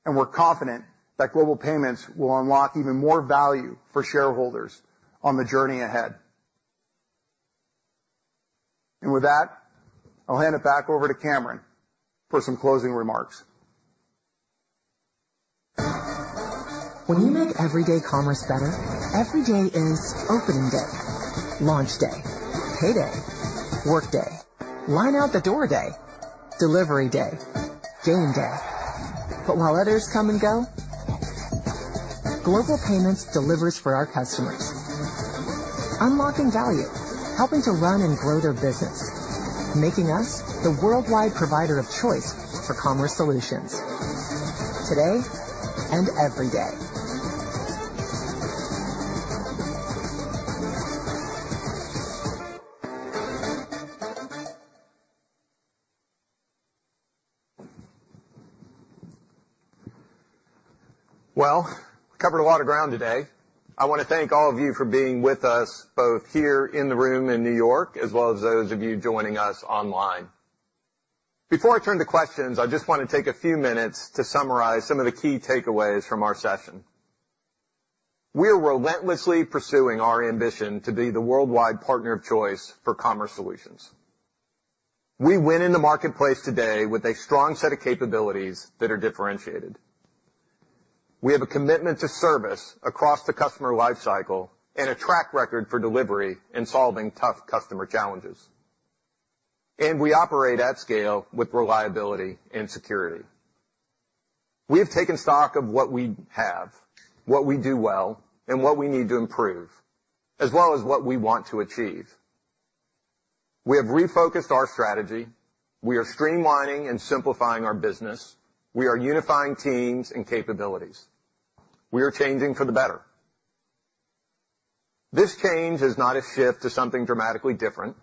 and we're confident that Global Payments will unlock even more value for shareholders on the journey ahead, and with that, I'll hand it back over to Cameron for some closing remarks.
When you make everyday commerce better, every day is opening day, launch day, payday, work day, line out the door day, delivery day, game day. But while others come and go, Global Payments delivers for our customers, unlocking value, helping to run and grow their business, making us the worldwide provider of choice for commerce solutions today and every day.
We covered a lot of ground today. I want to thank all of you for being with us, both here in the room in New York, as well as those of you joining us online. Before I turn to questions, I just want to take a few minutes to summarize some of the key takeaways from our session. ...We are relentlessly pursuing our ambition to be the worldwide partner of choice for commerce solutions. We went in the marketplace today with a strong set of capabilities that are differentiated. We have a commitment to service across the customer life cycle and a track record for delivery in solving tough customer challenges, and we operate at scale with reliability and security. We have taken stock of what we have, what we do well, and what we need to improve, as well as what we want to achieve. We have refocused our strategy. We are streamlining and simplifying our business. We are unifying teams and capabilities. We are changing for the better. This change is not a shift to something dramatically different.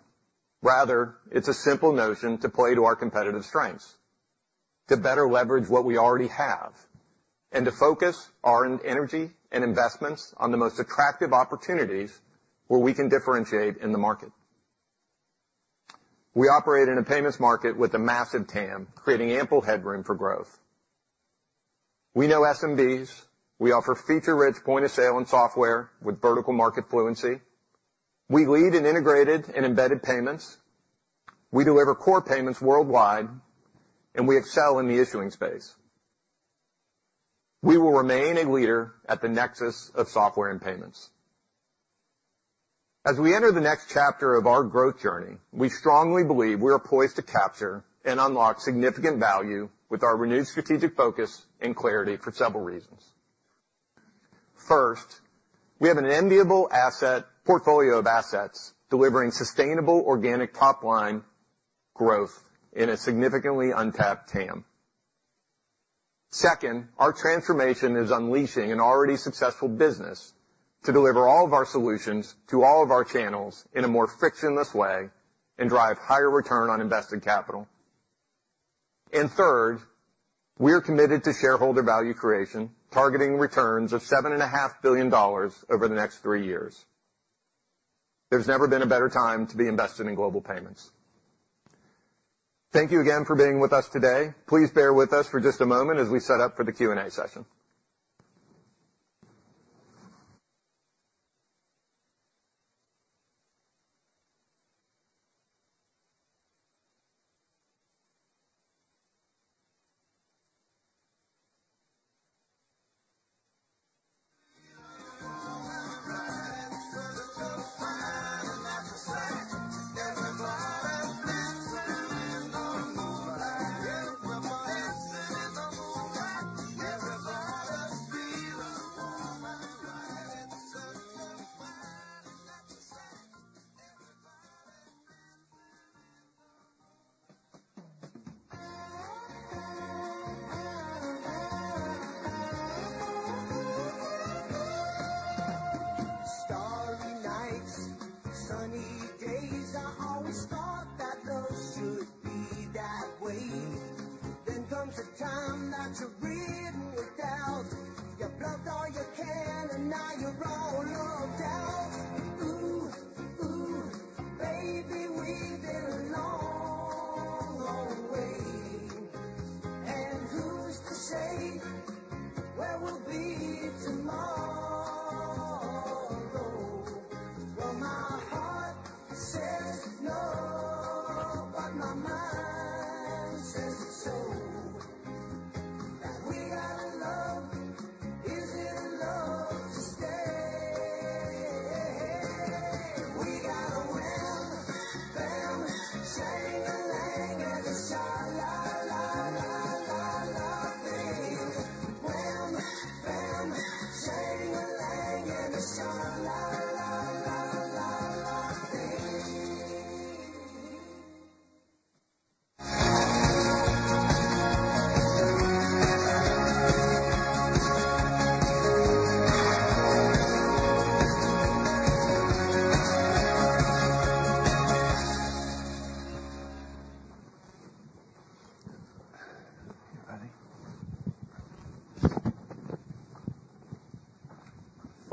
Rather, it's a simple notion to play to our competitive strengths, to better leverage what we already have, and to focus our energy and investments on the most attractive opportunities where we can differentiate in the market. We operate in a payments market with a massive TAM, creating ample headroom for growth. We know SMBs. We offer feature-rich point-of-sale and software with vertical market fluency. We lead in Integrated and Embedded payments. We deliver Core Payments worldwide, and we excel in the issuing space. We will remain a leader at the nexus of software and payments. As we enter the next chapter of our growth journey, we strongly believe we are poised to capture and unlock significant value with our renewed strategic focus and clarity for several reasons. First, we have an enviable asset portfolio of assets, delivering sustainable organic top-line growth in a significantly untapped TAM. Second, our transformation is unleashing an already successful business to deliver all of our solutions to all of our channels in a more frictionless way and drive higher return on invested capital. And third, we are committed to shareholder value creation, targeting returns of $7.5 billion over the next three years. There's never been a better time to be invested in Global Payments. Thank you again for being with us today. Please bear with us for just a moment as we set up for the Q&A session.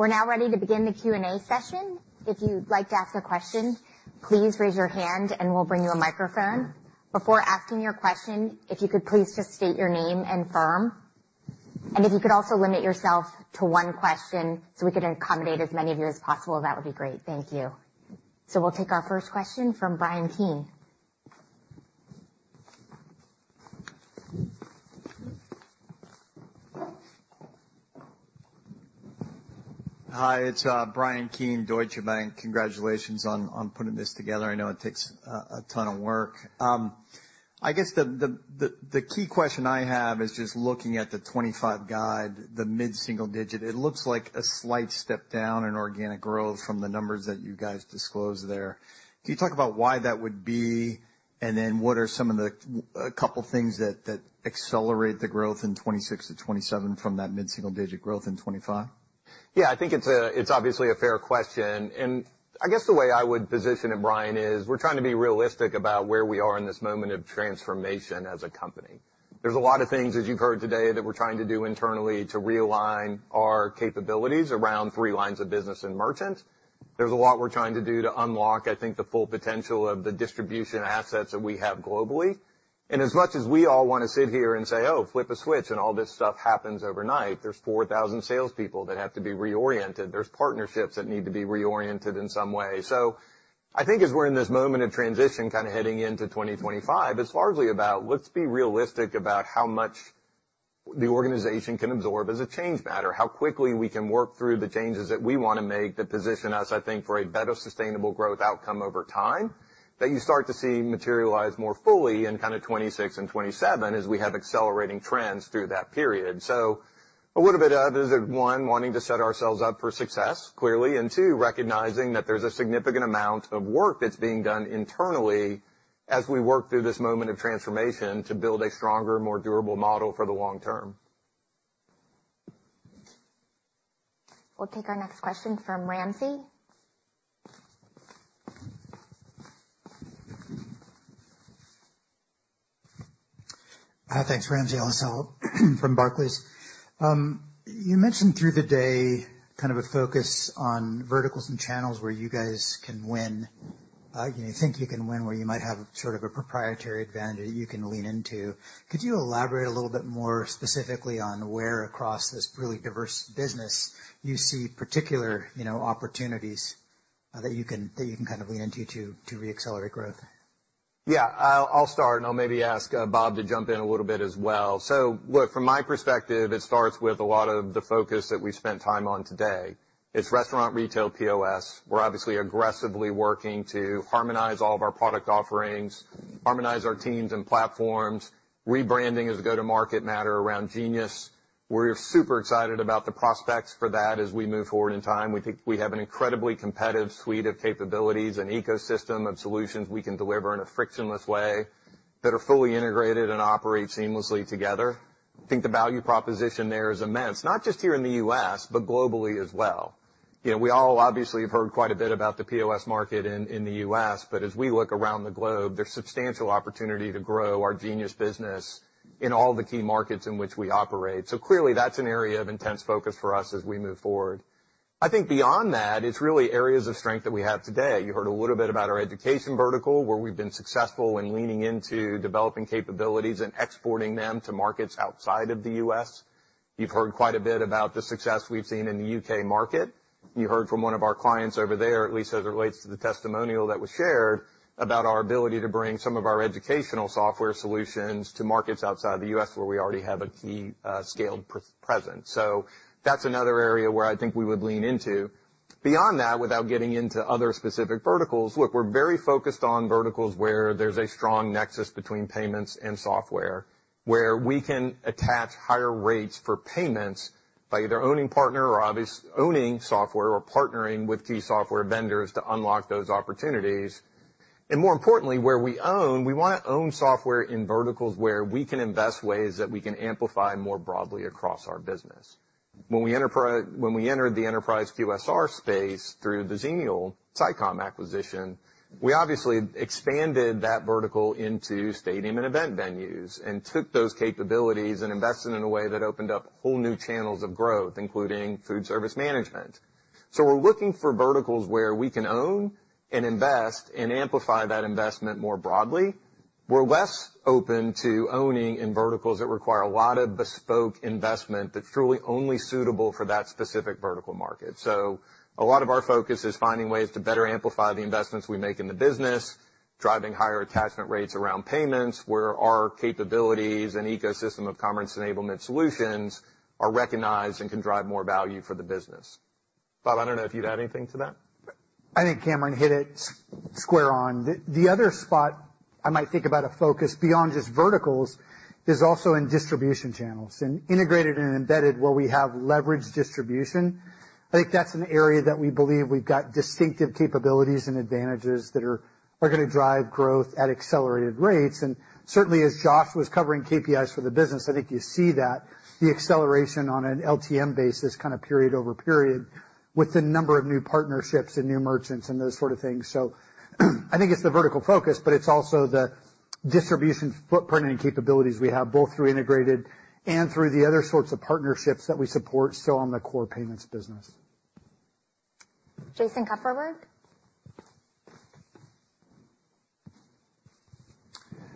We're now ready to begin the Q&A session. If you'd like to ask a question, please raise your hand and we'll bring you a microphone. Before asking your question, if you could please just state your name and firm, and if you could also limit yourself to one question so we can accommodate as many of you as possible, that would be great. Thank you. So we'll take our first question from Brian Keane.
Hi, it's Brian Keane, Deutsche Bank. Congratulations on putting this together. I know it takes a ton of work. I guess the key question I have is just looking at the 2025 guide, the mid-single digit, it looks like a slight step down in organic growth from the numbers that you guys disclosed there. Can you talk about why that would be? And then what are some of the couple things that accelerate the growth in 2026-2027 from that mid-single digit growth in 2025?
Yeah, I think it's obviously a fair question, and I guess the way I would position it, Brian, is we're trying to be realistic about where we are in this moment of transformation as a company. There's a lot of things, as you've heard today, that we're trying to do internally to realign our capabilities around three lines of business and merchant. There's a lot we're trying to do to unlock, I think, the full potential of the distribution assets that we have globally. As much as we all want to sit here and say, "Oh, flip a switch," and all this stuff happens overnight, there's 4,000 salespeople that have to be reoriented. There's partnerships that need to be reoriented in some way. I think as we're in this moment of transition, kind of heading into 2025, it's largely about, let's be realistic about how much the organization can absorb as a change matter, how quickly we can work through the changes that we want to make that position us, I think, for a better sustainable growth outcome over time, that you start to see materialize more fully in kind of 2026 and 2027 as we have accelerating trends through that period. A little bit of, is it, one, wanting to set ourselves up for success, clearly, and two, recognizing that there's a significant amount of work that's being done internally as we work through this moment of transformation to build a stronger, more durable model for the long term.
We'll take our next question from Ramsey.
Hi, thanks. Ramsey El-Assal from Barclays. You mentioned through the day kind of a focus on verticals and channels where you guys can win, you know, think you can win, where you might have sort of a proprietary advantage you can lean into. Could you elaborate a little bit more specifically on where across this really diverse business you see particular, you know, opportunities, that you can kind of lean into to reaccelerate growth?
Yeah, I'll start, and I'll maybe ask Bob to jump in a little bit as well. So look, from my perspective, it starts with a lot of the focus that we spent time on today. It's restaurant, retail, POS. We're obviously aggressively working to harmonize all of our product offerings, harmonize our teams and platforms, rebranding as a go-to-market matter around Genius. We're super excited about the prospects for that as we move forward in time. We think we have an incredibly competitive suite of capabilities and ecosystem of solutions we can deliver in a frictionless way that are fully integrated and operate seamlessly together. I think the value proposition there is immense, not just here in the U.S., but globally as well. You know, we all obviously have heard quite a bit about the POS market in the U.S., but as we look around the globe, there's substantial opportunity to grow our Genius business in all the key markets in which we operate. So clearly, that's an area of intense focus for us as we move forward. I think beyond that, it's really areas of strength that we have today. You heard a little bit about our education vertical, where we've been successful in leaning into developing capabilities and exporting them to markets outside of the U.S. You've heard quite a bit about the success we've seen in the U.K. market. You heard from one of our clients over there, at least as it relates to the testimonial that was shared, about our ability to bring some of our educational software solutions to markets outside the U.S., where we already have a key, scaled presence. So that's another area where I think we would lean into. Beyond that, without getting into other specific verticals, look, we're very focused on verticals where there's a strong nexus between payments and software, where we can attach higher rates for payments by either owning partner or owning software or partnering with key software vendors to unlock those opportunities. And more importantly, where we own, we want to own software in verticals where we can invest ways that we can amplify more broadly across our business. When we entered the enterprise QSR space through the Xenial SICOM acquisition, we obviously expanded that vertical into stadium and event venues and took those capabilities and invested in a way that opened up whole new channels of growth, including food service management. So we're looking for verticals where we can own and invest and amplify that investment more broadly. We're less open to owning in verticals that require a lot of bespoke investment that's truly only suitable for that specific vertical market. So a lot of our focus is finding ways to better amplify the investments we make in the business, driving higher attachment rates around payments, where our capabilities and ecosystem of commerce enablement solutions are recognized and can drive more value for the business. Bob, I don't know if you'd add anything to that?
I think Cameron hit it square on. The other spot I might think about a focus beyond just verticals is also in distribution channels, and Integrated and Embedded, where we have leveraged distribution. I think that's an area that we believe we've got distinctive capabilities and advantages that are gonna drive growth at accelerated rates. And certainly, as Josh was covering KPIs for the business, I think you see that, the acceleration on an LTM basis, kind of period over period, with the number of new partnerships and new merchants and those sort of things. So I think it's the vertical focus, but it's also the distribution footprint and capabilities we have, both through integrated and through the other sorts of partnerships that we support still on the Core Payments business.
Jason Kupferberg?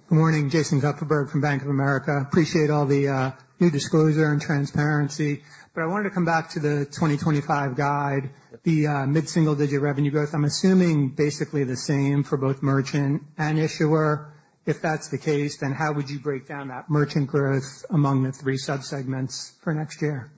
Good morning, Jason Kupferberg from Bank of America. Appreciate all the new disclosure and transparency, but I wanted to come back to the 2025 guide, the mid-single-digit revenue growth. I'm assuming basically the same for both merchant and issuer. If that's the case, then how would you break down that merchant growth among the three subsegments for next year?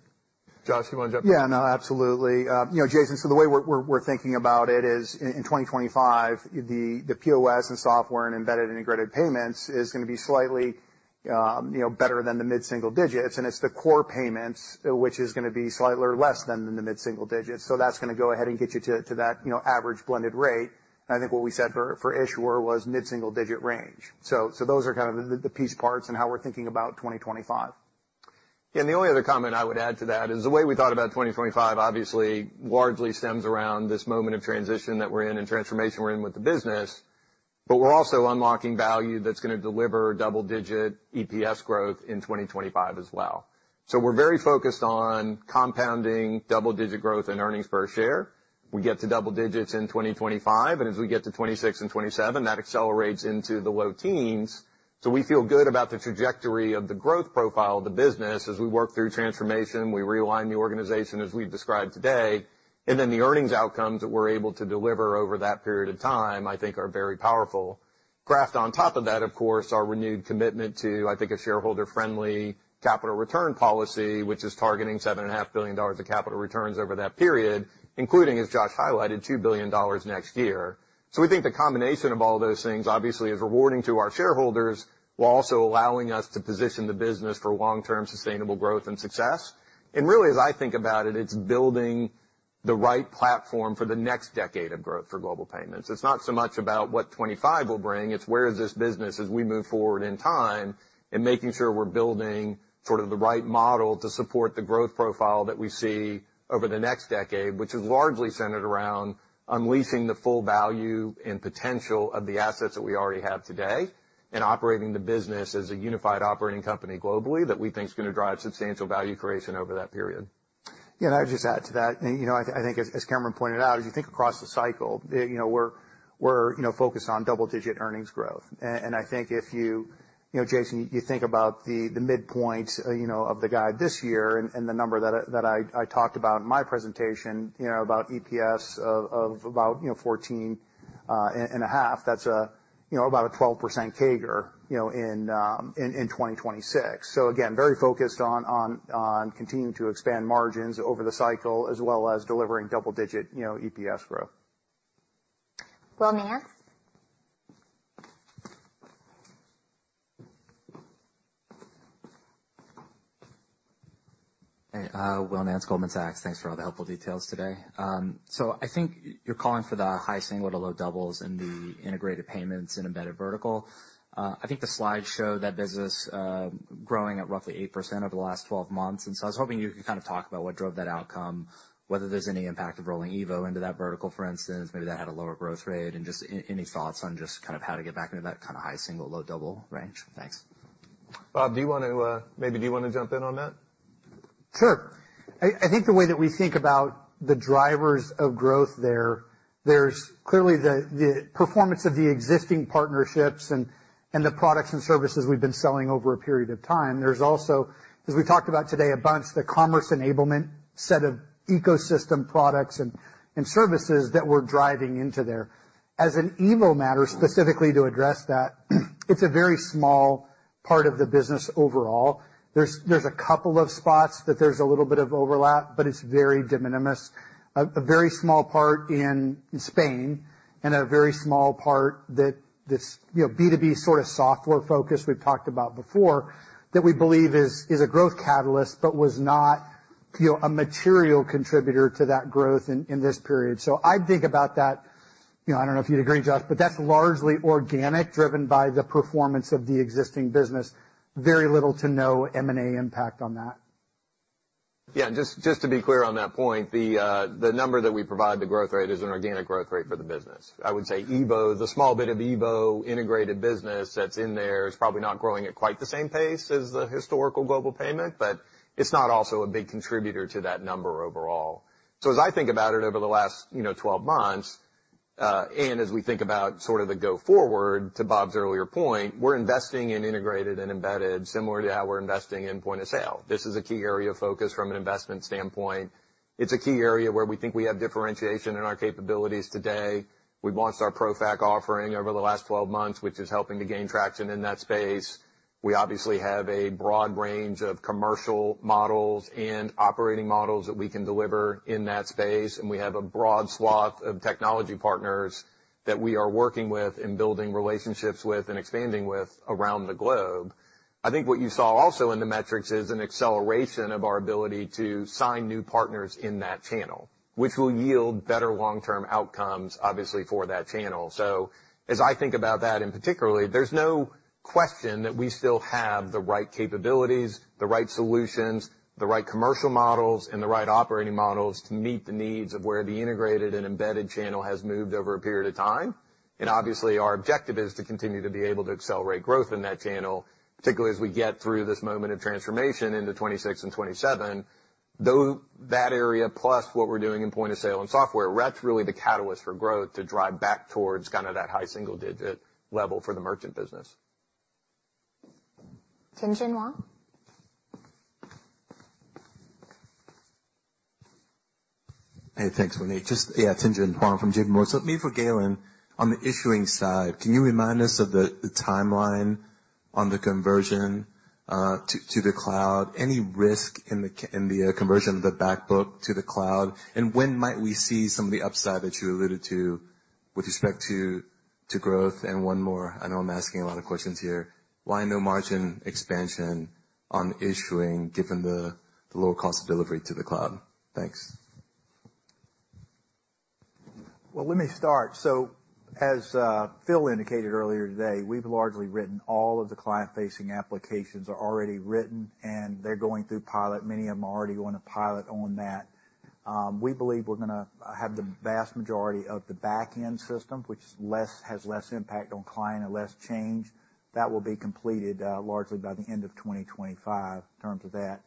Josh, you want to jump in?
Yeah, no, absolutely. You know, Jason, so the way we're thinking about it is in 2025, the POS and software and embedded integrated payments is gonna be slightly better than the mid-single digits, and it's the Core Payments which is gonna be slightly less than the mid-single digits. So that's gonna go ahead and get you to that average blended rate. I think what we said for issuer was mid-single-digit range. So those are kind of the piece parts and how we're thinking about 2025.
Yeah, and the only other comment I would add to that is the way we thought about 2025 obviously largely stems around this moment of transition that we're in and transformation we're in with the business. But we're also unlocking value that's gonna deliver double-digit EPS growth in 2025 as well. So we're very focused on compounding double-digit growth in earnings per share. We get to double digits in 2025, and as we get to 2026 and 2027, that accelerates into the low teens. So we feel good about the trajectory of the growth profile of the business as we work through transformation, we realign the organization as we've described today, and then the earnings outcomes that we're able to deliver over that period of time, I think are very powerful. Great on top of that, of course, our renewed commitment to, I think, a shareholder-friendly capital return policy, which is targeting $7.5 billion of capital returns over that period, including, as Josh highlighted, $2 billion next year. So we think the combination of all those things, obviously, is rewarding to our shareholders, while also allowing us to position the business for long-term sustainable growth and success. And really, as I think about it, it's building the right platform for the next decade of growth for Global Payments. It's not so much about what 2025 will bring. It's where is this business as we move forward in time, and making sure we're building sort of the right model to support the growth profile that we see over the next decade, which is largely centered around unleashing the full value and potential of the assets that we already have today, and operating the business as a unified operating company globally, that we think is gonna drive substantial value creation over that period.
Yeah, and I'd just add to that. You know, I think as Cameron pointed out, as you think across the cycle, you know, we're focused on double-digit earnings growth. And I think if you, you know, Jason, you think about the midpoints of the guide this year and the number that I talked about in my presentation, you know, about EPS of about 14.5, that's about a 12% CAGR in 2026. So again, very focused on continuing to expand margins over the cycle, as well as delivering double digit EPS growth.
Will Nance?
Hey, Will Nance, Goldman Sachs. Thanks for all the helpful details today. So I think you're calling for the high single to low doubles in the integrated payments and embedded vertical. I think the slide showed that business growing at roughly 8% over the last 12 months, and so I was hoping you could kind of talk about what drove that outcome, whether there's any impact of rolling EVO into that vertical, for instance, maybe that had a lower growth rate, and just any thoughts on just kind of how to get back into that kind of high single, low double range? Thanks.
Bob, do you wanna maybe jump in on that?
Sure. I think the way that we think about the drivers of growth there. There's clearly the performance of the existing partnerships and the products and services we've been selling over a period of time. There's also, as we talked about today a bunch, the commerce enablement set of ecosystem products and services that we're driving into there. As an EVO matter, specifically to address that, it's a very small part of the business overall. There's a couple of spots that there's a little bit of overlap, but it's very de minimis. A very small part in Spain, and a very small part that this, you know, B2B sort of software focus we've talked about before, that we believe is a growth catalyst, but was not, you know, a material contributor to that growth in this period. So I'd think about that, you know, I don't know if you'd agree, Josh, but that's largely organic, driven by the performance of the existing business. Very little to no M&A impact on that.
Yeah, just to be clear on that point, the number that we provide, the growth rate, is an organic growth rate for the business. I would say EVO, the small bit of EVO integrated business that's in there, is probably not growing at quite the same pace as the historical Global Payments, but it's not also a big contributor to that number overall. So as I think about it, over the last 12 months, you know, and as we think about sort of the go forward, to Bob's earlier point, we're investing in Integrated and Embedded, similar to how we're investing in point-of-sale. This is a key area of focus from an investment standpoint. It's a key area where we think we have differentiation in our capabilities today. We've launched our ProFac offering over the last 12 months, which is helping to gain traction in that space. We obviously have a broad range of commercial models and operating models that we can deliver in that space, and we have a broad swath of technology partners that we are working with and building relationships with and expanding with around the globe. I think what you saw also in the metrics is an acceleration of our ability to sign new partners in that channel, which will yield better long-term outcomes, obviously, for that channel. So as I think about that, and particularly, there's no question that we still have the right capabilities, the right solutions, the right commercial models, and the right operating models to meet the needs of where the Integrated and Embedded channel has moved over a period of time. And obviously, our objective is to continue to be able to accelerate growth in that channel, particularly as we get through this moment of transformation into 2026 and 2027. Though, that area, plus what we're doing in point of sale and software, that's really the catalyst for growth to drive back towards kind of that high single digit level for the merchant business.
Tien-Tsin Huang?
Hey, thanks, Renee. Just, yeah, Tien-Tsin Huang from J.P. Morgan. So maybe for Gaylon, on the issuing side, can you remind us of the timeline on the conversion to the cloud? Any risk in the conversion of the back book to the cloud? And when might we see some of the upside that you alluded to with respect to growth? And one more, I know I'm asking a lot of questions here. Why no margin expansion on issuing, given the lower cost of delivery to the cloud? Thanks. Let me start. As Phil indicated earlier today, we've largely written all of the client-facing applications are already written, and they're going through pilot. Many of them are already on a pilot on that.... We believe we're gonna have the vast majority of the back-end system, which has less impact on client and less change. That will be completed largely by the end of 2025, in terms of that.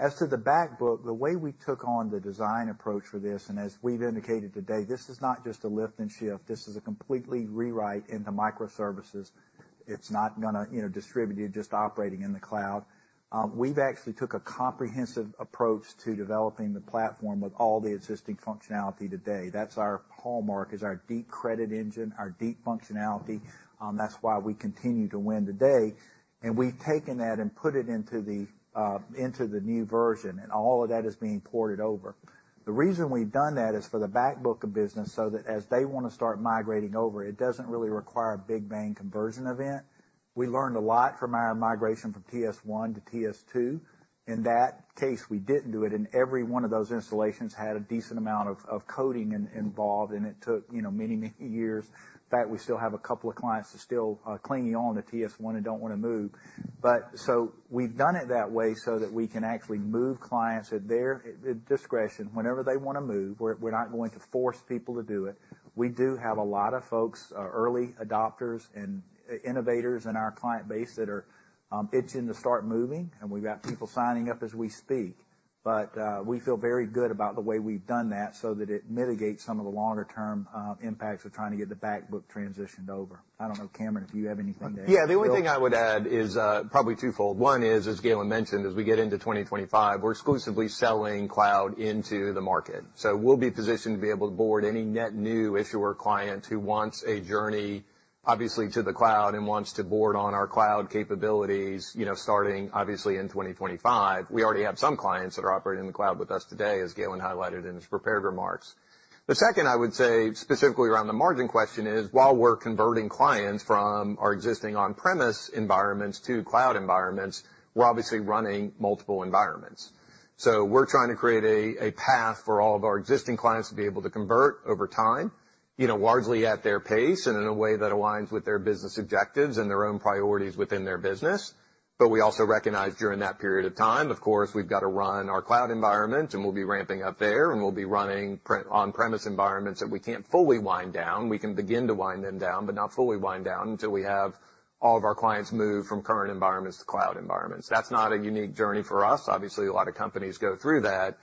As to the back book, the way we took on the design approach for this, and as we've indicated today, this is not just a lift and shift, this is a completely rewrite into microservices. It's not gonna, you know, distribute it, just operating in the cloud. We've actually took a comprehensive approach to developing the platform with all the existing functionality today. That's our hallmark, is our deep credit engine, our deep functionality, that's why we continue to win today. And we've taken that and put it into the new version, and all of that is being ported over. The reason we've done that is for the back book of business, so that as they want to start migrating over, it doesn't really require a big bang conversion event. We learned a lot from our migration from TS1-TS2. In that case, we didn't do it, and every one of those installations had a decent amount of coding involved, and it took, you know, many, many years. In fact, we still have a couple of clients that still clinging on to TS1 and don't wanna move, but so we've done it that way so that we can actually move clients at their discretion, whenever they wanna move. We're not going to force people to do it. We do have a lot of folks, early adopters and innovators in our client base that are itching to start moving, and we've got people signing up as we speak. But we feel very good about the way we've done that, so that it mitigates some of the longer term impacts of trying to get the back book transitioned over. I don't know, Cameron, do you have anything to add?
Yeah, the only thing I would add is, probably twofold. One is, as Gaylon mentioned, as we get into 2025, we're exclusively selling cloud into the market. So we'll be positioned to be able to board any net new issuer client who wants a journey, obviously, to the cloud and wants to board on our cloud capabilities, you know, starting obviously, in 2025. We already have some clients that are operating in the cloud with us today, as Gaylon highlighted in his prepared remarks. The second, I would say, specifically around the margin question is, while we're converting clients from our existing on-premise environments to cloud environments, we're obviously running multiple environments. So we're trying to create a path for all of our existing clients to be able to convert over time, you know, largely at their pace and in a way that aligns with their business objectives and their own priorities within their business. But we also recognize during that period of time, of course, we've got to run our cloud environment, and we'll be ramping up there, and we'll be running on-premise environments that we can't fully wind down. We can begin to wind them down, but not fully wind down until we have all of our clients move from current environments to cloud environments. That's not a unique journey for us. Obviously, a lot of companies go through that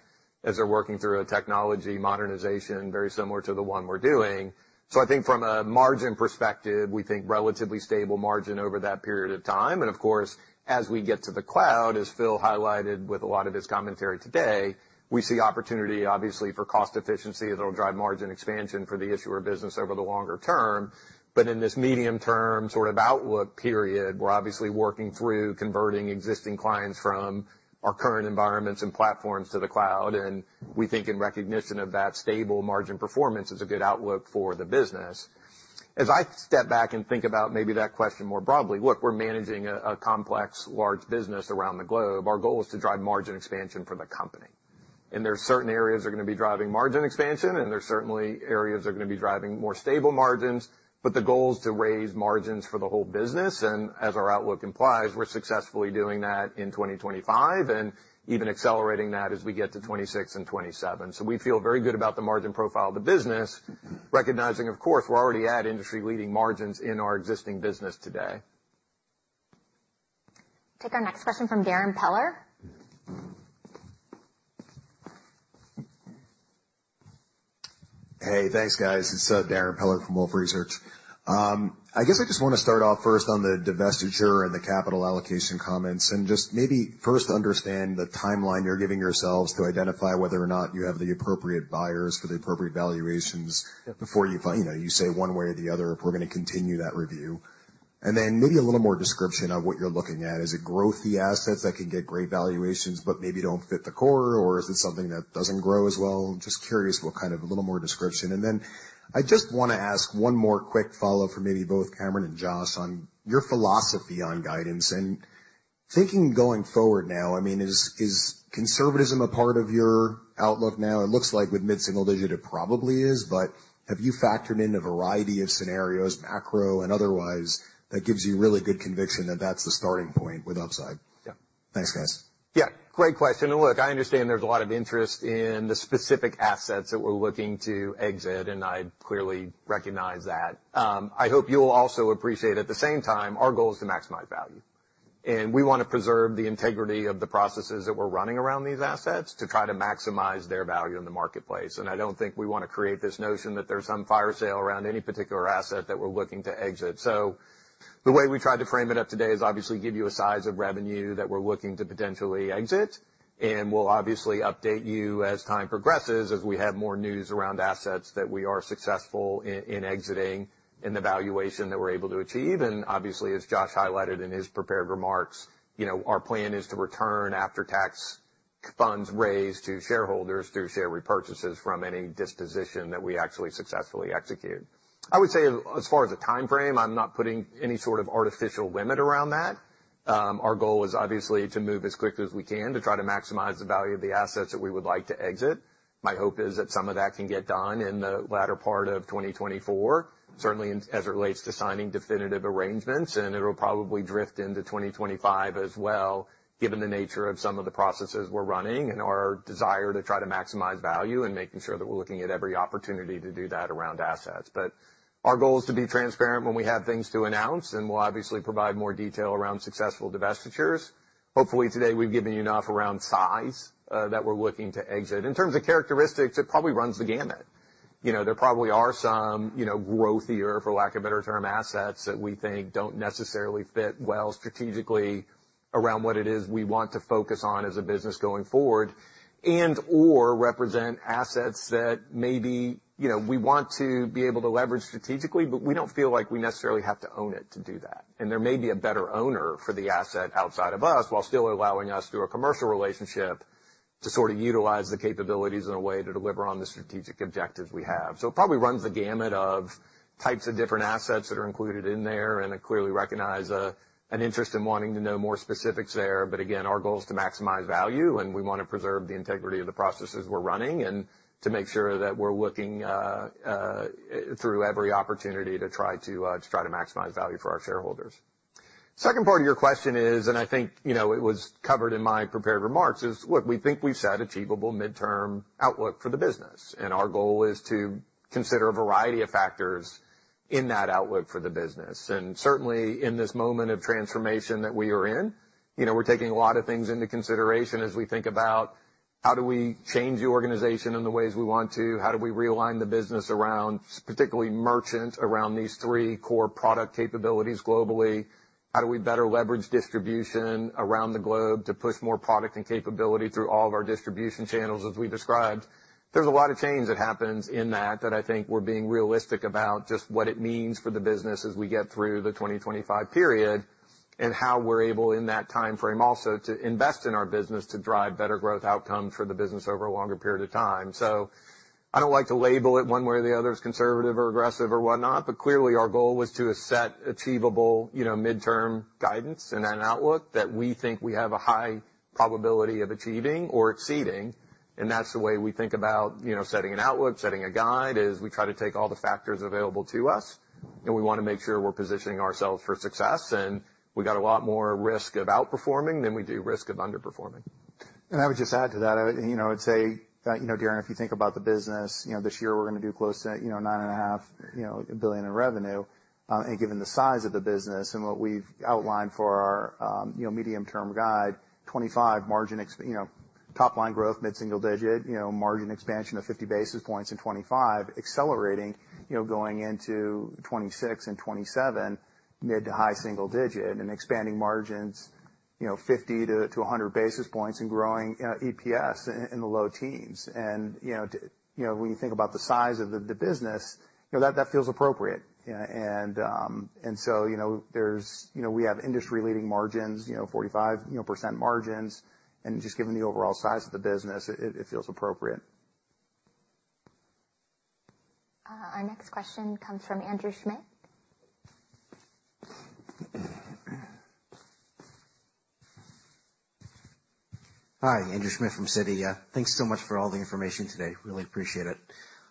as they're working through a technology modernization very similar to the one we're doing. I think from a margin perspective, we think relatively stable margin over that period of time. Of course, as we get to the cloud, as Phil highlighted with a lot of his commentary today, we see opportunity, obviously, for cost efficiency, that'll drive margin expansion for the Issuer business over the longer term. In this medium term, sort of outlook period, we're obviously working through converting existing clients from our current environments and platforms to the cloud, and we think in recognition of that stable margin performance is a good outlook for the business. As I step back and think about maybe that question more broadly, look, we're managing a complex, large business around the globe. Our goal is to drive margin expansion for the company, and there are certain areas that are going to be driving margin expansion, and there are certainly areas that are going to be driving more stable margins, but the goal is to raise margins for the whole business, and as our outlook implies, we're successfully doing that in 2025 and even accelerating that as we get to 2026 and 2027. So we feel very good about the margin profile of the business, recognizing, of course, we're already at industry-leading margins in our existing business today.
Take our next question from Darren Peller.
Hey, thanks, guys. It's Darren Peller from Wolfe Research. I guess I just want to start off first on the divestiture and the capital allocation comments, and just maybe first understand the timeline you're giving yourselves to identify whether or not you have the appropriate buyers for the appropriate valuations-
Yeah.
Before you find, you know, you say one way or the other, if we're going to continue that review. And then maybe a little more description of what you're looking at. Is it growthy assets that can get great valuations but maybe don't fit the core, or is it something that doesn't grow as well? Just curious what kind of a little more description. And then, I just want to ask one more quick follow-up for maybe both Cameron and Josh, on your philosophy on guidance and thinking going forward now. I mean, is conservatism a part of your outlook now? It looks like with mid-single digit, it probably is, but have you factored in a variety of scenarios, macro and otherwise, that gives you really good conviction that that's the starting point with upside?
Yeah.
Thanks, guys.
Yeah, great question. Look, I understand there's a lot of interest in the specific assets that we're looking to exit, and I clearly recognize that. I hope you will also appreciate at the same time, our goal is to maximize value, and we want to preserve the integrity of the processes that we're running around these assets to try to maximize their value in the marketplace. I don't think we want to create this notion that there's some fire sale around any particular asset that we're looking to exit. The way we tried to frame it up today is obviously give you a size of revenue that we're looking to potentially exit, and we'll obviously update you as time progresses, as we have more news around assets that we are successful in, in exiting and the valuation that we're able to achieve. And obviously, as Josh highlighted in his prepared remarks, you know, our plan is to return after-tax funds raised to shareholders through share repurchases from any disposition that we actually successfully execute. I would say as far as the time frame, I'm not putting any sort of artificial limit around that. Our goal is obviously to move as quickly as we can to try to maximize the value of the assets that we would like to exit. My hope is that some of that can get done in the latter part of 2024, certainly in, as it relates to signing definitive arrangements, and it'll probably drift into 2025 as well, given the nature of some of the processes we're running and our desire to try to maximize value and making sure that we're looking at every opportunity to do that around assets. But our goal is to be transparent when we have things to announce, and we'll obviously provide more detail around successful divestitures. Hopefully today, we've given you enough around size that we're looking to exit. In terms of characteristics, it probably runs the gamut. You know, there probably are some, you know, growthier, for lack of a better term, assets that we think don't necessarily fit well strategically around what it is we want to focus on as a business going forward, and/or represent assets that maybe, you know, we want to be able to leverage strategically, but we don't feel like we necessarily have to own it to do that. And there may be a better owner for the asset outside of us, while still allowing us, through a commercial relationship, to sort of utilize the capabilities in a way to deliver on the strategic objectives we have. So it probably runs the gamut of types of different assets that are included in there, and I clearly recognize an interest in wanting to know more specifics there. But again, our goal is to maximize value, and we want to preserve the integrity of the processes we're running and to make sure that we're looking through every opportunity to try to maximize value for our shareholders. Second part of your question is, and I think, you know, it was covered in my prepared remarks. Look, we think we've set achievable midterm outlook for the business, and our goal is to consider a variety of factors in that outlook for the business. Certainly, in this moment of transformation that we are in, you know, we're taking a lot of things into consideration as we think about how do we change the organization in the ways we want to? How do we realign the business around, particularly merchant, around these three core product capabilities globally? How do we better leverage distribution around the globe to push more product and capability through all of our distribution channels, as we described? There's a lot of change that happens in that, that I think we're being realistic about just what it means for the business as we get through the 2025 period, and how we're able, in that timeframe, also, to invest in our business to drive better growth outcome for the business over a longer period of time. So I don't like to label it one way or the other as conservative or aggressive or whatnot, but clearly, our goal was to set achievable, you know, midterm guidance and an outlook that we think we have a high probability of achieving or exceeding. And that's the way we think about, you know, setting an outlook, setting a guide, is we try to take all the factors available to us, and we wanna make sure we're positioning ourselves for success, and we've got a lot more risk of outperforming than we do risk of underperforming.
I would just add to that, you know, I'd say that, you know, Darren, if you think about the business, you know, this year, we're gonna do close to, you know, $9.5 billion in revenue. And given the size of the business and what we've outlined for our, you know, medium-term guide, 2025 margin. You know, top line growth, mid-single digit, you know, margin expansion of 50 basis points in 2025, accelerating, you know, going into 2026 and 2027, mid- to high-single-digit, and expanding margins, you know, 50-100 basis points and growing EPS in the low teens. And, you know, when you think about the size of the business, you know, that feels appropriate. So, you know, there's, you know, we have industry-leading margins, you know, 45% margins, and just given the overall size of the business, it feels appropriate.
Our next question comes from Andrew Schmitt.
Hi, Andrew Schmidt from Citi. Thanks so much for all the information today. Really appreciate it.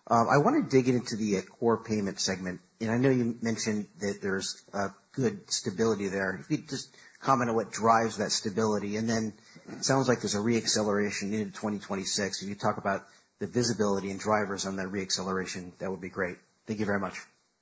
I want to dig into the core payment segment, and I know you mentioned that there's a good stability there. Could you just comment on what drives that stability? And then, it sounds like there's a re-acceleration in 2026. Can you talk about the visibility and drivers on that re-acceleration? That would be great. Thank you very much.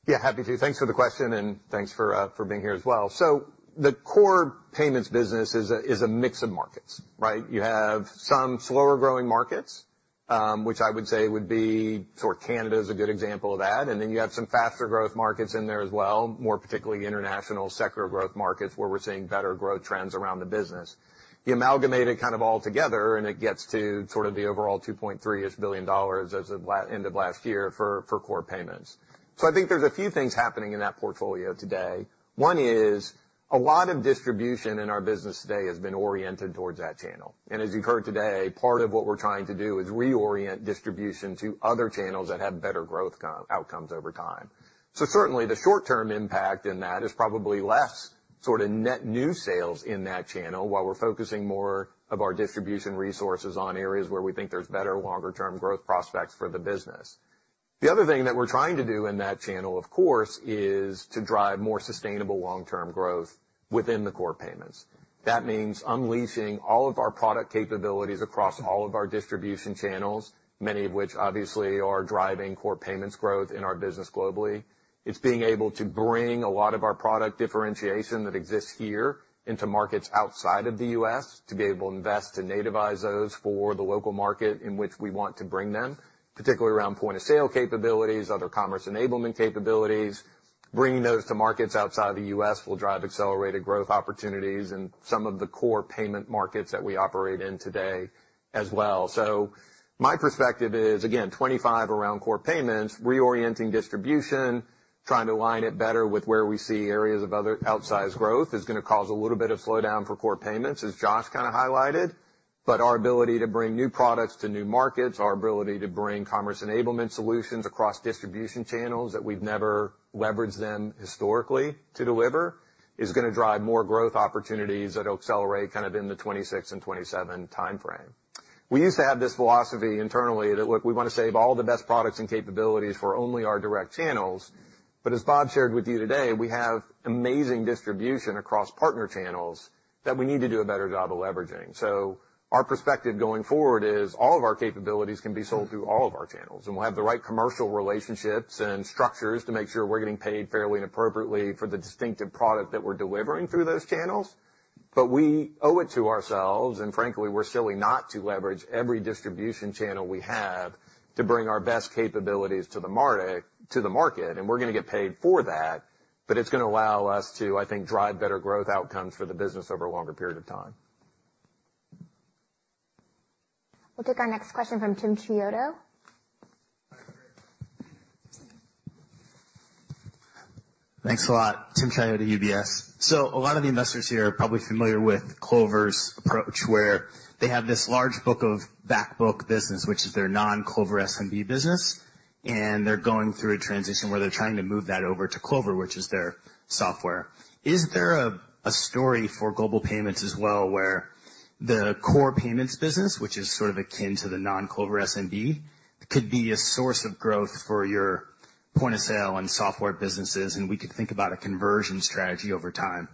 Yeah, happy to. Thanks for the question, and thanks for, for being here as well. So the Core Payments business is a mix of markets, right? You have some slower-growing markets, which I would say would be sort of Canada is a good example of that, and then you have some faster growth markets in there as well, more particularly, international secular growth markets, where we're seeing better growth trends around the business. You amalgamate it kind of all together, and it gets to sort of the overall $2.3 billion-ish as of end of last year for Core Payments. So I think there's a few things happening in that portfolio today. One is, a lot of distribution in our business today has been oriented towards that channel. And as you've heard today, part of what we're trying to do is reorient distribution to other channels that have better growth outcomes over time. So certainly, the short-term impact in that is probably less sort of net new sales in that channel, while we're focusing more of our distribution resources on areas where we think there's better longer-term growth prospects for the business. The other thing that we're trying to do in that channel, of course, is to drive more sustainable long-term growth within the Core Payments. That means unleashing all of our product capabilities across all of our distribution channels, many of which obviously are driving Core Payments growth in our business globally. It's being able to bring a lot of our product differentiation that exists here into markets outside of the U.S., to be able to invest to nativize those for the local market in which we want to bring them, particularly around point-of-sale capabilities, other commerce enablement capabilities. Bringing those to markets outside the U.S. will drive accelerated growth opportunities in some of the core payment markets that we operate in today as well. So my perspective is, again, 25 around Core Payments, reorienting distribution, trying to align it better with where we see areas of other outsized growth, is gonna cause a little bit of slowdown for Core Payments, as Josh kind of highlighted. But our ability to bring new products to new markets, our ability to bring commerce enablement solutions across distribution channels that we've never leveraged them historically to deliver, is gonna drive more growth opportunities that will accelerate kind of in the 2026 and 2027 timeframe. We used to have this philosophy internally that, look, we want to save all the best products and capabilities for only our direct channels, but as Bob shared with you today, we have amazing distribution across partner channels that we need to do a better job of leveraging. So our perspective going forward is all of our capabilities can be sold through all of our channels, and we'll have the right commercial relationships and structures to make sure we're getting paid fairly and appropriately for the distinctive product that we're delivering through those channels. But we owe it to ourselves, and frankly, we're silly not to leverage every distribution channel we have to bring our best capabilities to the market, and we're gonna get paid for that, but it's gonna allow us to, I think, drive better growth outcomes for the business over a longer period of time.
We'll take our next question from Tim Chiodo.
Thanks a lot. Tim Chiodo, UBS. So a lot of the investors here are probably familiar with Clover's approach, where they have this large book of back book business, which is their non-Clover SMB business, and they're going through a transition where they're trying to move that over to Clover, which is their software. Is there a story for Global Payments as well, where the Core Payments business, which is sort of akin to the non-Clover SMB, could be a source of growth for your point-of-sale and software businesses, and we could think about a conversion strategy over time?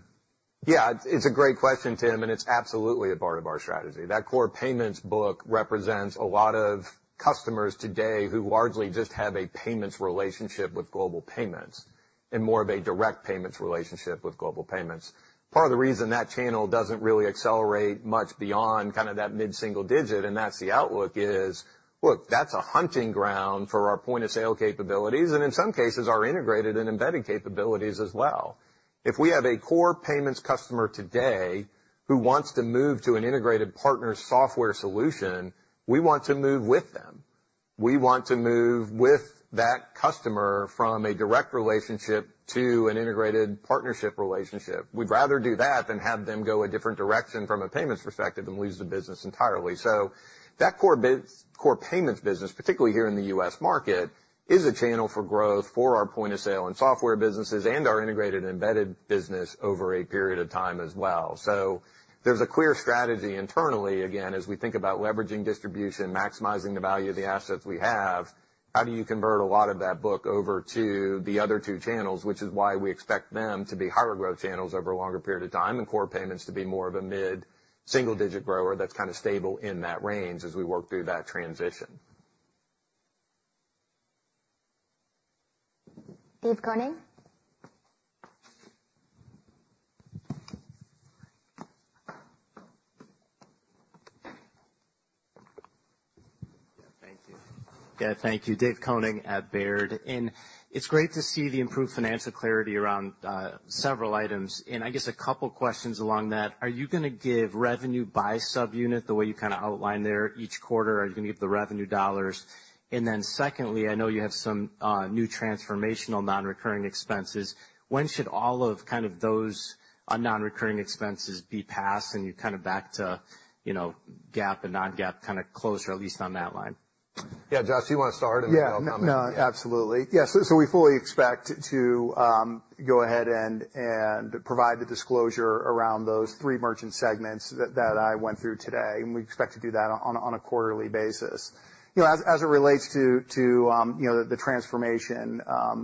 Yeah, it's a great question, Tim, and it's absolutely a part of our strategy. That Core Payments book represents a lot of customers today who largely just have a payments relationship with Global Payments and more of a direct payments relationship with Global Payments. Part of the reason that channel doesn't really accelerate much beyond kind of that mid-single digit, and that's the outlook, is, look, that's a hunting ground for our point-of-sale capabilities, and in some cases, our Integrated and Embedded capabilities as well. If we have a Core Payments customer today who wants to move to an integrated partner software solution, we want to move with them. We want to move with that customer from a direct relationship to an integrated partnership relationship. We'd rather do that than have them go a different direction from a payments perspective and lose the business entirely. So that Core Payments business, particularly here in the U.S. market, is a channel for growth for our point-of-sale and software businesses and our Integrated and Embedded business over a period of time as well. So there's a clear strategy internally, again, as we think about leveraging distribution, maximizing the value of the assets we have. How do you convert a lot of that book over to the other two channels? Which is why we expect them to be higher growth channels over a longer period of time, and Core Payments to be more of a mid-single digit grower that's kind of stable in that range as we work through that transition.
Dave Koning?
Yeah, thank you. Yeah, thank you. Dave Koning at Baird. And it's great to see the improved financial clarity around several items. And I guess a couple questions along that: Are you gonna give revenue by subunit, the way you kinda outlined there, each quarter? Are you gonna give the revenue dollars? And then secondly, I know you have some new transformational non-recurring expenses. When should all of, kind of, those non-recurring expenses be passed and you're kind of back to, you know, GAAP and non-GAAP, kinda closer, at least on that line?
Yeah, Josh, do you wanna start, and then I'll come in?
Yeah. No, absolutely. Yes, so we fully expect to go ahead and provide the disclosure around those three merchant segments that I went through today, and we expect to do that on a quarterly basis. You know, as it relates to the transformation,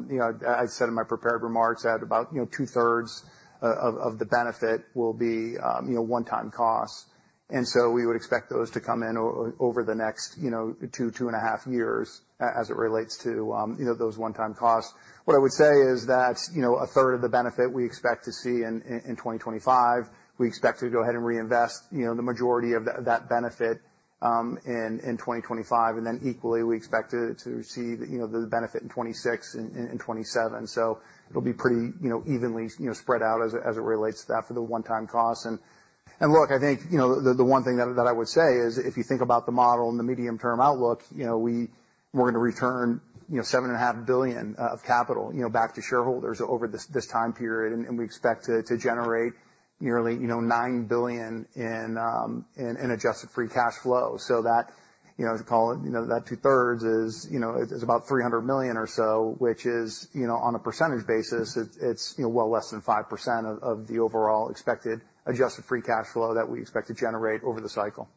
you know, I said in my prepared remarks that about two-thirds of the benefit will be one-time costs. And so we would expect those to come in over the next two, two and a half years, as it relates to those one-time costs. What I would say is that, you know, a third of the benefit we expect to see in 2025, we expect to go ahead and reinvest, you know, the majority of that benefit in 2025. And then equally, we expect to see, you know, the benefit in 2026 and in 2027. So it'll be pretty, you know, evenly, you know, spread out as it relates to that for the one-time costs. And look, I think, you know, the one thing that I would say is, if you think about the model and the medium-term outlook, you know, we're gonna return, you know, $7.5 billion of capital, you know, back to shareholders over this time period, and we expect to generate nearly, you know, $9 billion in adjusted free cash flow. So that, you know, as you call it, you know, that two-thirds is, you know, about $300 million or so, which is, you know, on a percentage basis, it's, you know, well less than 5% of the overall expected adjusted free cash flow that we expect to generate over the cycle.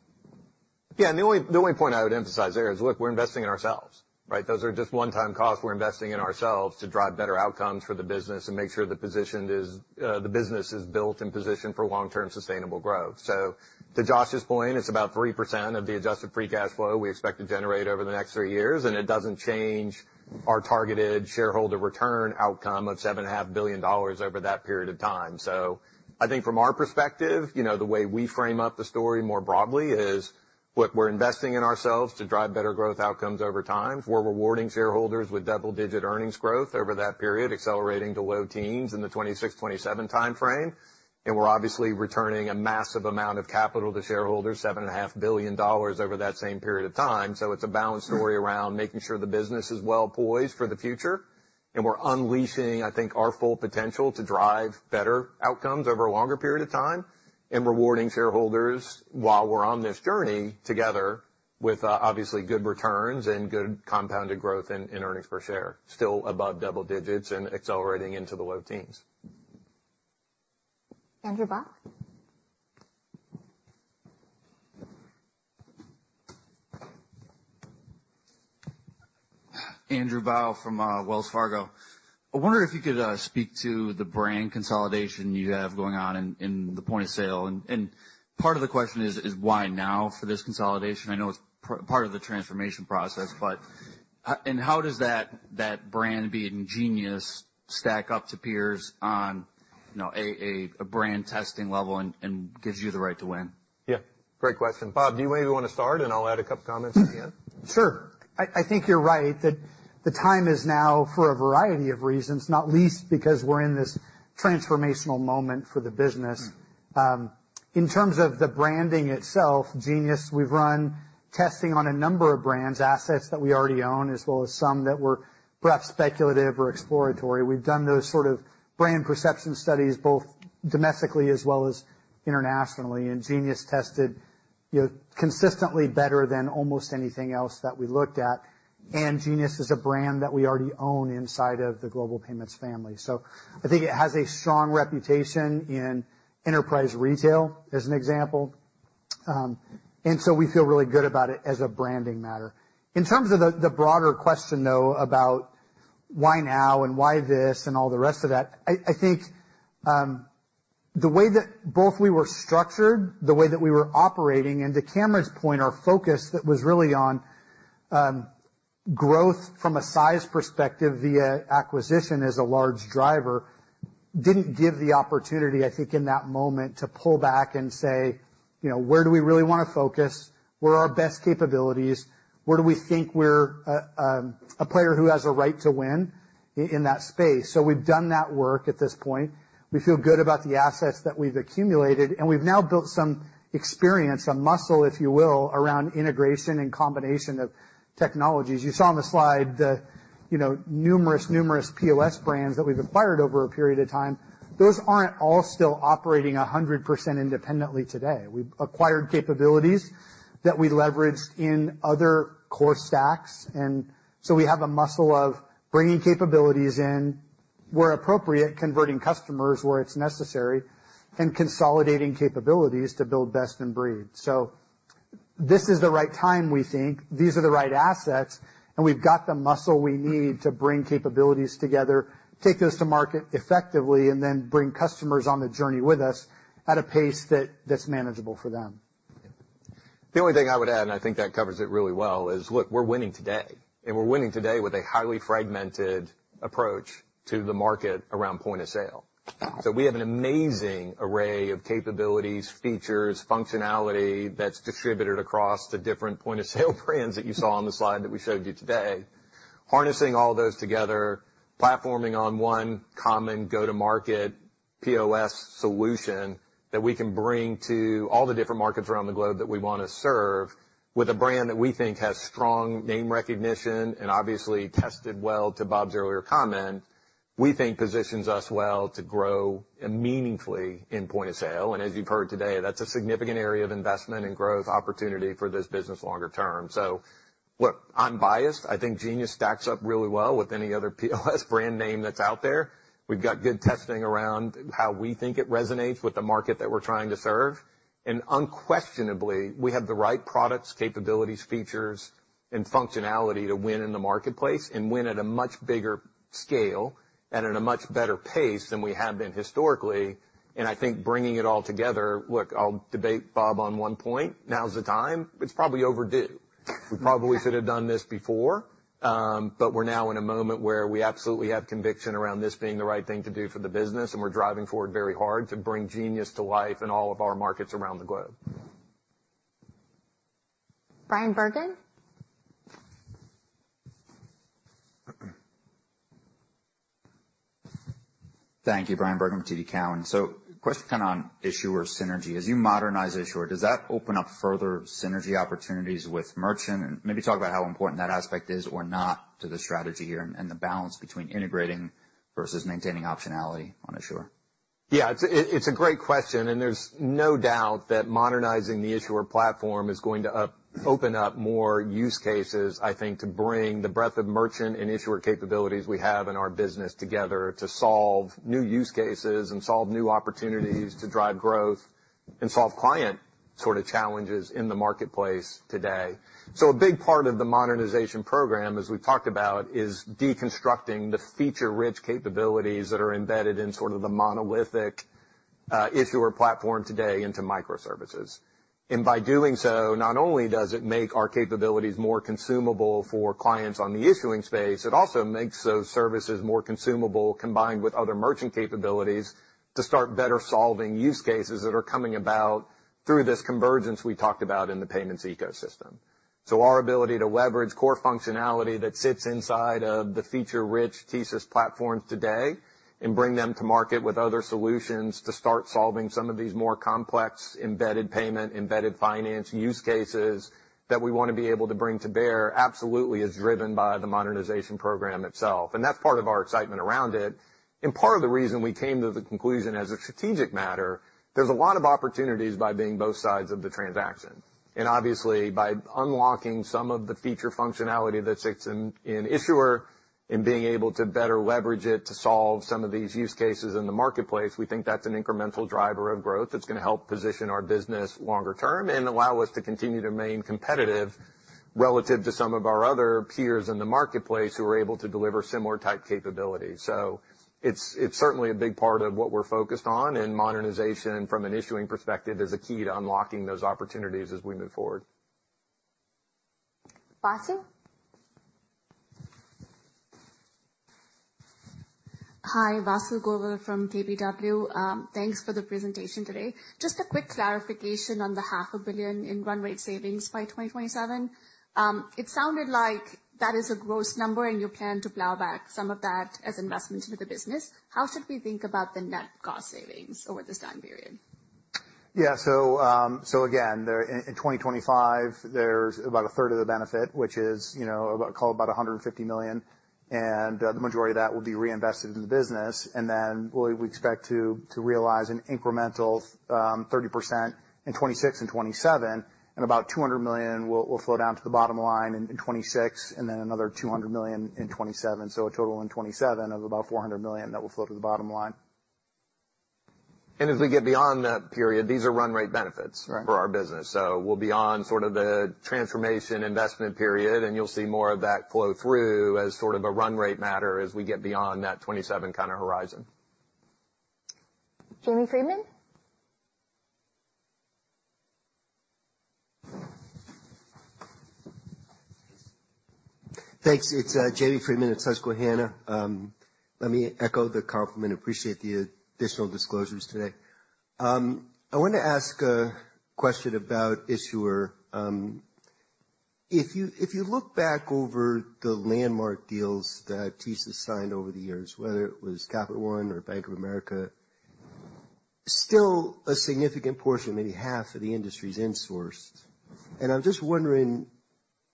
Yeah, and the only point I would emphasize there is, look, we're investing in ourselves, right? Those are just one-time costs. We're investing in ourselves to drive better outcomes for the business and make sure the position is, the business is built and positioned for long-term sustainable growth. To Josh's point, it's about 3% of the adjusted free cash flow we expect to generate over the next three years, and it doesn't change our targeted shareholder return outcome of $7.5 billion over that period of time. I think from our perspective, you know, the way we frame up the story more broadly is, look, we're investing in ourselves to drive better growth outcomes over time. We're rewarding shareholders with double-digit earnings growth over that period, accelerating to low teens in the 2026, 2027 timeframe, and we're obviously returning a massive amount of capital to shareholders, $7.5 billion over that same period of time. So it's a balanced story around making sure the business is well poised for the future, and we're unleashing, I think, our full potential to drive better outcomes over a longer period of time, and rewarding shareholders while we're on this journey together, with obviously good returns and good compounded growth in earnings per share, still above double digits and accelerating into the low teens....
Andrew Bauch?
Andrew Bauch from Wells Fargo. I wonder if you could speak to the brand consolidation you have going on in the point of sale, and part of the question is why now for this consolidation? I know it's part of the transformation process, but, and how does that brand being Genius stack up to peers on, you know, a brand testing level and gives you the right to win?
Yeah, great question. Bob, do you maybe want to start and I'll add a couple comments at the end?
Sure. I think you're right that the time is now for a variety of reasons, not least because we're in this transformational moment for the business. In terms of the branding itself, Genius, we've run testing on a number of brands, assets that we already own, as well as some that were perhaps speculative or exploratory. We've done those sort of brand perception studies, both domestically as well as internationally. And Genius tested, you know, consistently better than almost anything else that we looked at. And Genius is a brand that we already own inside of the Global Payments family. So I think it has a strong reputation in enterprise retail, as an example. And so we feel really good about it as a branding matter. In terms of the broader question, though, about why now and why this and all the rest of that, I think the way that both we were structured, the way that we were operating, and to Cameron's point, our focus that was really on growth from a size perspective via acquisition as a large driver, didn't give the opportunity, I think, in that moment, to pull back and say, "You know, where do we really want to focus? Where are our best capabilities? Where do we think we're a player who has a right to win in that space?" So we've done that work at this point. We feel good about the assets that we've accumulated, and we've now built some experience, some muscle, if you will, around integration and combination of technologies. You saw on the slide the, you know, numerous, numerous POS brands that we've acquired over a period of time. Those aren't all still operating 100% independently today. We've acquired capabilities that we leveraged in other core stacks, and so we have a muscle of bringing capabilities in, where appropriate, converting customers where it's necessary, and consolidating capabilities to build best in breed. So this is the right time, we think. These are the right assets, and we've got the muscle we need to bring capabilities together, take those to market effectively, and then bring customers on the journey with us at a pace that, that's manageable for them.
The only thing I would add, and I think that covers it really well, is, look, we're winning today, and we're winning today with a highly fragmented approach to the market around point of sale. So we have an amazing array of capabilities, features, functionality that's distributed across the different point of sale brands that you saw on the slide that we showed you today. Harnessing all those together, platforming on one common go-to-market POS solution that we can bring to all the different markets around the globe that we want to serve with a brand that we think has strong name recognition and obviously tested well to Bob's earlier comment, we think positions us well to grow, meaningfully in point of sale. And as you've heard today, that's a significant area of investment and growth opportunity for this business longer term. So look, I'm biased. I think Genius stacks up really well with any other POS brand name that's out there. We've got good testing around how we think it resonates with the market that we're trying to serve. And unquestionably, we have the right products, capabilities, features, and functionality to win in the marketplace and win at a much bigger scale and at a much better pace than we have been historically. And I think bringing it all together... Look, I'll debate Bob on one point. Now is the time. It's probably overdue. We probably should have done this before, but we're now in a moment where we absolutely have conviction around this being the right thing to do for the business, and we're driving forward very hard to bring Genius to life in all of our markets around the globe.
Bryan Bergin?
Thank you. Bryan Bergin with TD Cowen. So, question kind of on issuer synergy. As you modernize issuer, does that open up further synergy opportunities with merchant? And maybe talk about how important that aspect is or not to the strategy here and the balance between integrating versus maintaining optionality on issuer.
Yeah, it's a great question, and there's no doubt that modernizing the issuer platform is going to open up more use cases, I think, to bring the breadth of merchant and issuer capabilities we have in our business together to solve new use cases and solve new opportunities to drive growth and solve client sort of challenges in the marketplace today. So a big part of the modernization program, as we've talked about, is deconstructing the feature-rich capabilities that are embedded in sort of the monolithic issuer platform today into microservices. And by doing so, not only does it make our capabilities more consumable for clients on the issuing space, it also makes those services more consumable, combined with other merchant capabilities, to start better solving use cases that are coming about through this convergence we talked about in the payments ecosystem. Our ability to leverage core functionality that sits inside of the feature-rich TSYS platforms today and bring them to market with other solutions to start solving some of these more complex embedded payment, embedded finance use cases that we want to be able to bring to bear, absolutely is driven by the modernization program itself. That's part of our excitement around it and part of the reason we came to the conclusion as a strategic matter. There's a lot of opportunities by being both sides of the transaction.... And obviously, by unlocking some of the feature functionality that sits in issuer and being able to better leverage it to solve some of these use cases in the marketplace, we think that's an incremental driver of growth that's going to help position our business longer term, and allow us to continue to remain competitive relative to some of our other peers in the marketplace who are able to deliver similar type capabilities. So it's certainly a big part of what we're focused on, and modernization from an issuing perspective is a key to unlocking those opportunities as we move forward.
Vasu?
Hi, Vasu Govil from KBW. Thanks for the presentation today. Just a quick clarification on the $500 million in run rate savings by 2027. It sounded like that is a gross number, and you plan to plow back some of that as investments into the business. How should we think about the net cost savings over this time period?
Yeah, so, so again, in 2025, there's about a third of the benefit, which is, you know, about, call it about $150 million, and the majority of that will be reinvested in the business. And then we expect to realize an incremental 30% in 2026 and 2027, and about $200 million will flow down to the bottom line in 2026, and then another $200 million in 2027. So a total in 2027 of about $400 million that will flow to the bottom line.
As we get beyond that period, these are run rate benefits.
Right.
For our business. So we'll be on sort of the transformation investment period, and you'll see more of that flow through as sort of a run rate matter as we get beyond that 2027 kind of horizon.
Jamie Friedman?
Thanks. It's Jamie Friedman at Susquehanna. Let me echo the compliment. Appreciate the additional disclosures today. I wanted to ask a question about issuer. If you look back over the landmark deals that TSYS has signed over the years, whether it was Capital One or Bank of America, still a significant portion, maybe half of the industry's insourced. And I'm just wondering,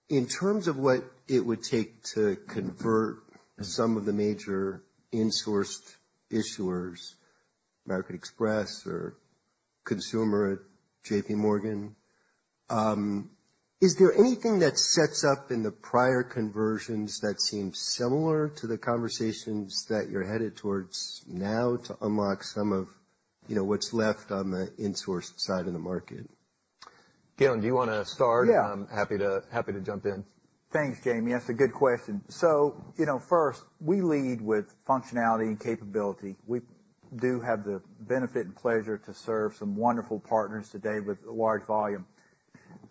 in terms of what it would take to convert some of the major insourced issuers, American Express or Consumer at J.P. Morgan, is there anything that sets up in the prior conversions that seem similar to the conversations that you're headed towards now to unlock some of, you know, what's left on the insourced side of the market?
Gaylon, do you want to start?
Yeah.
I'm happy to jump in.
Thanks, Jamie. That's a good question. So, you know, first, we lead with functionality and capability. We do have the benefit and pleasure to serve some wonderful partners today with a large volume.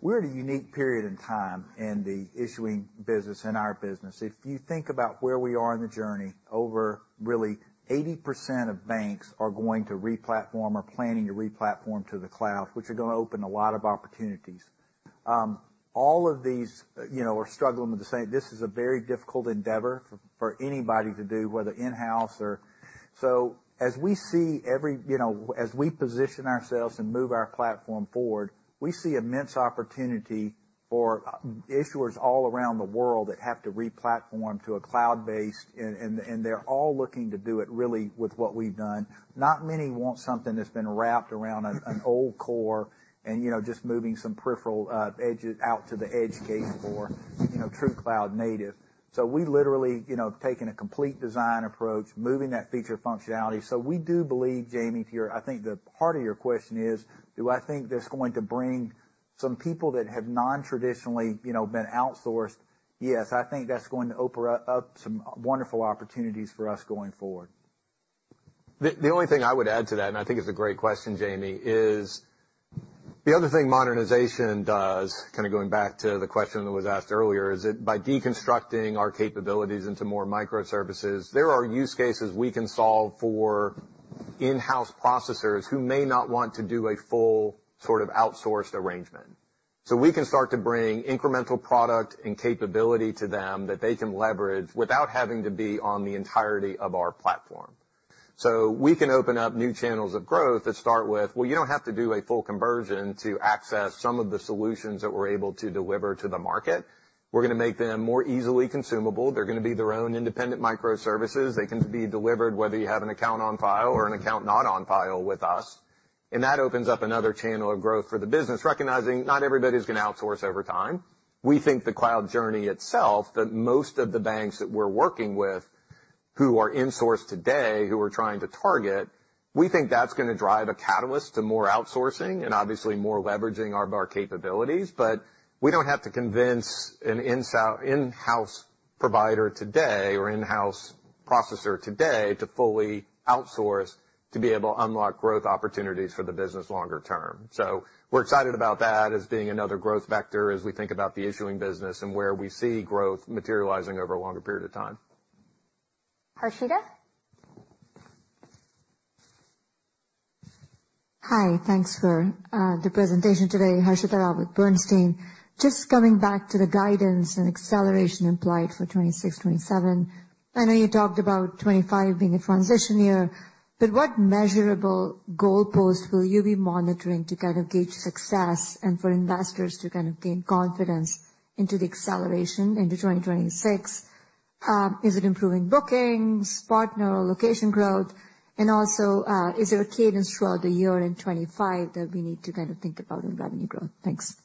We're at a unique period in time in the issuing business, in our business. If you think about where we are in the journey, over really 80% of banks are going to replatform or planning to replatform to the cloud, which are going to open a lot of opportunities. All of these, you know, are struggling with the same. This is a very difficult endeavor for anybody to do, whether in-house or... So as we see every, you know, as we position ourselves and move our platform forward, we see immense opportunity for issuers all around the world that have to replatform to a cloud-based, and they're all looking to do it really with what we've done. Not many want something that's been wrapped around an old core and, you know, just moving some peripheral edges out to the edge gate for, you know, true cloud native. So we literally, you know, have taken a complete design approach, moving that feature functionality. So we do believe, Jamie, if you're- I think the heart of your question is, do I think that's going to bring some people that have non-traditionally, you know, been outsourced? Yes, I think that's going to open up some wonderful opportunities for us going forward.
The only thing I would add to that, and I think it's a great question, Jamie, is the other thing modernization does, kind of going back to the question that was asked earlier, is that by deconstructing our capabilities into more microservices, there are use cases we can solve for in-house processors who may not want to do a full sort of outsourced arrangement. So we can start to bring incremental product and capability to them that they can leverage without having to be on the entirety of our platform. So we can open up new channels of growth that start with, "Well, you don't have to do a full conversion to access some of the solutions that we're able to deliver to the market." We're going to make them more easily consumable. They're going to be their own independent microservices. They can be delivered, whether you have an account on file or an account not on file with us, and that opens up another channel of growth for the business, recognizing not everybody's going to outsource over time. We think the cloud journey itself, that most of the banks that we're working with, who are insourced today, who we're trying to target, we think that's going to drive a catalyst to more outsourcing and obviously more leveraging of our capabilities. But we don't have to convince an in-house provider today or in-house processor today, to fully outsource, to be able to unlock growth opportunities for the business longer term. So we're excited about that as being another growth vector, as we think about the issuing business and where we see growth materializing over a longer period of time.
Harshita?
Hi, thanks for the presentation today. Harshita Rawat, Bernstein. Just coming back to the guidance and acceleration implied for 2026, 2027. I know you talked about 2025 being a transition year, but what measurable goalposts will you be monitoring to kind of gauge success and for investors to kind of gain confidence into the acceleration into 2026?... is it improving bookings, partner, location growth? And also, is there a cadence throughout the year in 2025 that we need to kind of think about in revenue growth? Thanks.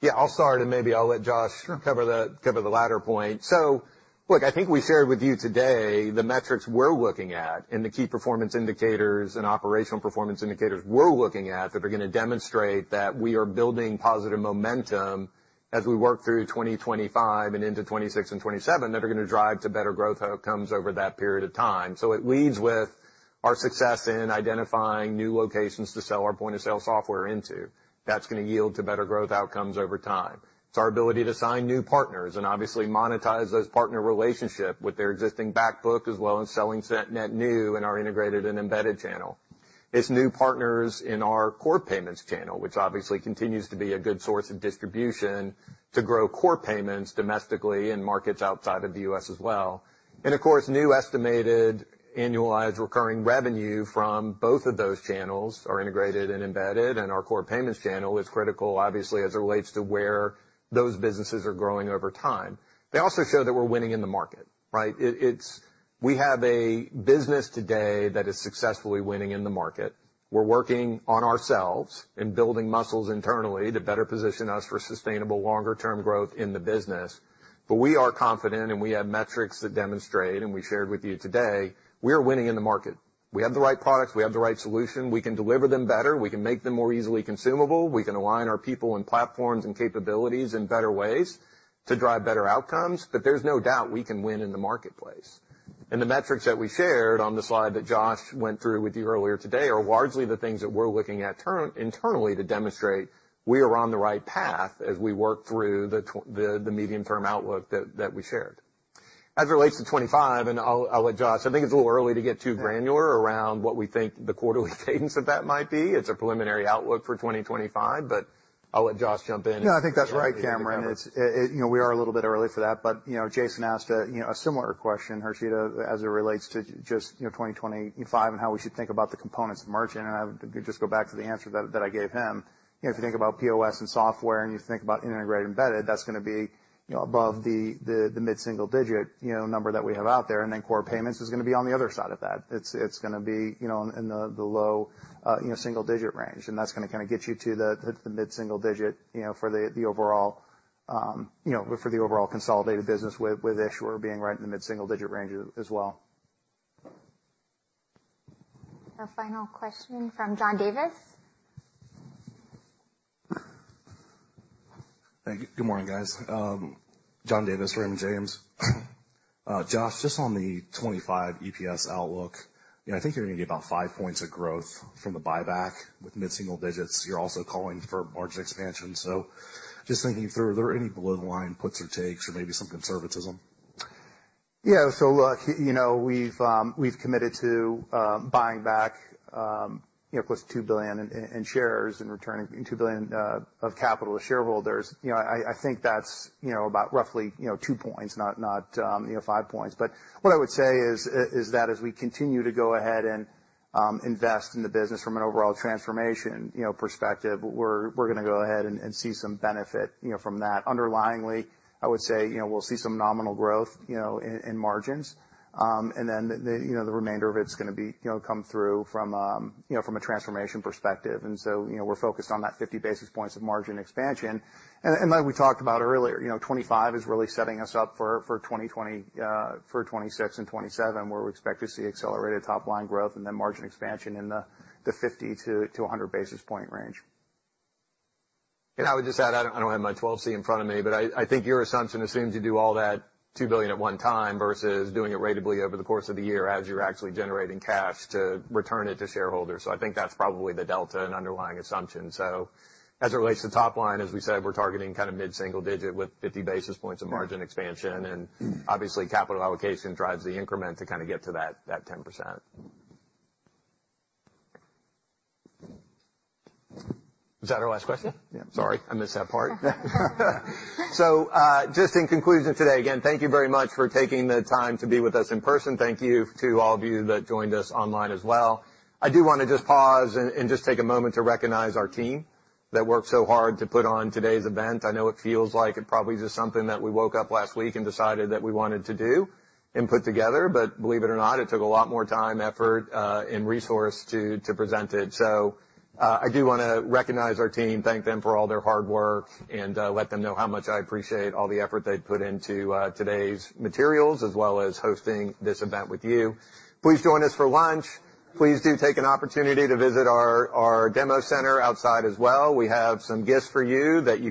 Yeah, I'll start, and maybe I'll let Josh-
Sure.
Cover the latter point. So look, I think we shared with you today the metrics we're looking at, and the key performance indicators and operational performance indicators we're looking at, that are gonna demonstrate that we are building positive momentum as we work through 2025 and into 2026 and 2027, that are gonna drive to better growth outcomes over that period of time. So it leads with our success in identifying new locations to sell our point-of-sale software into. That's gonna yield to better growth outcomes over time. It's our ability to sign new partners and, obviously, monetize those partner relationship with their existing back book, as well as selling net new in our Integrated and Embedded channel. It's new partners in our Core Payments channel, which obviously continues to be a good source of distribution to grow Core Payments domestically in markets outside of the U.S. as well. And, of course, new estimated annualized recurring revenue from both of those channels, our Integrated and Embedded, and our Core Payments channel is critical, obviously, as it relates to where those businesses are growing over time. They also show that we're winning in the market, right? It's. We have a business today that is successfully winning in the market. We're working on ourselves and building muscles internally to better position us for sustainable, longer term growth in the business. But we are confident, and we have metrics that demonstrate, and we shared with you today, we are winning in the market. We have the right products, we have the right solution, we can deliver them better, we can make them more easily consumable, we can align our people and platforms and capabilities in better ways to drive better outcomes, but there's no doubt we can win in the marketplace. The metrics that we shared on the slide that Josh went through with you earlier today are largely the things that we're looking at internally to demonstrate we are on the right path as we work through the medium-term outlook that we shared. As it relates to 2025, and I'll let Josh... I think it's a little early to get too granular around what we think the quarterly cadence of that might be. It's a preliminary outlook for 2025, but I'll let Josh jump in.
No, I think that's right, Cameron. It's, you know, we are a little bit early for that, but, you know, Jason asked a, you know, a similar question, Harshita, as it relates to just, you know, 2025 and how we should think about the components of merchant, and I would just go back to the answer that I gave him. You know, if you think about POS and software, and you think about integrated embedded, that's gonna be, you know, above the, the, the mid-single digit, you know, number that we have out there, and then Core Payments is gonna be on the other side of that. It's gonna be, you know, in the low single digit range, and that's gonna kind of get you to the mid-single digit, you know, for the overall consolidated business, with issuer being right in the mid-single digit range as well.
Our final question from John Davis.
Thank you. Good morning, guys. John Davis, Raymond James. Josh, just on the 2025 EPS outlook, you know, I think you're gonna need about five points of growth from the buyback with mid-single digits. You're also calling for margin expansion. So just thinking through, are there any below the line puts or takes or maybe some conservatism?
Yeah. So look, you know, we've committed to buying back, you know, +$2 billion in shares and returning $2 billion of capital to shareholders. You know, I think that's, you know, about roughly, you know, 2 points, not 5 points. But what I would say is that as we continue to go ahead and invest in the business from an overall transformation, you know, perspective, we're gonna go ahead and see some benefit, you know, from that. Underlyingly, I would say, you know, we'll see some nominal growth, you know, in margins. And then the, you know, the remainder of it's gonna be, you know, come through from, you know, from a transformation perspective. And so, you know, we're focused on that 50 basis points of margin expansion. Like we talked about earlier, you know, 2025 is really setting us up for 2026 and 2027, where we expect to see accelerated top-line growth and then margin expansion in the 50-100 basis points range.
And I would just add, I don't have my 12C in front of me, but I think your assumption assumes you do all that $2 billion at one time versus doing it ratably over the course of the year as you're actually generating cash to return it to shareholders. So I think that's probably the delta and underlying assumption. So as it relates to top line, as we said, we're targeting kind of mid-single digit with 50 basis points of margin expansion, and obviously, capital allocation drives the increment to kind of get to that 10%. Was that our last question?
Yeah.
Sorry, I missed that part. So, just in conclusion today, again, thank you very much for taking the time to be with us in person. Thank you to all of you that joined us online as well. I do wanna just pause and just take a moment to recognize our team that worked so hard to put on today's event. I know it feels like it probably is just something that we woke up last week and decided that we wanted to do and put together, but believe it or not, it took a lot more time, effort, and resource to present it. So, I do wanna recognize our team, thank them for all their hard work, and let them know how much I appreciate all the effort they've put into today's materials, as well as hosting this event with you. Please join us for lunch. Please do take an opportunity to visit our demo center outside as well. We have some gifts for you that you can-